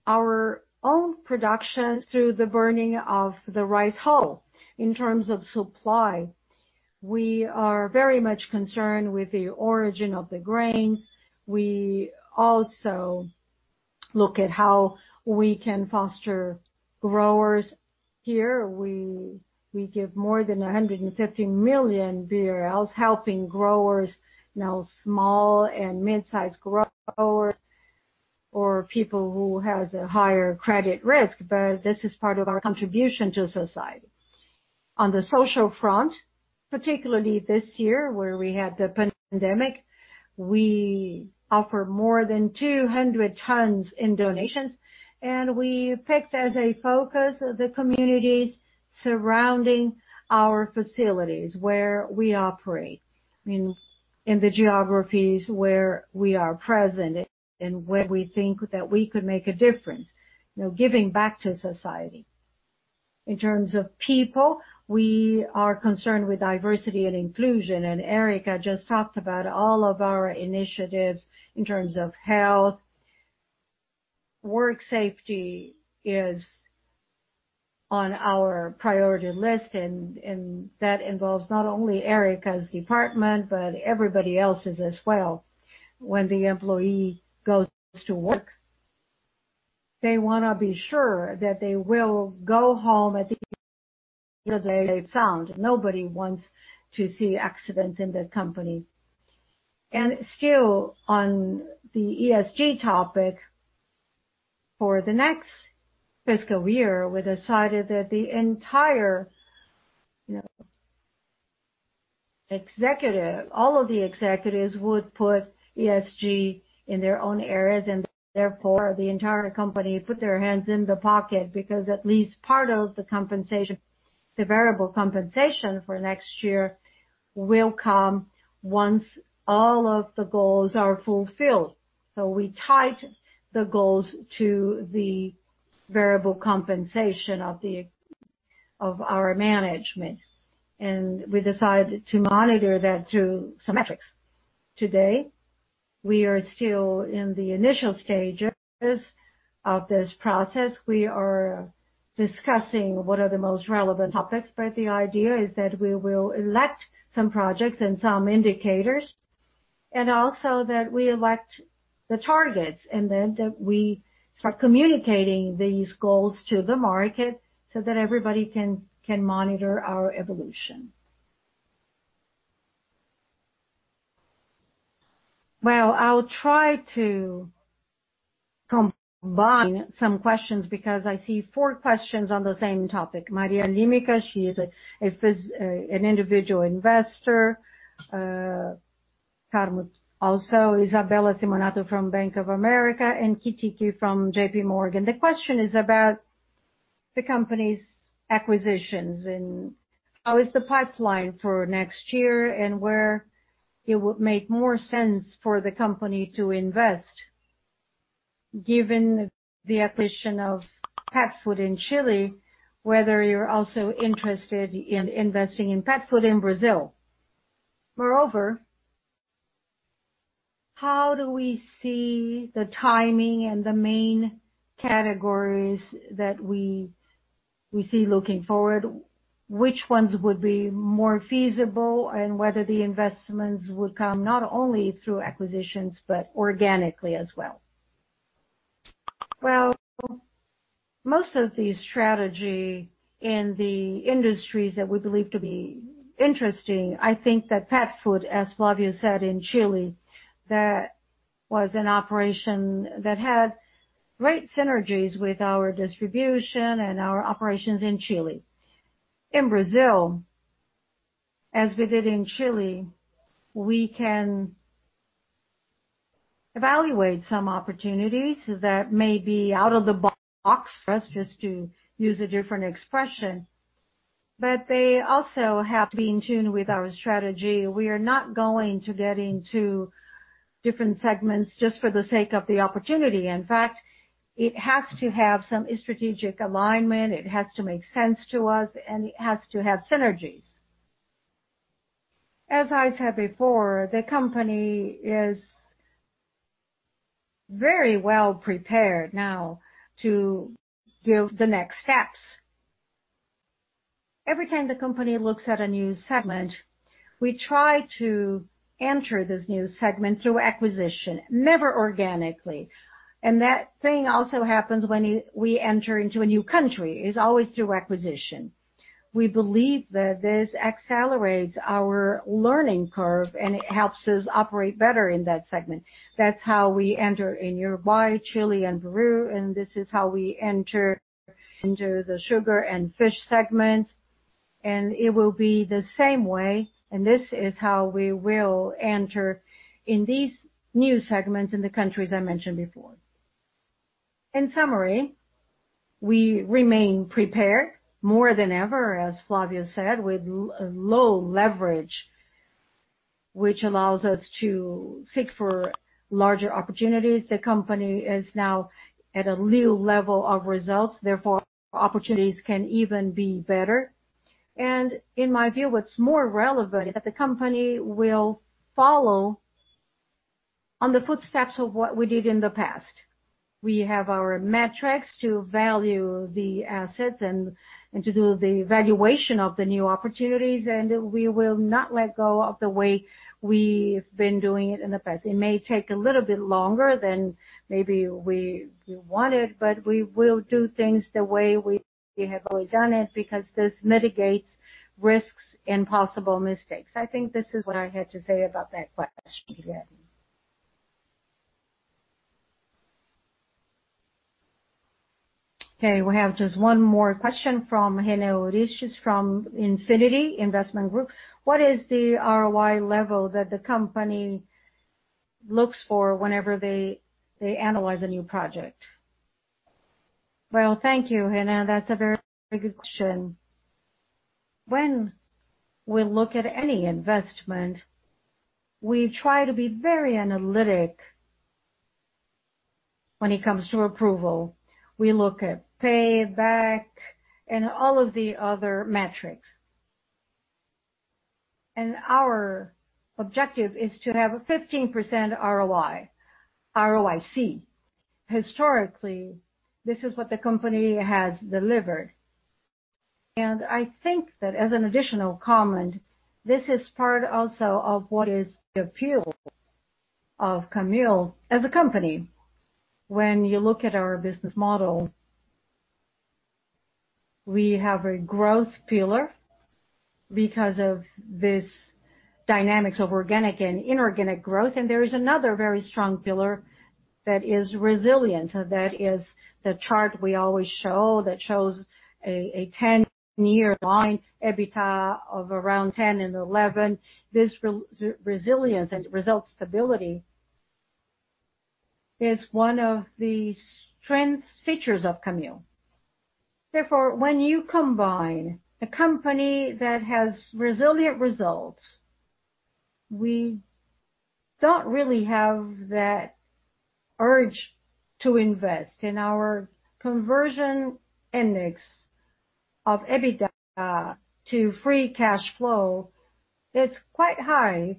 our own production through the burning of the rice hull. In terms of supply, we are very much concerned with the origin of the grains. We also look at how we can foster growers. Here we give more than 150 million BRL helping growers, small and mid-size growers or people who has a higher credit risk. This is part of our contribution to society. On the social front, particularly this year where we had the pandemic, we offer more than 200 tons in donations. We picked as a focus the communities surrounding our facilities where we operate, in the geographies where we are present and where we think that we could make a difference. Giving back to society. In terms of people, we are concerned with diversity and inclusion. Erika just talked about all of our initiatives in terms of health. Work safety is on our priority list. That involves not only Erika's department, but everybody else's as well. When the employee goes to work, they want to be sure that they will go home at the end of the day sound. Nobody wants to see accidents in the company. Still on the ESG topic, for the next fiscal year, we decided that the entire executive, all of the executives would put ESG in their own areas, and therefore the entire company put their hands in the pocket, because at least part of the variable compensation for next year will come once all of the goals are fulfilled. We tied the goals to the variable compensation of our management, and we decided to monitor that through some metrics. Today, we are still in the initial stages of this process. We are discussing what are the most relevant topics. The idea is that we will elect some projects and some indicators, and also that we elect the targets and then that we start communicating these goals to the market so that everybody can monitor our evolution.
Well, I'll try to combine some questions because I see four questions on the same topic. Maria Limika, she is an individual investor, Carmen also, Isabella Simonato from Bank of America, and Kitiki from JP Morgan. The question is about the company's acquisitions, how is the pipeline for next year and where it would make more sense for the company to invest given the acquisition of pet food in Chile, whether you're also interested in investing in pet food in Brazil. Moreover, how do we see the timing and the main categories that we see looking forward? Which ones would be more feasible, and whether the investments would come not only through acquisitions, but organically as well?
Well, most of the strategy in the industries that we believe to be interesting, I think that pet food, as Flavio said in Chile, that was an operation that had great synergies with our distribution and our operations in Chile. In Brazil, as we did in Chile, we can evaluate some opportunities that may be out of the box for us, just to use a different expression. They also have to be in tune with our strategy. We are not going to get into different segments just for the sake of the opportunity. In fact, it has to have some strategic alignment, it has to make sense to us, and it has to have synergies. As I said before, the company is very well prepared now to give the next steps. Every time the company looks at a new segment, we try to enter this new segment through acquisition, never organically. That thing also happens when we enter into a new country. It's always through acquisition. We believe that this accelerates our learning curve, and it helps us operate better in that segment. That's how we enter in Uruguay, Chile, and Peru, and this is how we enter the sugar and fish segments, and it will be the same way. This is how we will enter in these new segments in the countries I mentioned before. In summary, we remain prepared more than ever, as Flavio said, with low leverage, which allows us to seek for larger opportunities. The company is now at a new level of results, therefore, opportunities can even be better. In my view, what's more relevant is that the company will follow on the footsteps of what we did in the past. We have our metrics to value the assets and to do the valuation of the new opportunities, and we will not let go of the way we've been doing it in the past. It may take a little bit longer than maybe we wanted, but we will do things the way we have always done it, because this mitigates risks and possible mistakes. I think this is what I had to say about that question.
Okay, we have just one more question from Renê Ouriques from Infinity Investment Group. What is the ROI level that the company looks for whenever they analyze a new project?
Well, thank you, Rene. That's a very good question. When we look at any investment, we try to be very analytic when it comes to approval. We look at payback and all of the other metrics. Our objective is to have a 15% ROI, ROIC. Historically, this is what the company has delivered. I think that as an additional comment, this is part also of what is the appeal of Camil as a company. When you look at our business model, we have a growth pillar because of this dynamics of organic and inorganic growth. There is another very strong pillar that is resilient. That is the chart we always show that shows a 10-year line EBITDA of around 10 and 11. This resilience and result stability is one of the strength features of Camil. Therefore, when you combine a company that has resilient results, we don't really have that urge to invest. Our conversion index of EBITDA to free cash flow is quite high.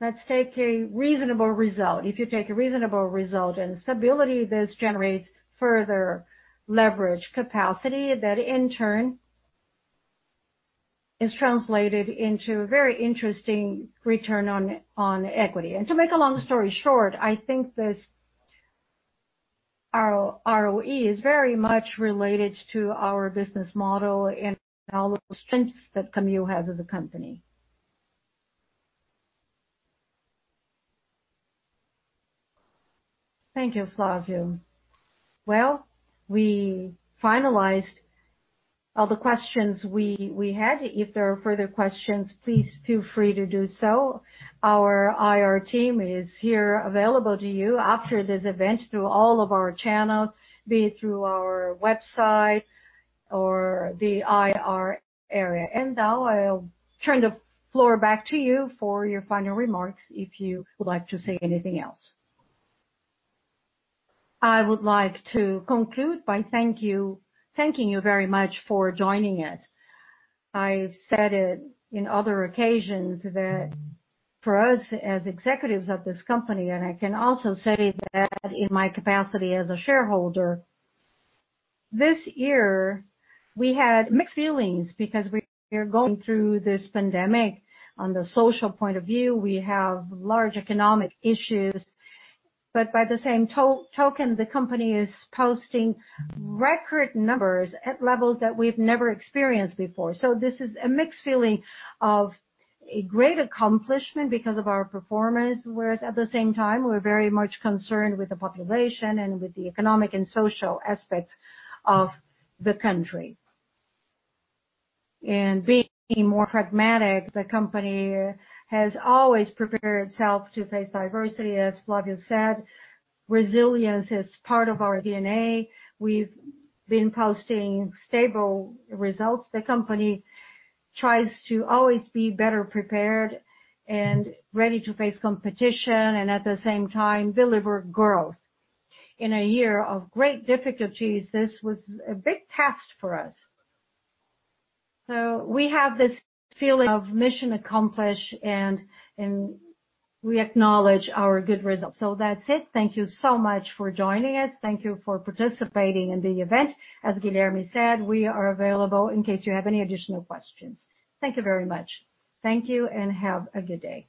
Let's take a reasonable result. If you take a reasonable result and stability, this generates further leverage capacity that in turn is translated into a very interesting return on equity. To make a long story short, I think this ROE is very much related to our business model and all of the strengths that Camil has as a company.
Thank you, Flavio. Well, we finalized all the questions we had. If there are further questions, please feel free to do so. Our IR team is here available to you after this event through all of our channels, be it through our website or the IR area. Now I'll turn the floor back to you for your final remarks, if you would like to say anything else.
I would like to conclude by thanking you very much for joining us. I've said it in other occasions that for us as executives of this company, and I can also say that in my capacity as a shareholder, this year we had mixed feelings because we are going through this pandemic. On the social point of view, we have large economic issues. by the same token, the company is posting record numbers at levels that we've never experienced before. this is a mixed feeling of a great accomplishment because of our performance, whereas at the same time, we're very much concerned with the population and with the economic and social aspects of the country. being more pragmatic, the company has always prepared itself to face diversity. As Flavio said, resilience is part of our DNA. We've been posting stable results. The company tries to always be better prepared and ready to face competition, and at the same time, deliver growth. In a year of great difficulties, this was a big task for us. We have this feeling of mission accomplished, and we acknowledge our good results. That's it. Thank you so much for joining us. Thank you for participating in the event. As Guilherme said, we are available in case you have any additional questions. Thank you very much. Thank you, and have a good day.